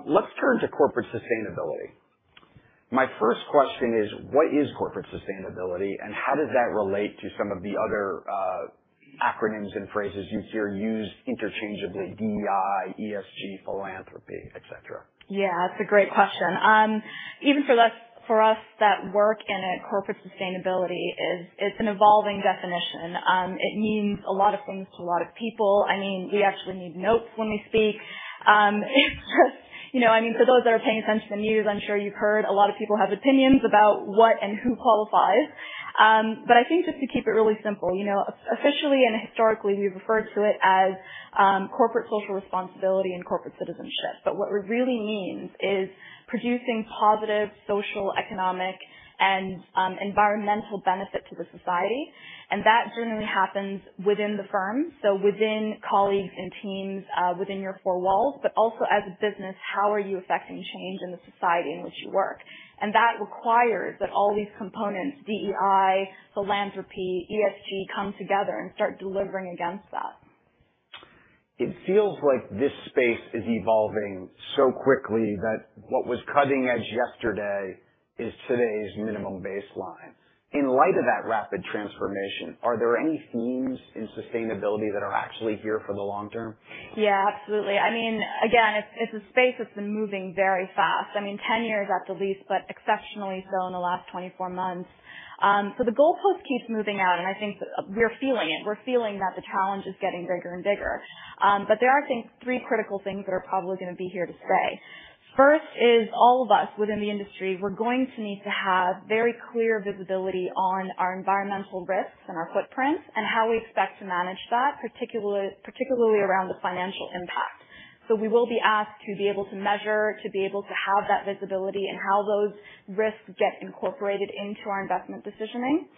Let's turn to corporate sustainability. My first question is, what is corporate sustainability, and how does that relate to some of the other acronyms and phrases you hear used interchangeably: DEI, ESG, philanthropy, etc.? Yeah, that's a great question. Even for us, for us that work in a corporate sustainability is, it's an evolving definition. It means a lot of things to a lot of people. I mean, we actually need notes when we speak. It's just, you know, I mean, for those that are paying attention to the news, I'm sure you've heard a lot of people have opinions about what and who qualifies. I think just to keep it really simple, you know, officially and historically, we've referred to it as corporate social responsibility and corporate citizenship. What it really means is producing positive social, economic, and environmental benefit to the society. That generally happens within the firm, so within colleagues and teams, within your four walls, but also as a business, how are you affecting change in the society in which you work? That requires that all these components, DEI, philanthropy, ESG, come together and start delivering against that. It feels like this space is evolving so quickly that what was cutting edge yesterday is today's minimum baseline. In light of that rapid transformation, are there any themes in sustainability that are actually here for the long term? Yeah, absolutely. I mean, again, it's a space that's been moving very fast. I mean, 10 years at the least, but exceptionally so in the last 24 months. The goalpost keeps moving out, and I think we're feeling it. We're feeling that the challenge is getting bigger and bigger. There are, I think, three critical things that are probably going to be here to stay. First is all of us within the industry, we're going to need to have very clear visibility on our environmental risks and our footprints and how we expect to manage that, particularly, particularly around the financial impact. We will be asked to be able to measure, to be able to have that visibility and how those risks get incorporated into our investment decisioning.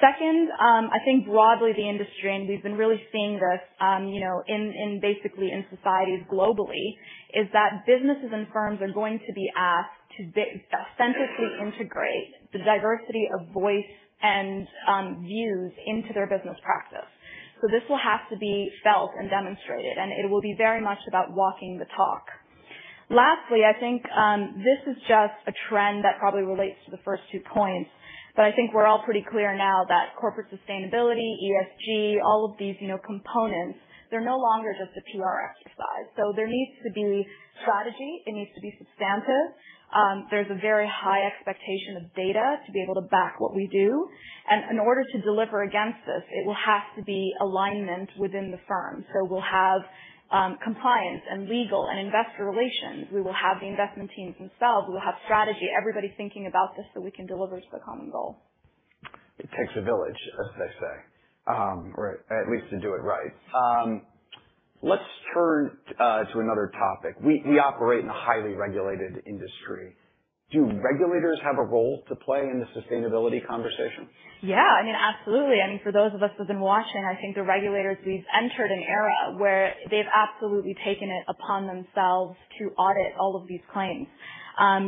Second, I think broadly the industry, and we've been really seeing this, you know, in, in basically in societies globally, is that businesses and firms are going to be asked to authentically integrate the diversity of voice and views into their business practice. This will have to be felt and demonstrated, and it will be very much about walking the talk. Lastly, I think this is just a trend that probably relates to the first two points, but I think we're all pretty clear now that corporate sustainability, ESG, all of these, you know, components, they're no longer just a PR exercise. There needs to be strategy. It needs to be substantive. is a very high expectation of data to be able to back what we do. In order to deliver against this, there will have to be alignment within the firm. We will have compliance and legal and investor relations. We will have the investment teams themselves. We will have strategy, everybody thinking about this so we can deliver to the common goal. It takes a village, as they say, or at least to do it right. Let's turn to another topic. We operate in a highly regulated industry. Do regulators have a role to play in the sustainability conversation? Yeah, I mean, absolutely. I mean, for those of us who have been watching, I think the regulators, we have entered an era where they have absolutely taken it upon themselves to audit all of these claims.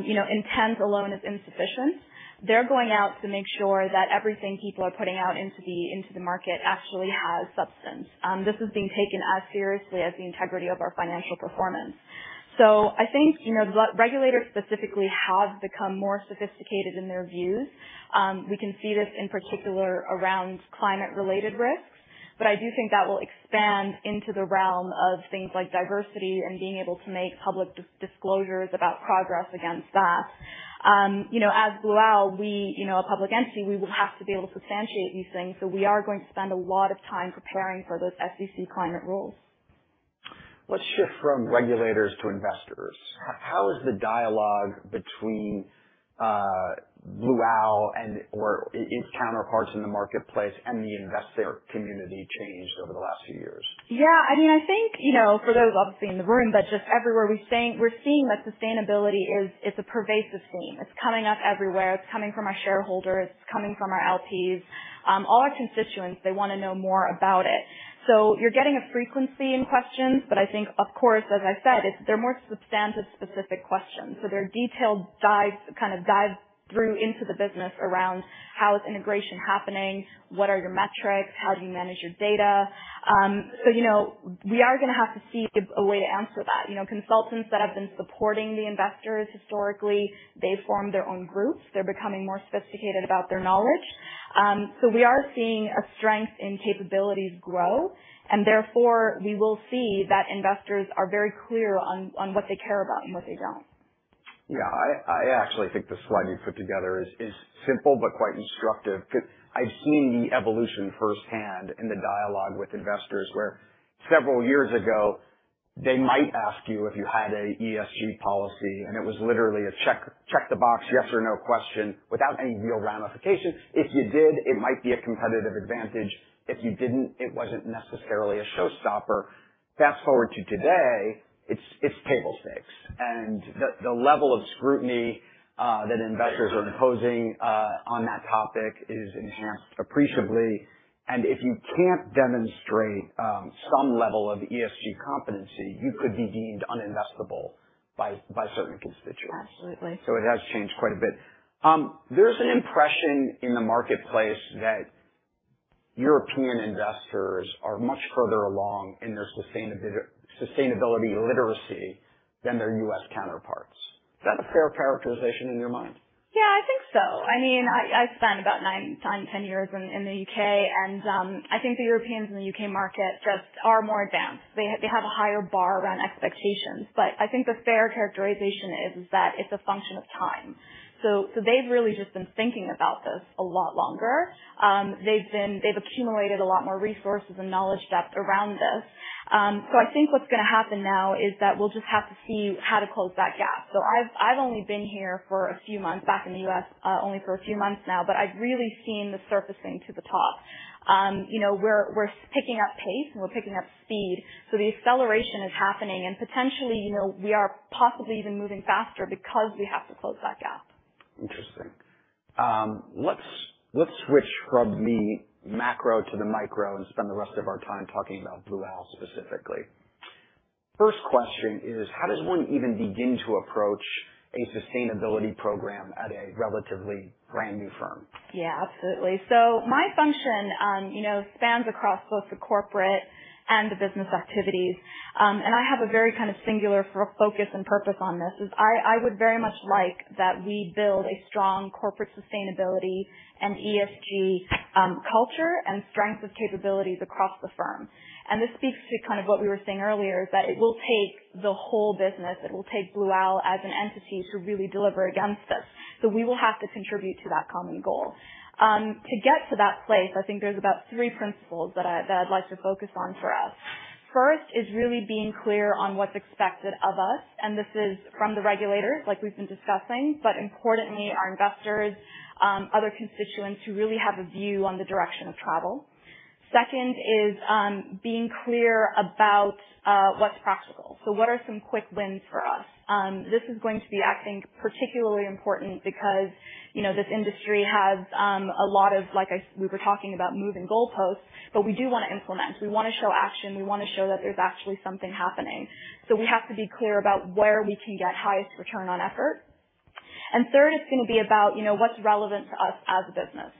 You know, intent alone is insufficient. They're going out to make sure that everything people are putting out into the, into the market actually has substance. This is being taken as seriously as the integrity of our financial performance. I think, you know, the regulators specifically have become more sophisticated in their views. We can see this in particular around climate-related risks, but I do think that will expand into the realm of things like diversity and being able to make public disclosures about progress against that. You know, as Blue Owl, we, you know, a public entity, we will have to be able to substantiate these things. We are going to spend a lot of time preparing for those SEC climate rules. Let's shift from regulators to investors. How has the dialogue between, Blue Owl and/or its counterparts in the marketplace and the investor community changed over the last few years? Yeah, I mean, I think, you know, for those obviously in the room, but just everywhere we're seeing, we're seeing that sustainability is, it's a pervasive theme. It's coming up everywhere. It's coming from our shareholders. It's coming from our LPs. All our constituents, they want to know more about it. So you're getting a frequency in questions, but I think, of course, as I said, it's, they're more substantive specific questions. So they're detailed dives, kind of dive through into the business around how is integration happening, what are your metrics, how do you manage your data? You know, we are going to have to see a way to answer that. You know, consultants that have been supporting the investors historically, they've formed their own groups. They're becoming more sophisticated about their knowledge. We are seeing a strength in capabilities grow, and therefore we will see that investors are very clear on what they care about and what they do not. Yeah, I actually think the slide you put together is simple but quite instructive because I have seen the evolution firsthand in the dialogue with investors where several years ago they might ask you if you had an ESG policy, and it was literally a check, check the box, yes or no question without any real ramification. If you did, it might be a competitive advantage. If you did not, it was not necessarily a showstopper. Fast forward to today, it is table stakes. The level of scrutiny that investors are imposing on that topic is enhanced appreciably. If you cannot demonstrate some level of ESG competency, you could be deemed uninvestable by certain constituents. Absolutely. It has changed quite a bit. There's an impression in the marketplace that European investors are much further along in their sustainability, sustainability literacy than their U.S. counterparts. Is that a fair characterization in your mind? Yeah, I think so. I mean, I spent about nine, nine, ten years in the U.K., and I think the Europeans in the U.K. market just are more advanced. They have a higher bar around expectations. I think the fair characterization is that it's a function of time. They've really just been thinking about this a lot longer. They've accumulated a lot more resources and knowledge depth around this. I think what's going to happen now is that we'll just have to see how to close that gap. I've only been here for a few months back in the U.S., only for a few months now, but I've really seen the surfacing to the top. You know, we're picking up pace and we're picking up speed. The acceleration is happening and potentially, you know, we are possibly even moving faster because we have to close that gap. Interesting. Let's switch from the macro to the micro and spend the rest of our time talking about Blue Owl specifically. First question is, how does one even begin to approach a sustainability program at a relatively brand new firm? Yeah, absolutely. So my function, you know, spans across both the corporate and the business activities. I have a very kind of singular focus and purpose on this is I, I would very much like that we build a strong corporate sustainability and ESG, culture and strength of capabilities across the firm. This speaks to kind of what we were saying earlier is that it will take the whole business. It will take Blue Owl as an entity to really deliver against this. We will have to contribute to that common goal. To get to that place, I think there's about three principles that I, that I'd like to focus on for us. First is really being clear on what's expected of us. This is from the regulators, like we've been discussing, but importantly, our investors, other constituents who really have a view on the direction of travel. Second is, being clear about, what's practical. What are some quick wins for us? This is going to be, I think, particularly important because, you know, this industry has a lot of, like I, we were talking about moving goalposts, but we do want to implement. We want to show action. We want to show that there's actually something happening. We have to be clear about where we can get highest return on effort. Third, it's going to be about, you know, what's relevant to us as a business.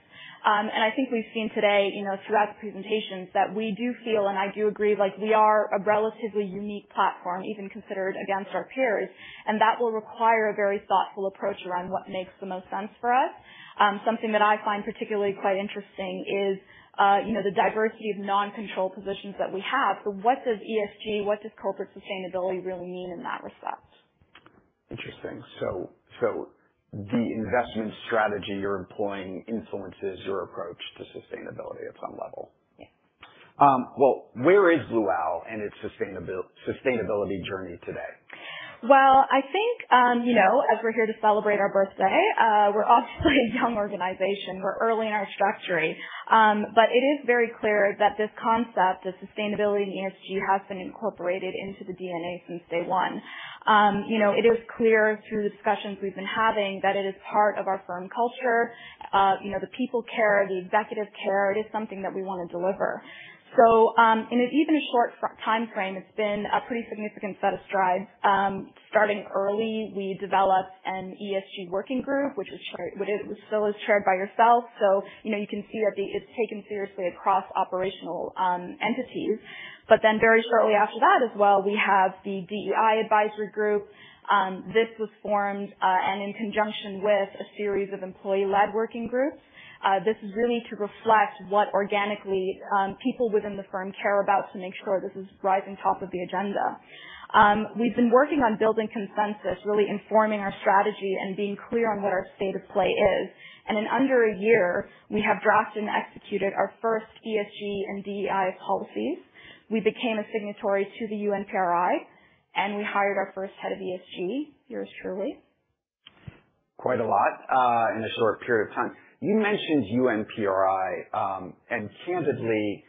I think we've seen today, you know, throughout the presentations that we do feel, and I do agree, like we are a relatively unique platform, even considered against our peers, and that will require a very thoughtful approach around what makes the most sense for us. Something that I find particularly quite interesting is, you know, the diversity of non-control positions that we have. What does ESG, what does corporate sustainability really mean in that respect? Interesting. The investment strategy you're employing influences your approach to sustainability at some level. Yeah. Where is Blue Owl and its sustainability journey today? I think, you know, as we're here to celebrate our birthday, we're obviously a young organization. We're early in our structure. It is very clear that this concept of sustainability and ESG has been incorporated into the DNA since day one. You know, it is clear through the discussions we've been having that it is part of our firm culture, you know, the people care, the executive care. It is something that we want to deliver. In even a short time frame, it's been a pretty significant set of strides. Starting early, we developed an ESG working group, which was chaired, which still is chaired by yourself. You know, you can see that it's taken seriously across operational entities. Very shortly after that as well, we have the DEI advisory group. This was formed in conjunction with a series of employee-led working groups. This is really to reflect what, organically, people within the firm care about to make sure this is right on top of the agenda. We've been working on building consensus, really informing our strategy and being clear on what our state of play is. In under a year, we have drafted and executed our first ESG and DEI policies. We became a signatory to the UNPRI, and we hired our first head of ESG, yours truly. Quite a lot, in a short period of time. You mentioned UNPRI, and candidly,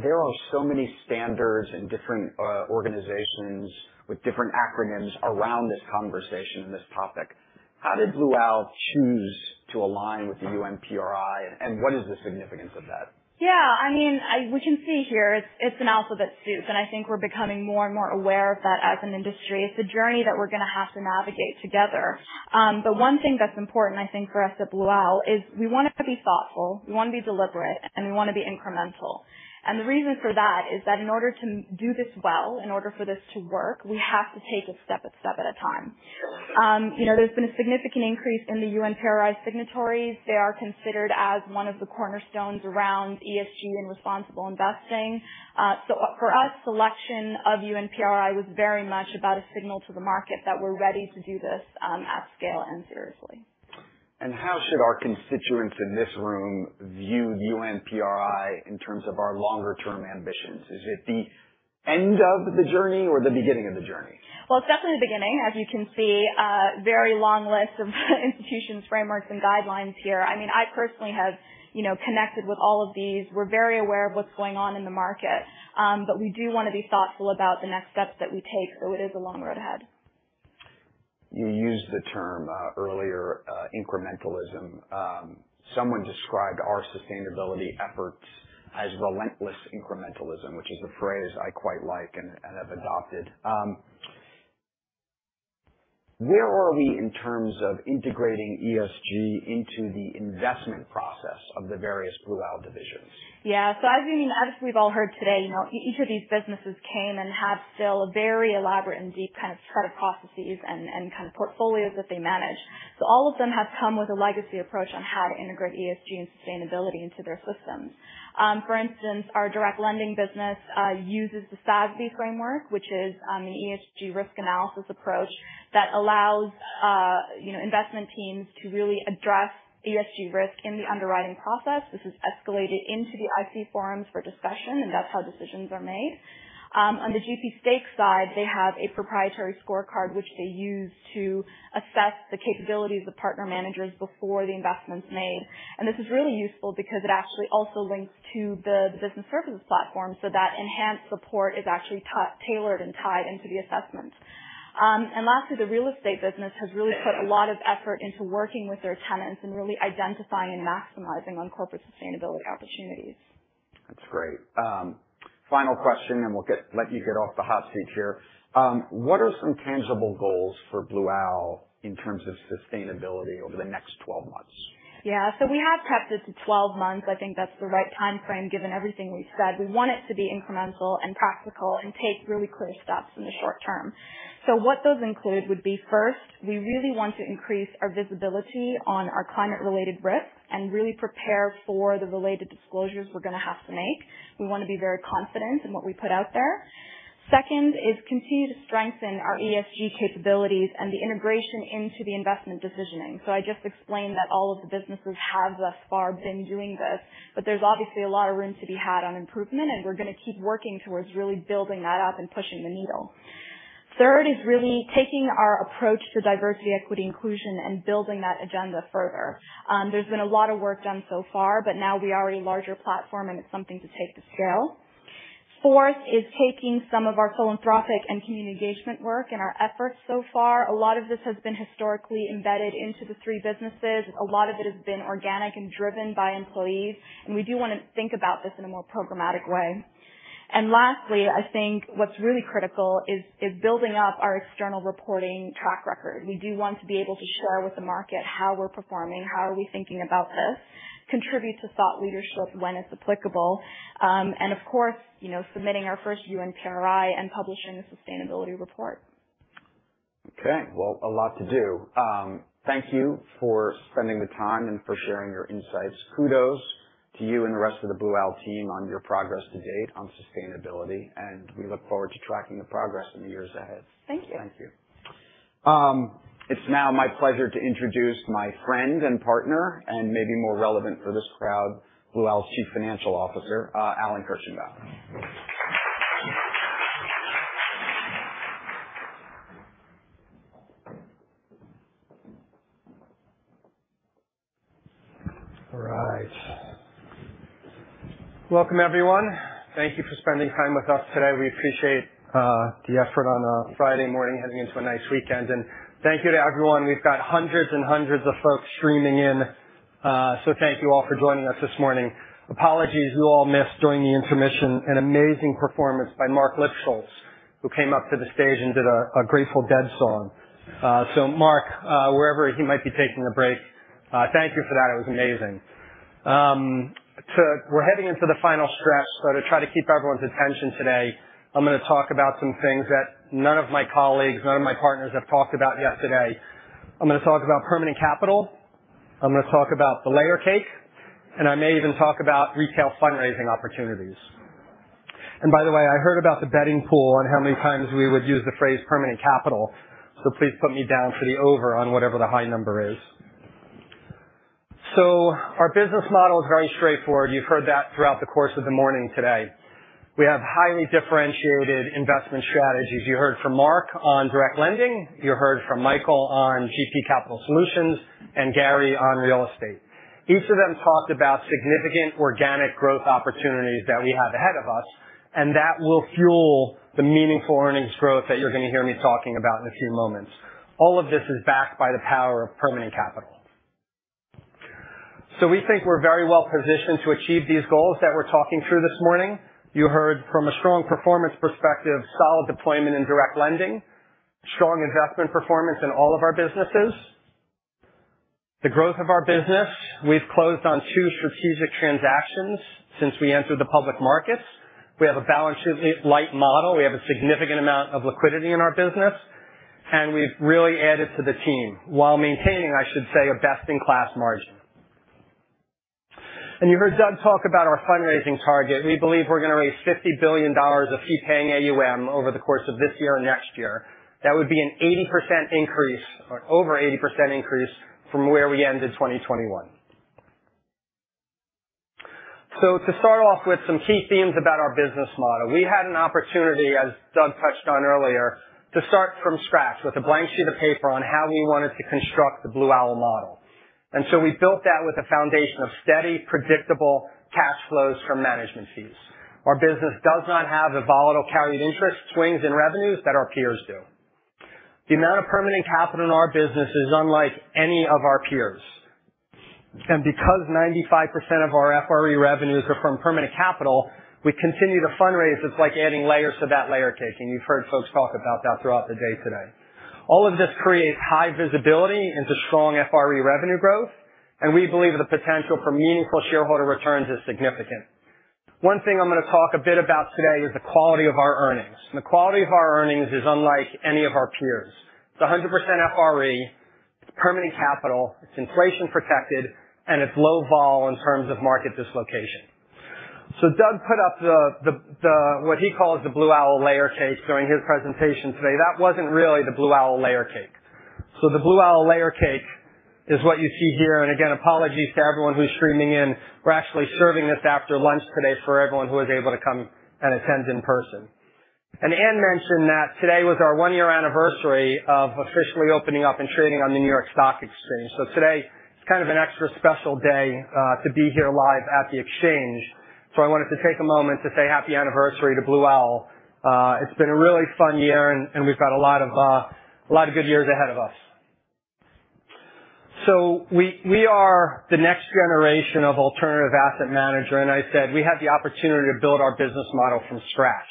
there are so many standards and different organizations with different acronyms around this conversation and this topic. How did Blue Owl choose to align with the UNPRI, and what is the significance of that? Yeah, I mean, I, we can see here, it's, it's an alphabet soup, and I think we're becoming more and more aware of that as an industry. It's a journey that we're going to have to navigate together. One thing that's important, I think, for us at Blue Owl is we want to be thoughtful. We want to be deliberate, and we want to be incremental. The reason for that is that in order to do this well, in order for this to work, we have to take it step by step at a time. You know, there's been a significant increase in the UNPRI signatories. They are considered as one of the cornerstones around ESG and responsible investing. For us, selection of UNPRI was very much about a signal to the market that we're ready to do this, at scale and seriously. How should our constituents in this room view the UNPRI in terms of our longer-term ambitions? Is it the end of the journey or the beginning of the journey? It is definitely the beginning, as you can see. Very long list of institutions, frameworks, and guidelines here. I mean, I personally have, you know, connected with all of these. We're very aware of what's going on in the market, but we do want to be thoughtful about the next steps that we take. It is a long road ahead. You used the term, earlier, incrementalism. Someone described our sustainability efforts as relentless incrementalism, which is a phrase I quite like and have adopted. Where are we in terms of integrating ESG into the investment process of the various Blue Owl divisions? Yeah, as you mean, as we've all heard today, each of these businesses came and have still a very elaborate and deep kind of set of processes and kind of portfolios that they manage. All of them have come with a legacy approach on how to integrate ESG and sustainability into their systems. For instance, our direct lending business uses the SASB framework, which is an ESG risk analysis approach that allows investment teams to really address ESG risk in the underwriting process. This is escalated into the IC forums for discussion, and that's how decisions are made. On the GP stake side, they have a proprietary scorecard, which they use to assess the capabilities of partner managers before the investment is made. This is really useful because it actually also links to the Business Services platform so that enhanced support is actually tailored and tied into the assessment. Lastly, the real estate business has really put a lot of effort into working with their tenants and really identifying and maximizing on corporate sustainability opportunities. That's great. Final question, and we'll let you get off the hot seat here. What are some tangible goals for Blue Owl in terms of sustainability over the next 12 months? Yeah, so we have kept it to 12 months. I think that's the right time frame given everything we've said. We want it to be incremental and practical and take really clear steps in the short term. What those include would be, first, we really want to increase our visibility on our climate-related risk and really prepare for the related disclosures we're going to have to make. We want to be very confident in what we put out there. Second is continue to strengthen our ESG capabilities and the integration into the investment decisioning. I just explained that all of the businesses have thus far been doing this, but there's obviously a lot of room to be had on improvement, and we're going to keep working towards really building that up and pushing the needle. Third is really taking our approach to diversity, equity, inclusion, and building that agenda further. There's been a lot of work done so far, but now we are a larger platform, and it's something to take to scale. Fourth is taking some of our philanthropic and community engagement work and our efforts so far. A lot of this has been historically embedded into the three businesses. A lot of it has been organic and driven by employees, and we do want to think about this in a more programmatic way. Lastly, I think what's really critical is building up our external reporting track record. We do want to be able to share with the market how we're performing, how are we thinking about this, contribute to thought leadership when it's applicable, and of course, you know, submitting our first UNPRI and publishing a sustainability report. Okay, well, a lot to do. Thank you for spending the time and for sharing your insights. Kudos to you and the rest of the Blue Owl team on your progress to date on sustainability, and we look forward to tracking the progress in the years ahead. Thank you. Thank you. It's now my pleasure to introduce my friend and partner, and maybe more relevant for this crowd, Blue Owl's Chief Financial Officer, Alan Kirshenbaum. All right. Welcome, everyone. Thank you for spending time with us today. We appreciate the effort on Friday morning heading into a nice weekend, and thank you to everyone. We've got hundreds and hundreds of folks streaming in, so thank you all for joining us this morning. Apologies you all missed during the intermission, an amazing performance by Marc Lipschultz, who came up to the stage and did a Grateful Dead song. Marc, wherever he might be taking a break, thank you for that. It was amazing. We're heading into the final stretch, so to try to keep everyone's attention today, I'm going to talk about some things that none of my colleagues, none of my partners have talked about yesterday. I'm going to talk about permanent capital. I'm going to talk about the layer cake, and I may even talk about retail fundraising opportunities. By the way, I heard about the betting pool and how many times we would use the phrase permanent capital, so please put me down for the over on whatever the high number is. Our business model is very straightforward. You've heard that throughout the course of the morning today. We have highly differentiated investment strategies. You heard from Marc on direct lending. You heard from Michael on GP Capital Solutions and Gary on real estate. Each of them talked about significant organic growth opportunities that we have ahead of us, and that will fuel the meaningful earnings growth that you're going to hear me talking about in a few moments. All of this is backed by the power of permanent capital. We think we're very well positioned to achieve these goals that we're talking through this morning. You heard from a strong performance perspective, solid deployment and direct lending, strong investment performance in all of our businesses, the growth of our business. We've closed on two strategic transactions since we entered the public markets. We have a balance sheet light model. We have a significant amount of liquidity in our business, and we've really added to the team while maintaining, I should say, a best-in-class margin. You heard Doug talk about our fundraising target. We believe we're going to raise $50 billion of fee-paying AUM over the course of this year and next year. That would be an 80% increase, or over 80% increase from where we ended 2021. To start off with some key themes about our business model, we had an opportunity, as Doug touched on earlier, to start from scratch with a blank sheet of paper on how we wanted to construct the Blue Owl model. We built that with a foundation of steady, predictable cash flows from management fees. Our business does not have the volatile carried interest swings in revenues that our peers do. The amount of permanent capital in our business is unlike any of our peers. Because 95% of our FRE revenues are from permanent capital, we continue to fundraise. It's like adding layers to that layer cake, and you've heard folks talk about that throughout the day today. All of this creates high visibility into strong FRE revenue growth, and we believe the potential for meaningful shareholder returns is significant. One thing I'm going to talk a bit about today is the quality of our earnings. The quality of our earnings is unlike any of our peers. It's 100% FRE. It's permanent capital. It's inflation protected, and it's low vol in terms of market dislocation. Doug put up what he calls the Blue Owl layer cake during his presentation today. That wasn't really the Blue Owl layer cake. The Blue Owl layer cake is what you see here. Again, apologies to everyone who's streaming in. We're actually serving this after lunch today for everyone who was able to come and attend in person. Ann mentioned that today was our one-year anniversary of officially opening up and trading on the New York Stock Exchange. Today, it's kind of an extra special day to be here live at the exchange. I wanted to take a moment to say happy anniversary to Blue Owl. It's been a really fun year, and we've got a lot of good years ahead of us. We are the next generation of alternative asset management. I said we had the opportunity to build our business model from scratch.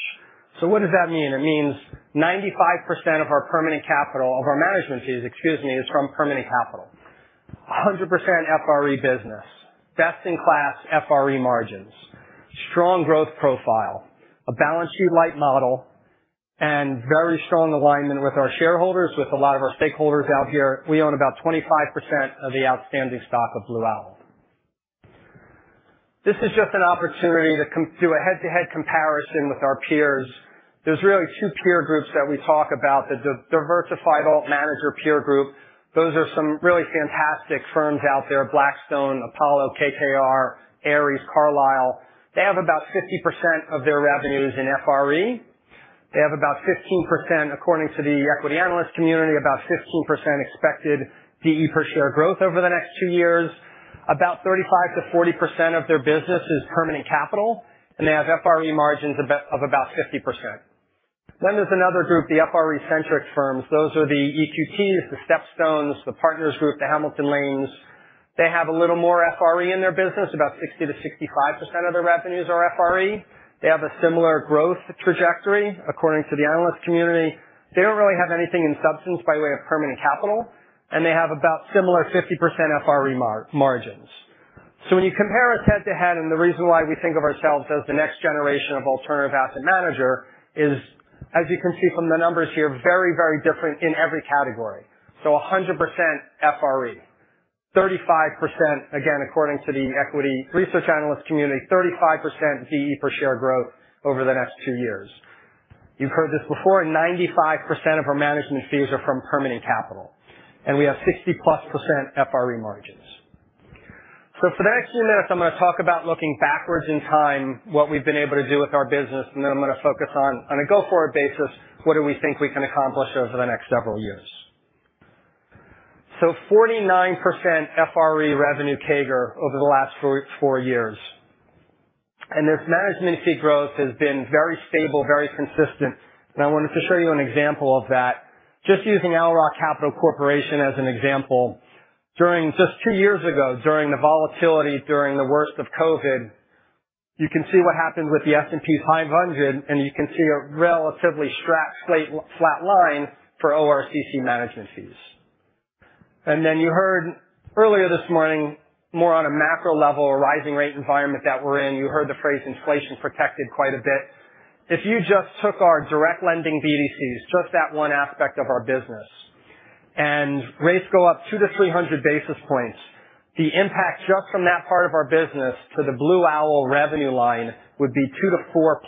What does that mean? It means 95% of our management fees is from permanent capital, 100% FRE business, best-in-class FRE margins, strong growth profile, a balance sheet light model, and very strong alignment with our shareholders, with a lot of our stakeholders out here. We own about 25% of the outstanding stock of Blue Owl. This is just an opportunity to do a head-to-head comparison with our peers. There's really two peer groups that we talk about, the Diversified Alt Manager peer group. Those are some really fantastic firms out there: Blackstone, Apollo, KKR, Ares, Carlyle. They have about 50% of their revenues in FRE. They have about 15%, according to the equity analyst community, about 15% expected DE per share growth over the next two years. About 35%-40% of their business is permanent capital, and they have FRE margins of about 50%. Then there's another group, the FRE centric firms. Those are the EQTs, the StepStones, the Partners Group, the Hamilton Lanes. They have a little more FRE in their business. About 60%-65% of their revenues are FRE. They have a similar growth trajectory, according to the analyst community. They don't really have anything in substance by way of permanent capital, and they have about similar 50% FRE margins. When you compare us head-to-head, and the reason why we think of ourselves as the next generation of alternative asset manager is, as you can see from the numbers here, very, very different in every category. 100% FRE, 35%, again, according to the equity research analyst community, 35% DE per share growth over the next two years. You've heard this before, and 95% of our management fees are from permanent capital, and we have +60% FRE margins. For the next few minutes, I'm going to talk about looking backwards in time, what we've been able to do with our business, and then I'm going to focus on, on a go-forward basis, what do we think we can accomplish over the next several years. Forty-nine percent FRE revenue CAGR over the last four years. This management fee growth has been very stable, very consistent. I wanted to show you an example of that, just using Owl Rock Capital Corporation as an example. Just two years ago, during the volatility, during the worst of COVID, you can see what happened with the S&P 500, and you can see a relatively straight, flat line for ORCC management fees. You heard earlier this morning, more on a macro level, a rising rate environment that we're in. You heard the phrase inflation protected quite a bit. If you just took our direct lending BDCs, just that one aspect of our business, and rates go up 200-300 basis points, the impact just from that part of our business to the Blue Owl revenue line would be + 2% to +4%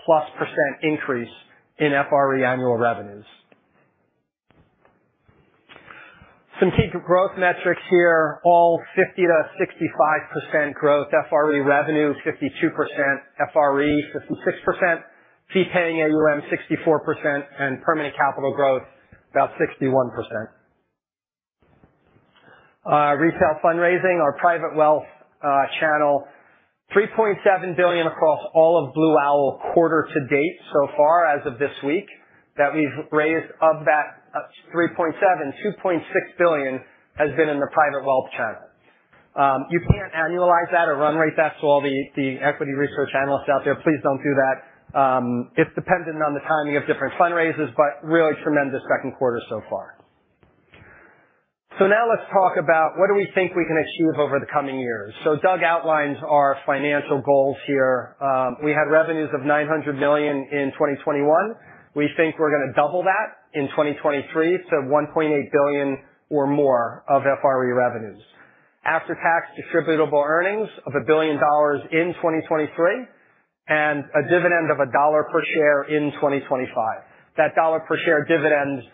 increase in FRE annual revenues. Some key growth metrics here: all 50%-65% growth, FRE revenue 52%, FRE 56%, fee-paying AUM 64%, and permanent capital growth about 61%. Retail fundraising, our private wealth channel, $3.7 billion across all of Blue Owl quarter to date so far, as of this week, that we've raised. Of that $3.7 billion, $2.6 billion has been in the private wealth channel. You can't annualize that or run rate that to all the equity research analysts out there. Please don't do that. It's dependent on the timing of different fundraisers, but really tremendous second quarter so far. Now let's talk about what do we think we can achieve over the coming years. Doug outlines our financial goals here. We had revenues of $900 million in 2021. We think we're going to double that in 2023 to $1.8 billion or more of FRE revenues, after-tax distributable earnings of $1 billion in 2023, and a dividend of $1 per share in 2025. That $1 per share dividend,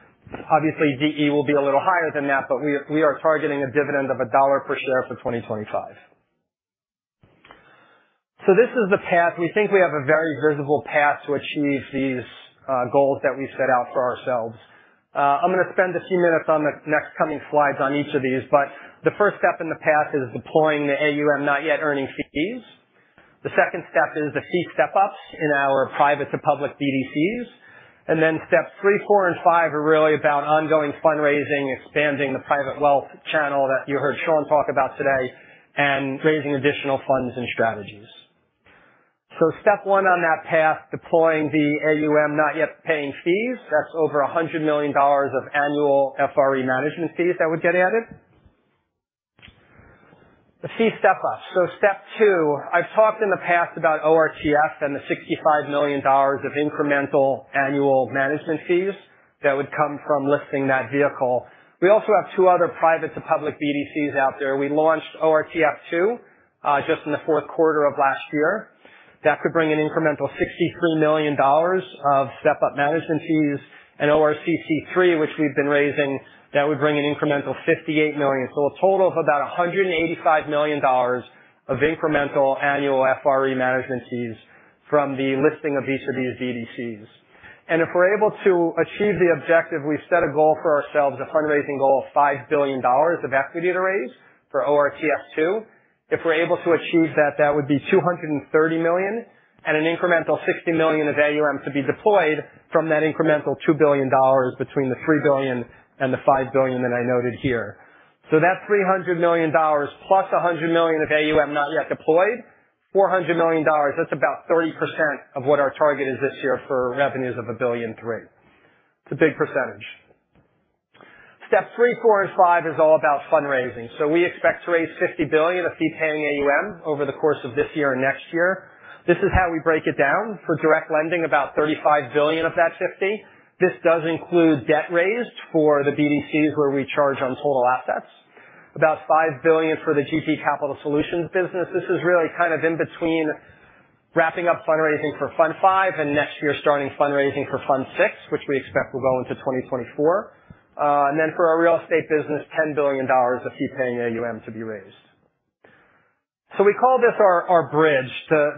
obviously DE will be a little higher than that, but we are targeting a dividend of $1 per share for 2025. This is the path. We think we have a very visible path to achieve these goals that we set out for ourselves. I'm going to spend a few minutes on the next coming slides on each of these, but the first step in the path is deploying the AUM not yet earning fees. The second step is the fee step-ups in our private to public BDCs. Steps three, four, and five are really about ongoing fundraising, expanding the private wealth channel that you heard Sean talk about today, and raising additional funds and strategies. Step one on that path, deploying the AUM not yet paying fees, that's over $100 million of annual FRE management fees that would get added. The fee step-ups. Step two, I've talked in the past about ORTF and the $65 million of incremental annual management fees that would come from listing that vehicle. We also have two other private to public BDCs out there. We launched ORTF2 just in the fourth quarter of last year. That could bring an incremental $63 million of step-up management fees, and ORCC3, which we've been raising, that would bring an incremental $58 million. A total of about $185 million of incremental annual FRE management fees from the listing of each of these BDCs. If we're able to achieve the objective, we've set a goal for ourselves, a fundraising goal of $5 billion of equity to raise for ORTF2. If we're able to achieve that, that would be $230 million, and an incremental $60 million of AUM to be deployed from that incremental $2 billion between the $3 billion and the $5 billion that I noted here. That $300 million plus $100 million of AUM not yet deployed, $400 million, that's about 30% of what our target is this year for revenues of a billion three. It's a big percentage. Step three, four, and five is all about fundraising. We expect to raise $50 billion of fee-paying AUM over the course of this year and next year. This is how we break it down. For direct lending, about $35 billion of that $50 billion. This does include debt raised for the BDCs where we charge on total assets, about $5 billion for the GP Capital Solutions business. This is really kind of in between wrapping up fundraising for Fund 5 and next year starting fundraising for Fund 6, which we expect will go into 2024. For our real estate business, $10 billion of fee-paying AUM to be raised. We call this our bridge.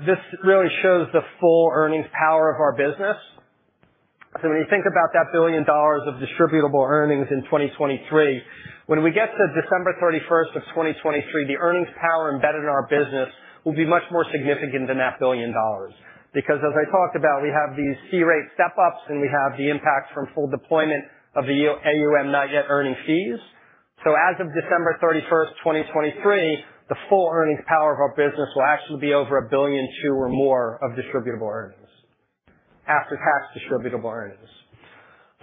This really shows the full earnings power of our business. When you think about that billion dollars of distributable earnings in 2023, when we get to December 31st of 2023, the earnings power embedded in our business will be much more significant than that billion dollars. Because, as I talked about, we have these fee rate step-ups, and we have the impact from full deployment of the AUM not yet earning fees. As of December 31st, 2023, the full earnings power of our business will actually be over $1.2 billion or more of distributable earnings, after-tax distributable earnings.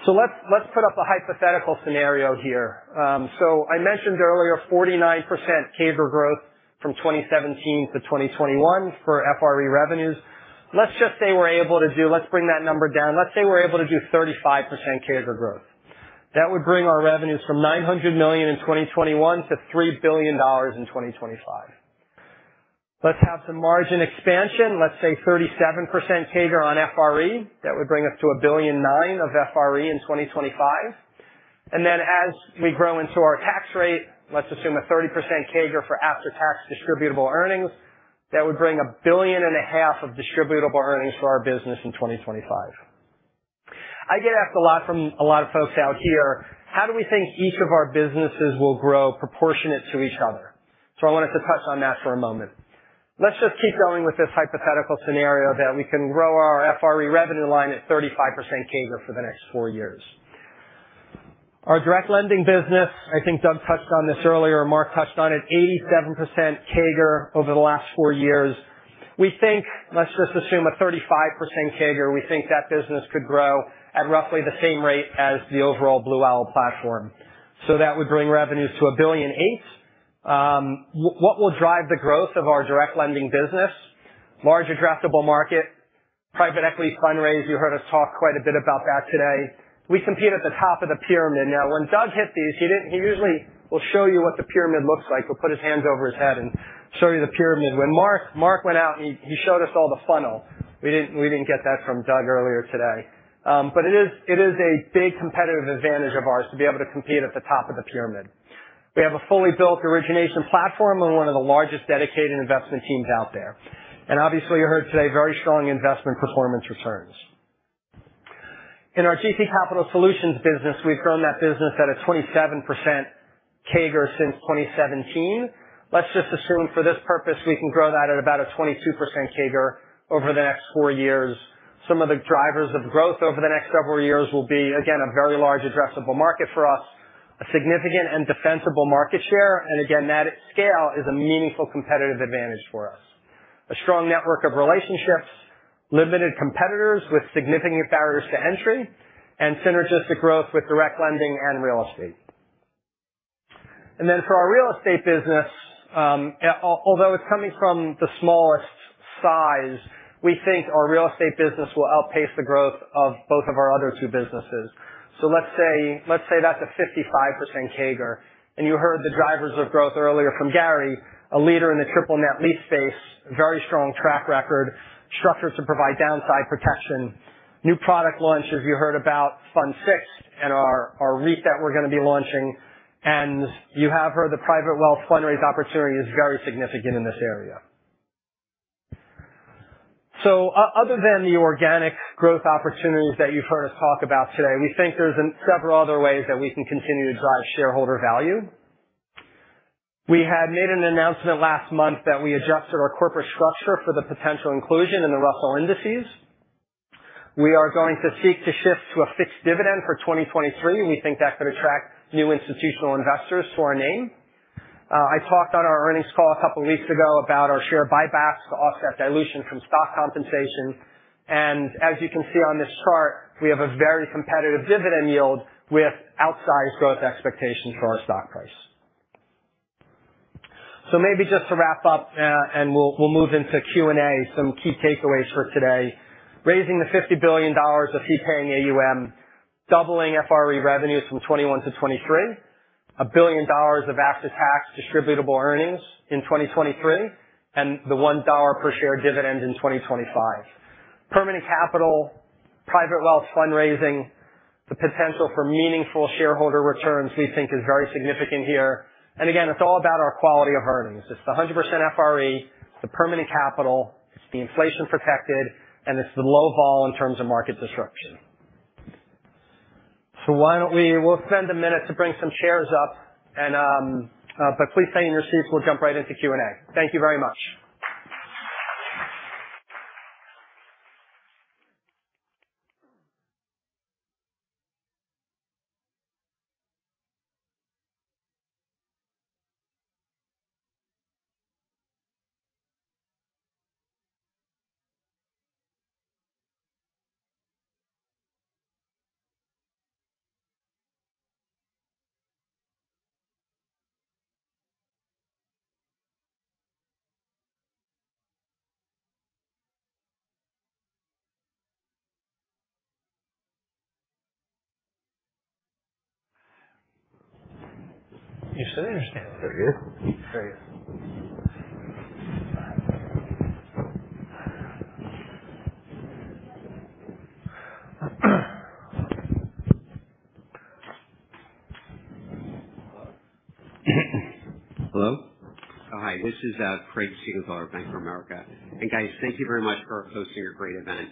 Let's put up a hypothetical scenario here. I mentioned earlier 49% CAGR growth from 2017 to 2021 for FRE revenues. Let's just say we're able to do, let's bring that number down. Let's say we're able to do 35% CAGR growth. That would bring our revenues from $900 million in 2021 to $3 billion in 2025. Let's have some margin expansion. Let's say 37% CAGR on FRE. That would bring us to $1.9 billion of FRE in 2025. As we grow into our tax rate, let's assume a 30% CAGR for after-tax distributable earnings. That would bring $1.5 billion of distributable earnings for our business in 2025. I get asked a lot from a lot of folks out here, how do we think each of our businesses will grow proportionate to each other? I wanted to touch on that for a moment. Let's just keep going with this hypothetical scenario that we can grow our FRE revenue line at 35% CAGR for the next four years. Our direct lending business, I think Doug touched on this earlier, Marc touched on it, 87% CAGR over the last four years. We think, let's just assume a 35% CAGR, we think that business could grow at roughly the same rate as the overall Blue Owl platform. That would bring revenues to $1.8 billion. What will drive the growth of our direct lending business? Larger draftable market, private equity fundraise. You heard us talk quite a bit about that today. We compete at the top of the pyramid. Now, when Doug hit these, he didn't, he usually will show you what the pyramid looks like. He'll put his hands over his head and show you the pyramid. When Mark, Mark went out and he, he showed us all the funnel. We didn't get that from Doug earlier today. It is a big competitive advantage of ours to be able to compete at the top of the pyramid. We have a fully built origination platform and one of the largest dedicated investment teams out there. Obviously, you heard today, very strong investment performance returns. In our GP Capital Solutions business, we've grown that business at a 27% CAGR since 2017. Let's just assume for this purpose, we can grow that at about a 22% CAGR over the next four years. Some of the drivers of growth over the next several years will be, again, a very large addressable market for us, a significant and defensible market share. Again, that scale is a meaningful competitive advantage for us. A strong network of relationships, limited competitors with significant barriers to entry, and synergistic growth with direct lending and real estate. For our real estate business, although it's coming from the smallest size, we think our real estate business will outpace the growth of both of our other two businesses. Let's say, let's say that's a 55% CAGR. You heard the drivers of growth earlier from Gary, a leader in the triple net lease space, very strong track record, structure to provide downside protection, new product launches. You heard about Fund 6 and our REIT that we're going to be launching. You have heard the private wealth fundraise opportunity is very significant in this area. Other than the organic growth opportunities that you've heard us talk about today, we think there's several other ways that we can continue to drive shareholder value. We had made an announcement last month that we adjusted our corporate structure for the potential inclusion in the Russell indices. We are going to seek to shift to a fixed dividend for 2023. We think that could attract new institutional investors to our name. I talked on our earnings call a couple of weeks ago about our share buybacks to offset dilution from stock compensation. As you can see on this chart, we have a very competitive dividend yield with outsized growth expectations for our stock price. Maybe just to wrap up, and we'll move into Q&A, some key takeaways for today. Raising the $50 billion of fee-paying AUM, doubling FRE revenues from 2021 to 2023, $1 billion of after-tax distributable earnings in 2023, and the $1 per share dividend in 2025. Permanent capital, private wealth fundraising, the potential for meaningful shareholder returns we think is very significant here. Again, it's all about our quality of earnings. It's the 100% FRE, it's the permanent capital, it's the inflation protected, and it's the low vol in terms of market disruption. Why don't we spend a minute to bring some chairs up, but please stay in your seats. We'll jump right into Q&A. Thank you very much. You still understand? There he is. There he is. Hello? Hello. Oh, hi. This is Craig Siegenthaler of BofA Securities. And guys, thank you very much for hosting a great event.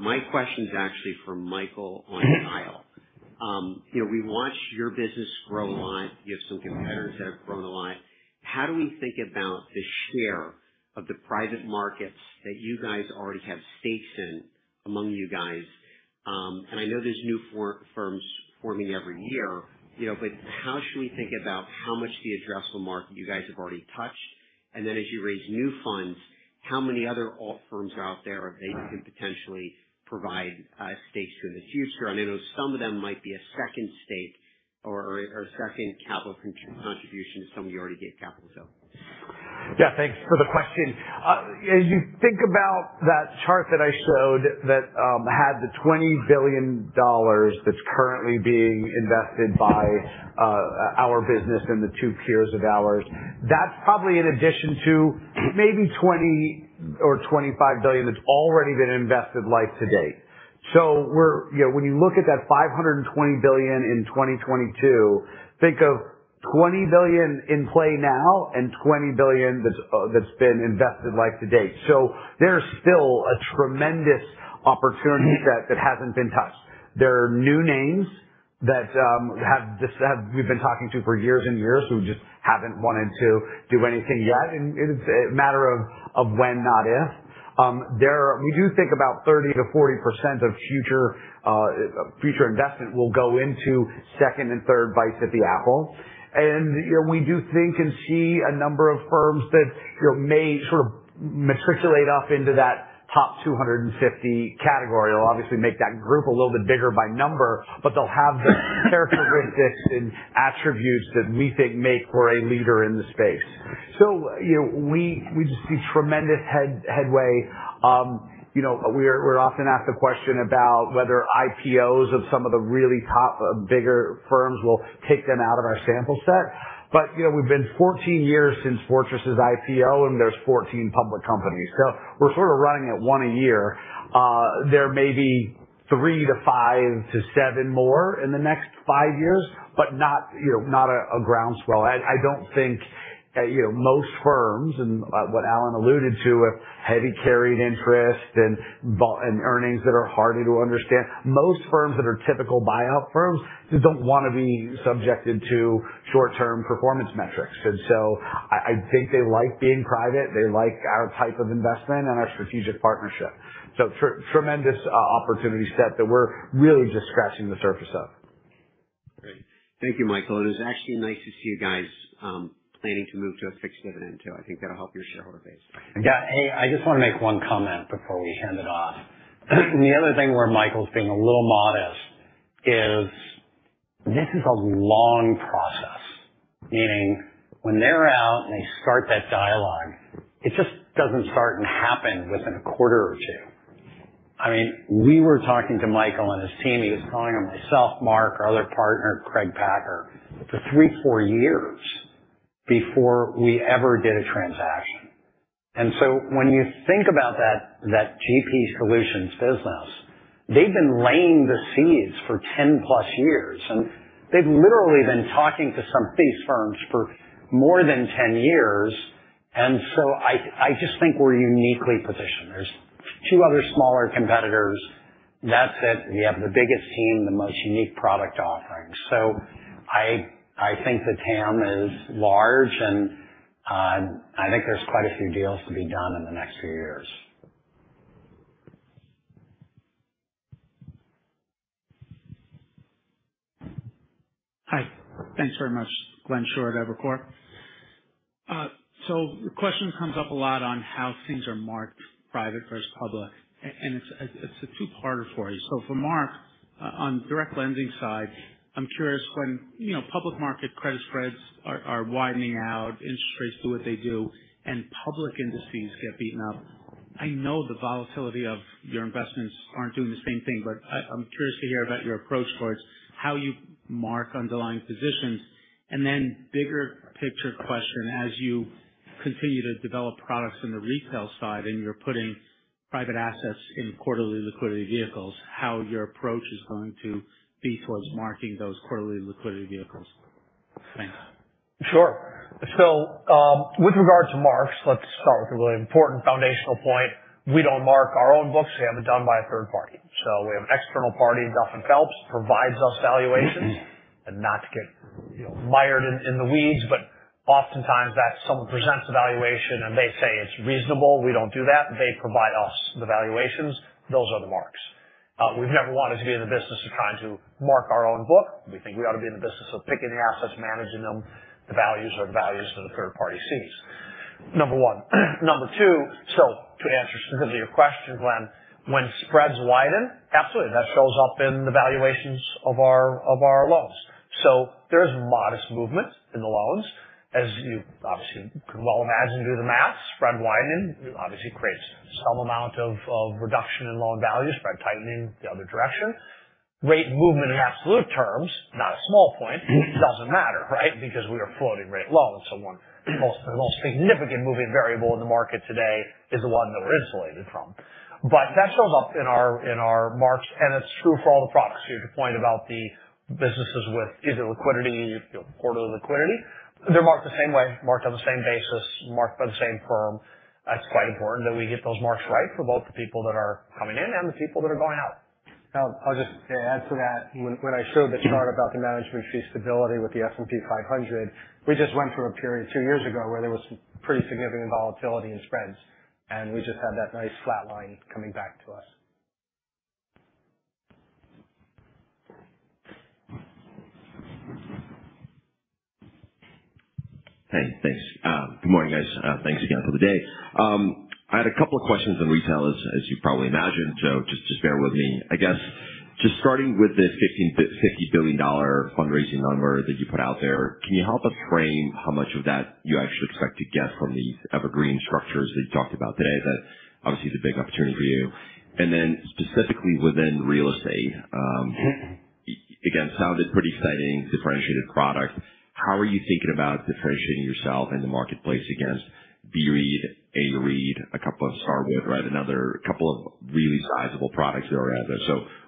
My question's actually for Michael. [inaudible] You know, we watched your business grow a lot. You have some competitors that have grown a lot. How do we think about the share of the private markets that you guys already have stakes in among you guys? You know, I know there's new firms forming every year, you know, but how should we think about how much of the addressable market you guys have already touched? As you raise new funds, how many other firms out there that you can potentially provide stakes to in the future? I know some of them might be a second stake or a second capital contribution to some of the already gave capital. Yeah, thanks for the question. As you think about that chart that I showed that had the $20 billion that's currently being invested by our business and the two peers of ours, that's probably in addition to maybe $20 billion or $25 billion that's already been invested life to date. You know, when you look at that $520 billion in 2022, think of $20 billion in play now and $20 billion that's been invested life to date. There is still a tremendous opportunity set that hasn't been touched. There are new names that, you know, we have been talking to for years and years who just have not wanted to do anything yet. It is a matter of when, not if. We do think about 30%-40% of future investment will go into second and third bites at the apple. You know, we do think and see a number of firms that, you know, may sort of matriculate up into that top 250 category. They'll obviously make that group a little bit bigger by number, but they'll have the characteristics and attributes that we think make for a leader in the space. You know, we just see tremendous headway. You know, we're often asked the question about whether IPOs of some of the really top, bigger firms will take them out of our sample set. You know, we've been 14 years since Fortress's IPO, and there's 14 public companies. We're sort of running at one a year. There may be three to five to seven more in the next five years, but not, you know, not a groundswell. I don't think, you know, most firms and what Alan alluded to with heavy carried interest and earnings that are harder to understand, most firms that are typical buyout firms just don't want to be subjected to short-term performance metrics. I think they like being private. They like our type of investment and our strategic partnership. Tremendous opportunity set that we're really just scratching the surface of. Great. Thank you, Michael. It was actually nice to see you guys, planning to move to a fixed dividend too. I think that'll help your shareholder base. Yeah. Hey, I just want to make one comment before we hand it off. The other thing where Michael's being a little modest is this is a long process. Meaning when they're out and they start that dialogue, it just doesn't start and happen within a quarter or two. I mean, we were talking to Michael and his team. He was calling on myself, Mark, our other partner, Craig Packer, for three, four years before we ever did a transaction. When you think about that, that GP Solutions business, they've been laying the seeds for 10 plus years, and they've literally been talking to some of these firms for more than 10 years. I just think we're uniquely positioned. There are two other smaller competitors. That's it. We have the biggest team, the most unique product offering. I think the TAM is large, and I think there's quite a few deals to be done in the next few years. Hi. Thanks very much, Glenn Schorr of Evercore. The question comes up a lot on how things are marked private versus public. It is a two-parter for you. For Marc, on direct lending side, I am curious when, you know, public market credit spreads are widening out, interest rates do what they do, and public indices get beaten up. I know the volatility of your investments is not doing the same thing, but I am curious to hear about your approach towards how you mark underlying positions. Then bigger picture question, as you continue to develop products in the retail side and you are putting private assets in quarterly liquidity vehicles, how your approach is going to be towards marking those quarterly liquidity vehicles. Thanks. Sure. With regard to marks, let's start with a really important foundational point. We do not mark our own books. We have it done by a third party. We have an external party, Duff and Phelps, provides us valuations and not to get, you know, mired in the weeds, but oftentimes someone presents a valuation and they say it is reasonable. We do not do that. They provide us the valuations. Those are the marks. We have never wanted to be in the business of trying to mark our own book. We think we ought to be in the business of picking the assets, managing them, the values are the values that a third party sees. Number one. Number two, to answer specifically your question, Glenn, when spreads widen, absolutely. That shows up in the valuations of our loans. There is modest movement in the loans. As you obviously can well imagine, do the math. Spread widening obviously creates some amount of reduction in loan value. Spread tightening the other direction. Rate movement in absolute terms, not a small point, does not matter, right? Because we are floating rate loan. The most significant moving variable in the market today is the one that we are insulated from. That shows up in our marks. It is true for all the products. Your point about the businesses with either liquidity, you know, quarterly liquidity, they are marked the same way, marked on the same basis, marked by the same firm. It is quite important that we get those marks right for both the people that are coming in and the people that are going out. I'll just add to that. When I showed the chart about the management fee stability with the S&P 500, we just went through a period two years ago where there was pretty significant volatility in spreads. We just had that nice flat line coming back to us. Hey, thanks. Good morning, guys. Thanks again for the day. I had a couple of questions on retailers, as you probably imagined. Just bear with me. I guess just starting with the $50 billion fundraising number that you put out there, can you help us frame how much of that you actually expect to get from these evergreen structures that you talked about today that obviously is a big opportunity for you? Specifically within real estate, again, sounded pretty exciting, differentiated product. How are you thinking about differentiating yourself in the marketplace against B-Read, A-Read, a couple of Starwood, right? Another couple of really sizable products that are out there.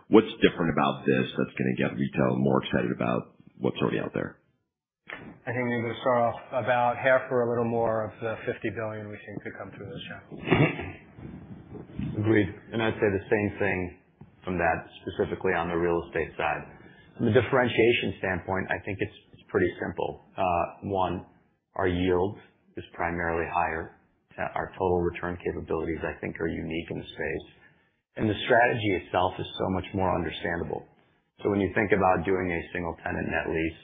What is different about this that is going to get retail more excited about what is already out there? I think maybe to start off about half or a little more of the $50 billion we think could come through this year. Agreed. I'd say the same thing from that, specifically on the real estate side. From a differentiation standpoint, I think it's pretty simple. One, our yield is primarily higher. Our total return capabilities, I think, are unique in the space. The strategy itself is so much more understandable. When you think about doing a single-tenant net lease,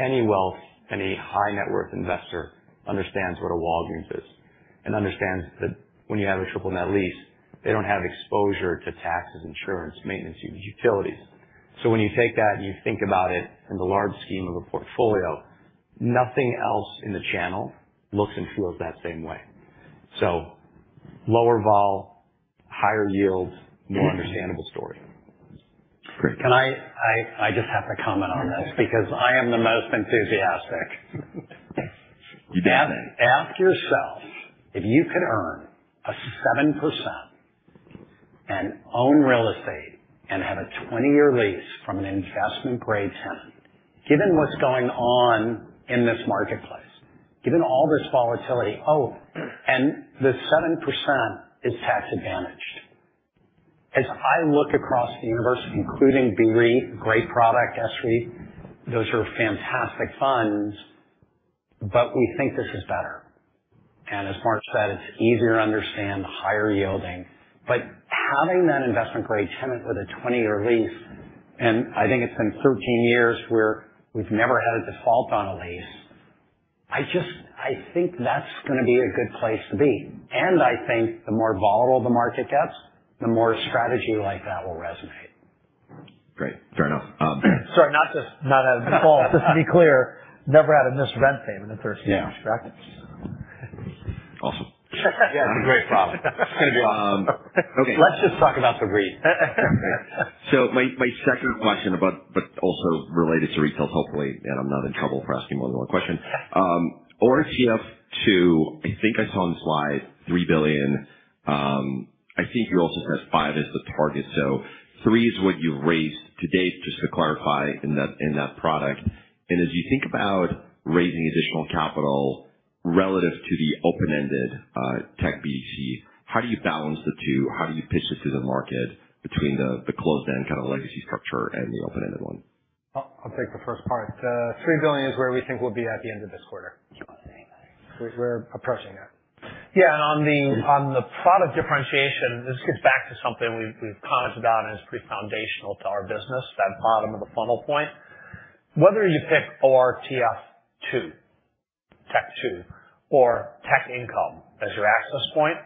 any wealth, any high-net-worth investor understands what a Walgreens is and understands that when you have a triple-net lease, they do not have exposure to taxes, insurance, maintenance, utilities. When you take that and you think about it in the large scheme of a portfolio, nothing else in the channel looks and feels that same way. Lower vol, higher yield, more understandable story. Great. Can I just have to comment on this because I am the most enthusiastic. You bet. Ask yourself if you could earn a 7% and own real estate and have a 20-year lease from an investment-grade tenant, given what's going on in this marketplace, given all this volatility, oh, and the 7% is tax-advantaged. As I look across the universe, including B-REIT, great product, S-REIT, those are fantastic funds, we think this is better. As Mark said, it's easier to understand, higher yielding. Having that investment-grade tenant with a 20-year lease, and I think it's been 13 years where we've never had a default on a lease, I just, I think that's going to be a good place to be. I think the more volatile the market gets, the more strategy like that will resonate. Great. Fair enough. Sorry, not just, not as a default. Just to be clear, never had a misrent payment at their stages, correct? Yeah. Awesome. Yeah, it's a great problem. It's going to be awesome. Okay. Let's just talk about the REIT. My second question, also related to retail, hopefully, and I'm not in trouble for asking more than one question. ORTF2, I think I saw on the slide, $3 billion. I think you also said five is the target. So three is what you've raised to date, just to clarify in that product. And as you think about raising additional capital relative to the open-ended tech BDC, how do you balance the two? How do you pitch it to the market between the closed-end kind of legacy structure and the open-ended one? I'll take the first part. The $3 billion is where we think we'll be at the end of this quarter. We're approaching that. Yeah. On the product differentiation, this gets back to something we've commented on and is pretty foundational to our business, that bottom of the funnel point. Whether you pick ORTF2, tech two, or tech income as your access point,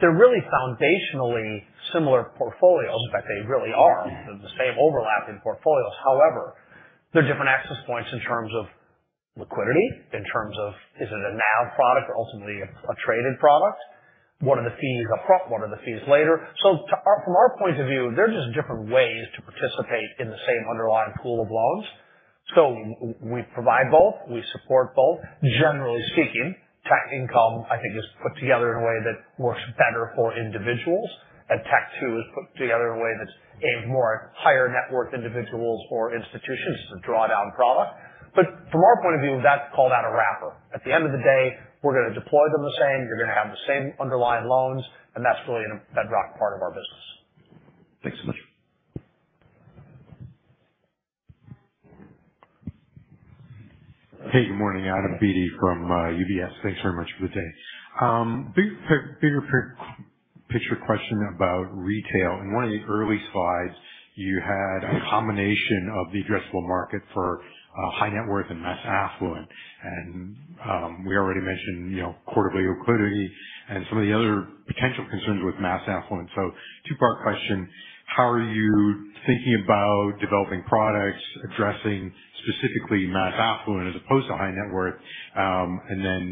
they're really foundationally similar portfolios. In fact, they really are the same overlapping portfolios. However, they're different access points in terms of liquidity, in terms of is it a now product or ultimately a traded product. What are the fees upfront? What are the fees later? From our point of view, they're just different ways to participate in the same underlying pool of loans. We provide both. We support both. Generally speaking, tech income, I think, is put together in a way that works better for individuals, and tech two is put together in a way that's aimed more at higher net worth individuals or institutions. It is a drawdown product. From our point of view, that's called out a wrapper. At the end of the day, we're going to deploy them the same. You're going to have the same underlying loans, and that's really a bedrock part of our business. Thanks so much. Hey, good morning. Adam Beatty from UBS. Thanks very much for the day. Bigger picture question about retail. In one of the early slides, you had a combination of the addressable market for high net worth and mass affluent. And, we already mentioned, you know, quarterly liquidity and some of the other potential concerns with mass affluent. Two-part question. How are you thinking about developing products, addressing specifically mass affluent as opposed to high net worth? And then,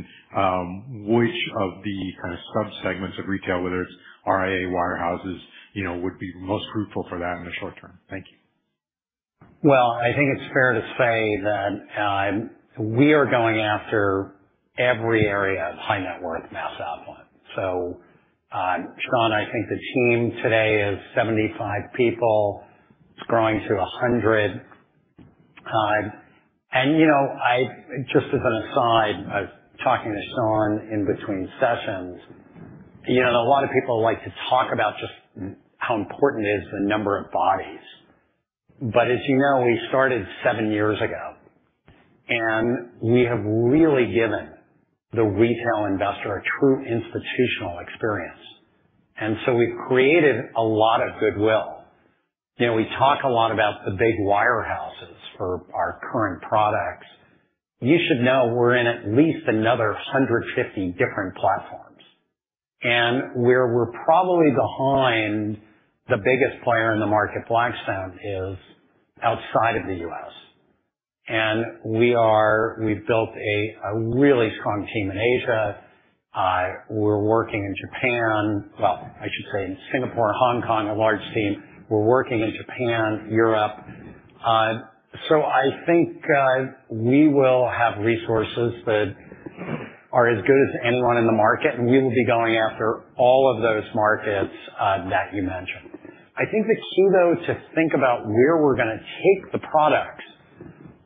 which of the kind of subsegments of retail, whether it's RIA wirehouses, you know, would be most fruitful for that in the short term? Thank you. I think it's fair to say that we are going after every area of high net worth mass affluent. Sean, I think the team today is 75 people. It's growing to 100. You know, I just as an aside, I was talking to Sean in between sessions. You know, a lot of people like to talk about just how important it is, the number of bodies. As you know, we started seven years ago, and we have really given the retail investor a true institutional experience. We have created a lot of goodwill. You know, we talk a lot about the big wirehouses for our current products. You should know we're in at least another 150 different platforms. Where we're probably behind the biggest player in the market, Blackstone, is outside of the U.S. We have built a really strong team in Asia. We're working in Japan. I should say in Singapore, Hong Kong, a large team. We're working in Japan, Europe. I think we will have resources that are as good as anyone in the market, and we will be going after all of those markets that you mentioned. I think the key to think about where we're going to take the products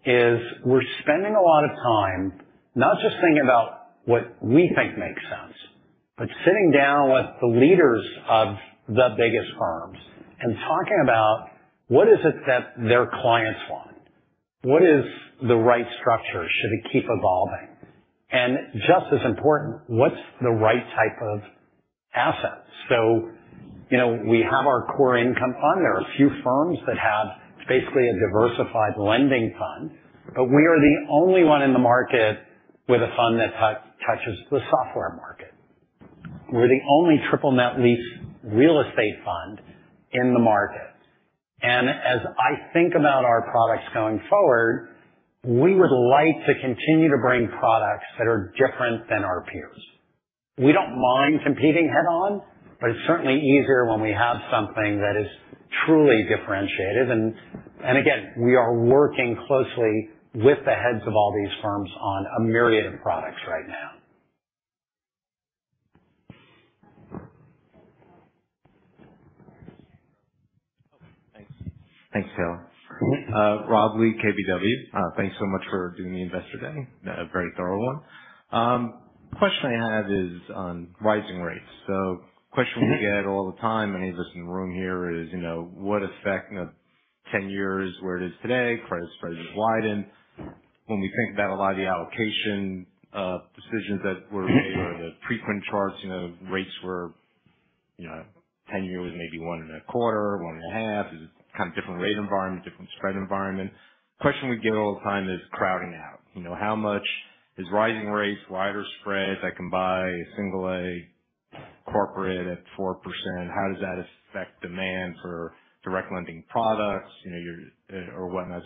is we're spending a lot of time not just thinking about what we think makes sense, but sitting down with the leaders of the biggest firms and talking about what is it that their clients want. What is the right structure? Should it keep evolving? And just as important, what's the right type of asset? You know, we have our Core Income Fund. There are a few firms that have basically a diversified lending fund, but we are the only one in the market with a fund that touches the software market. We're the only triple-net lease real estate fund in the market. As I think about our products going forward, we would like to continue to bring products that are different than our peers. We don't mind competing head-on, but it's certainly easier when we have something that is truly differentiated. Again, we are working closely with the heads of all these firms on a myriad of products right now. Thanks. Thanks, Phil. Rob Lee, KBW. Thanks so much for doing the investor day. Very thorough one. Question I have is on rising rates. Question we get all the time, any of us in the room here, is, you know, what effect in the 10 years where it is today? Credit spreads have widened. When we think about a lot of the allocation decisions that were made or the pre-print charts, you know, rates were, you know, 10 years was maybe one and a quarter, one and a half. It was kind of different rate environment, different spread environment. Question we get all the time is crowding out. You know, how much is rising rates, wider spreads? I can buy a single-A corporate at 4%. How does that affect demand for direct lending products? You know, you're, or whatnot.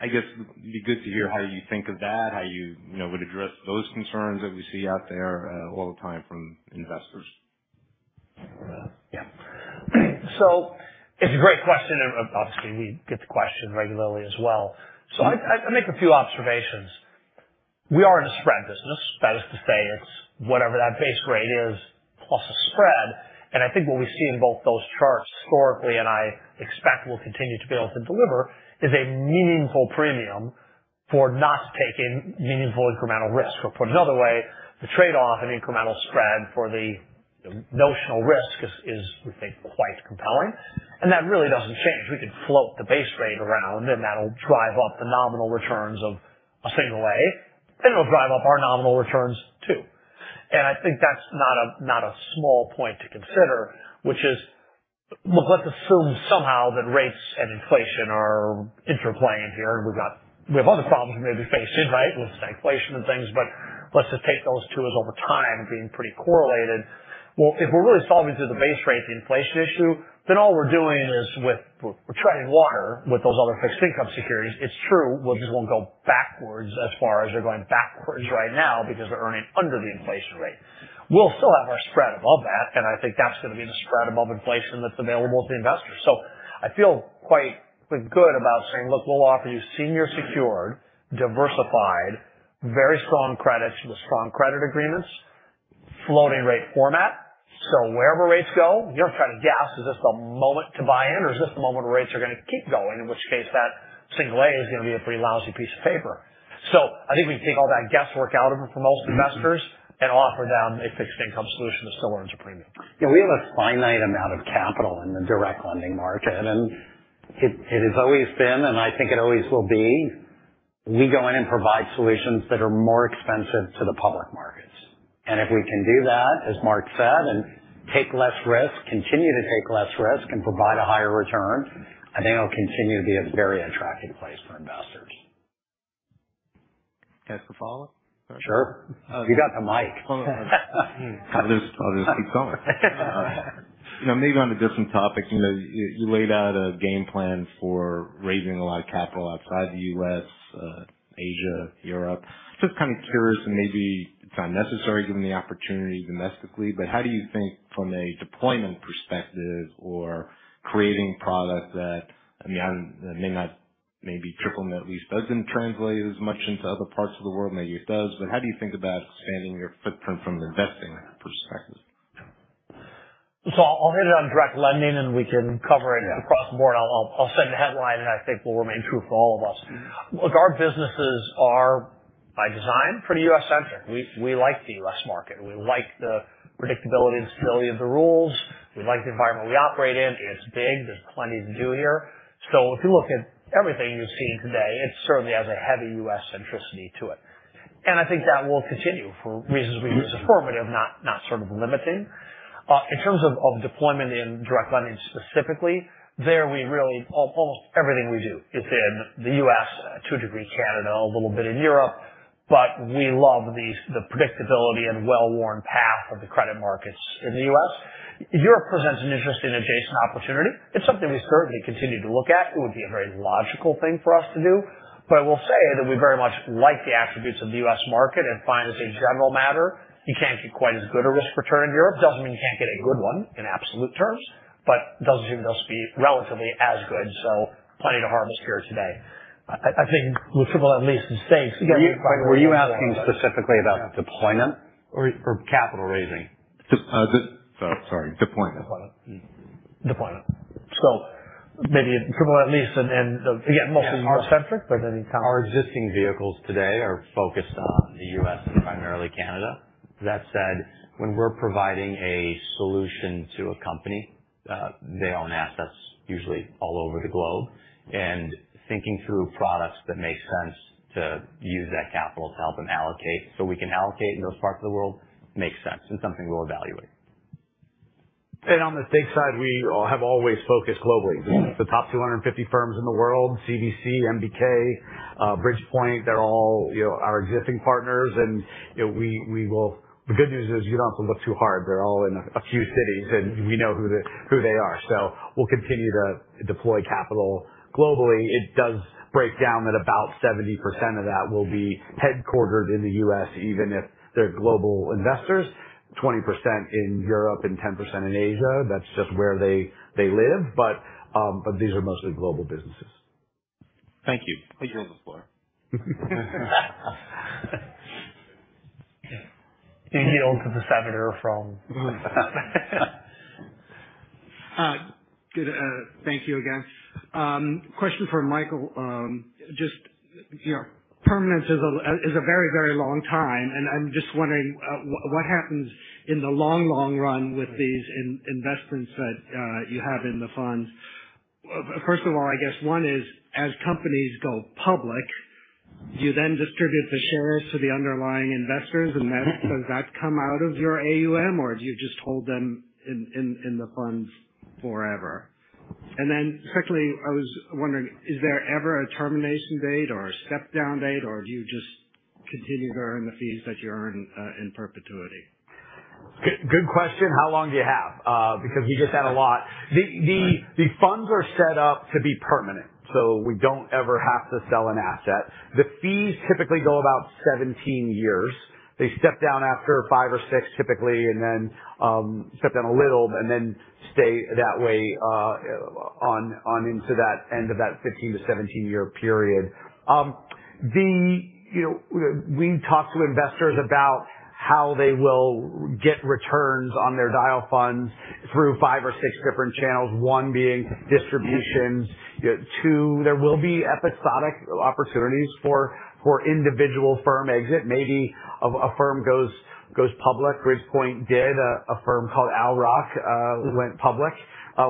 I guess it'd be good to hear how you think of that, how you, you know, would address those concerns that we see out there all the time from investors. Yeah. It's a great question. Obviously, we get the question regularly as well. I make a few observations. We are in a spread business. That is to say, it's whatever that base rate is plus a spread. I think what we see in both those charts historically, and I expect we'll continue to be able to deliver, is a meaningful premium for not taking meaningful incremental risk. Or put another way, the trade-off in incremental spread for the notional risk is, we think, quite compelling. That really doesn't change. We could float the base rate around, and that'll drive up the nominal returns of a single-A, and it'll drive up our nominal returns too. I think that's not a small point to consider, which is, let's assume somehow that rates and inflation are interplaying here, and we have other problems we may be facing, right? With inflation and things. Let's just take those two as over time being pretty correlated. If we're really solving through the base rate the inflation issue, then all we're doing is treading water with those other fixed income securities, it's true. We just won't go backwards as far as they're going backwards right now because they're earning under the inflation rate. We'll still have our spread above that, and I think that's going to be the spread above inflation that's available to the investors. I feel quite good about saying, "Look, we'll offer you senior secured, diversified, very strong credits with strong credit agreements, floating rate format." Wherever rates go, you're trying to guess, is this the moment to buy in, or is this the moment where rates are going to keep going, in which case that single-A is going to be a pretty lousy piece of paper? I think we can take all that guesswork out of it for most investors and offer them a fixed income solution that still earns a premium. Yeah, we have a finite amount of capital in the direct lending market, and it has always been, and I think it always will be. We go in and provide solutions that are more expensive to the public markets. If we can do that, as Marc said, and take less risk, continue to take less risk, and provide a higher return, I think it'll continue to be a very attractive place for investors. Can I ask a follow-up? Sure. You got the mic. I'll just, I'll just keep going. You know, maybe on a different topic, you know, you, you laid out a game plan for raising a lot of capital outside the U.S., Asia, Europe. Just kind of curious, and maybe it's not necessary given the opportunity domestically, but how do you think from a deployment perspective or creating product that, I mean, I may not, maybe triple net lease doesn't translate as much into other parts of the world, maybe it does, but how do you think about expanding your footprint from an investing perspective? I'll hit it on direct lending, and we can cover it across the board. I'll send a headline, and I think it will remain true for all of us. Look, our businesses are by design pretty U.S.-centric. We like the U.S. market. We like the predictability and stability of the rules. We like the environment we operate in. It's big. There's plenty to do here. If you look at everything you've seen today, it certainly has a heavy U.S.-centricity to it. I think that will continue for reasons we use affirmative, not sort of limiting. In terms of deployment in direct lending specifically, there we really, almost everything we do is in the U.S., to a degree Canada, a little bit in Europe, but we love the predictability and well-worn path of the credit markets in the U.S. Europe presents an interesting adjacent opportunity. It's something we certainly continue to look at. It would be a very logical thing for us to do. I will say that we very much like the attributes of the U.S. market and find as a general matter, you can't get quite as good a risk return in Europe. It doesn't mean you can't get a good one in absolute terms, but it doesn't seem to us to be relatively as good. Plenty to harvest here today. I think with triple net lease and stakes, again, we're talking about. Were you asking specifically about deployment or, or capital raising? the, sorry, deployment. Deployment. Deployment. Maybe triple-net lease and, and again, mostly U.S.-centric, but any kind of. Our existing vehicles today are focused on the U.S. and primarily Canada. That said, when we're providing a solution to a company, they own assets usually all over the globe, and thinking through products that make sense to use that capital to help them allocate. We can allocate in those parts of the world, makes sense, and something we'll evaluate. On the stake side, we have always focused globally. The top 250 firms in the world, CVC, MBK, Bridgepoint, they're all, you know, our existing partners. You know, the good news is you don't have to look too hard. They're all in a few cities, and we know who they are. We will continue to deploy capital globally. It does break down that about 70% of that will be headquartered in the U.S., even if they're global investors, 20% in Europe and 10% in Asia. That's just where they live. These are mostly global businesses. Thank you. Please roll the floor. Yield to the senator from. Good, thank you again. Question for Michael. Just, you know, permanence is a, is a very, very long time. I am just wondering, what happens in the long, long run with these investments that you have in the funds? First of all, I guess one is, as companies go public, do you then distribute the shares to the underlying investors? Does that come out of your AUM, or do you just hold them in the funds forever? Secondly, I was wondering, is there ever a termination date or a step-down date, or do you just continue to earn the fees that you earn, in perpetuity? Good, good question. How long do you have? Because we just had a lot. The funds are set up to be permanent, so we do not ever have to sell an asset. The fees typically go about 17 years. They step down after five or six typically, and then step down a little and then stay that way, on into that end of that 15-17-year period. You know, we talk to investors about how they will get returns on their Dyal funds through five or six different channels, one being distributions. You know, two, there will be episodic opportunities for individual firm exit. Maybe a firm goes public. Bridgepoint did, a firm called Owl Rock went public.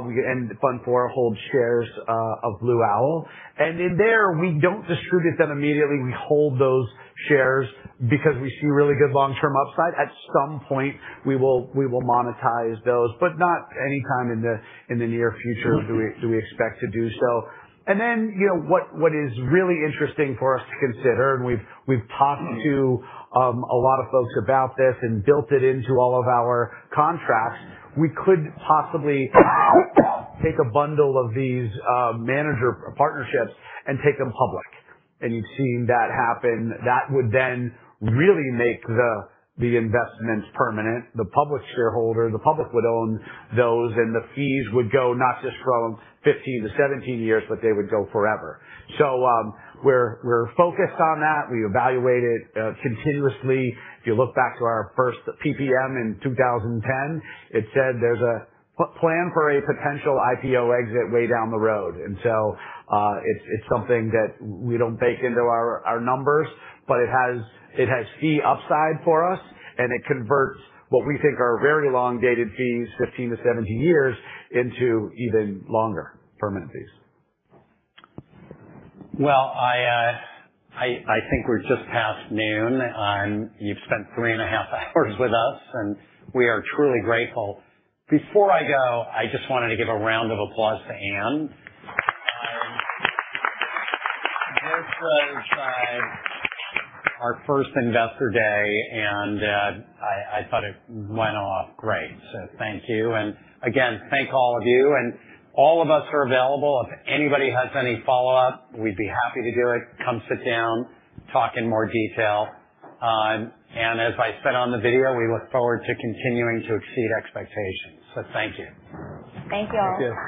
We and Fund Four hold shares of Blue Owl. And in there, we do not distribute them immediately. We hold those shares because we see really good long-term upside. At some point, we will monetize those, but not anytime in the near future do we expect to do so. You know, what is really interesting for us to consider, and we've talked to a lot of folks about this and built it into all of our contracts, we could possibly take a bundle of these manager partnerships and take them public. You have seen that happen. That would then really make the investments permanent. The public shareholder, the public would own those, and the fees would go not just from 15-17 years, but they would go forever. We are focused on that. We evaluate it continuously. If you look back to our first PPM in 2010, it said there's a plan for a potential IPO exit way down the road. It's something that we don't bake into our numbers, but it has fee upside for us, and it converts what we think are very long-dated fees, 15-17 years, into even longer permanent fees. I think we're just past noon. You've spent three and a half hours with us, and we are truly grateful. Before I go, I just wanted to give a round of applause to Ann. This was our first investor day, and I thought it went off great. Thank you. Thank all of you. All of us are available. If anybody has any follow-up, we'd be happy to do it. Come sit down, talk in more detail. As I said on the video, we look forward to continuing to exceed expectations. Thank you. Thank you all.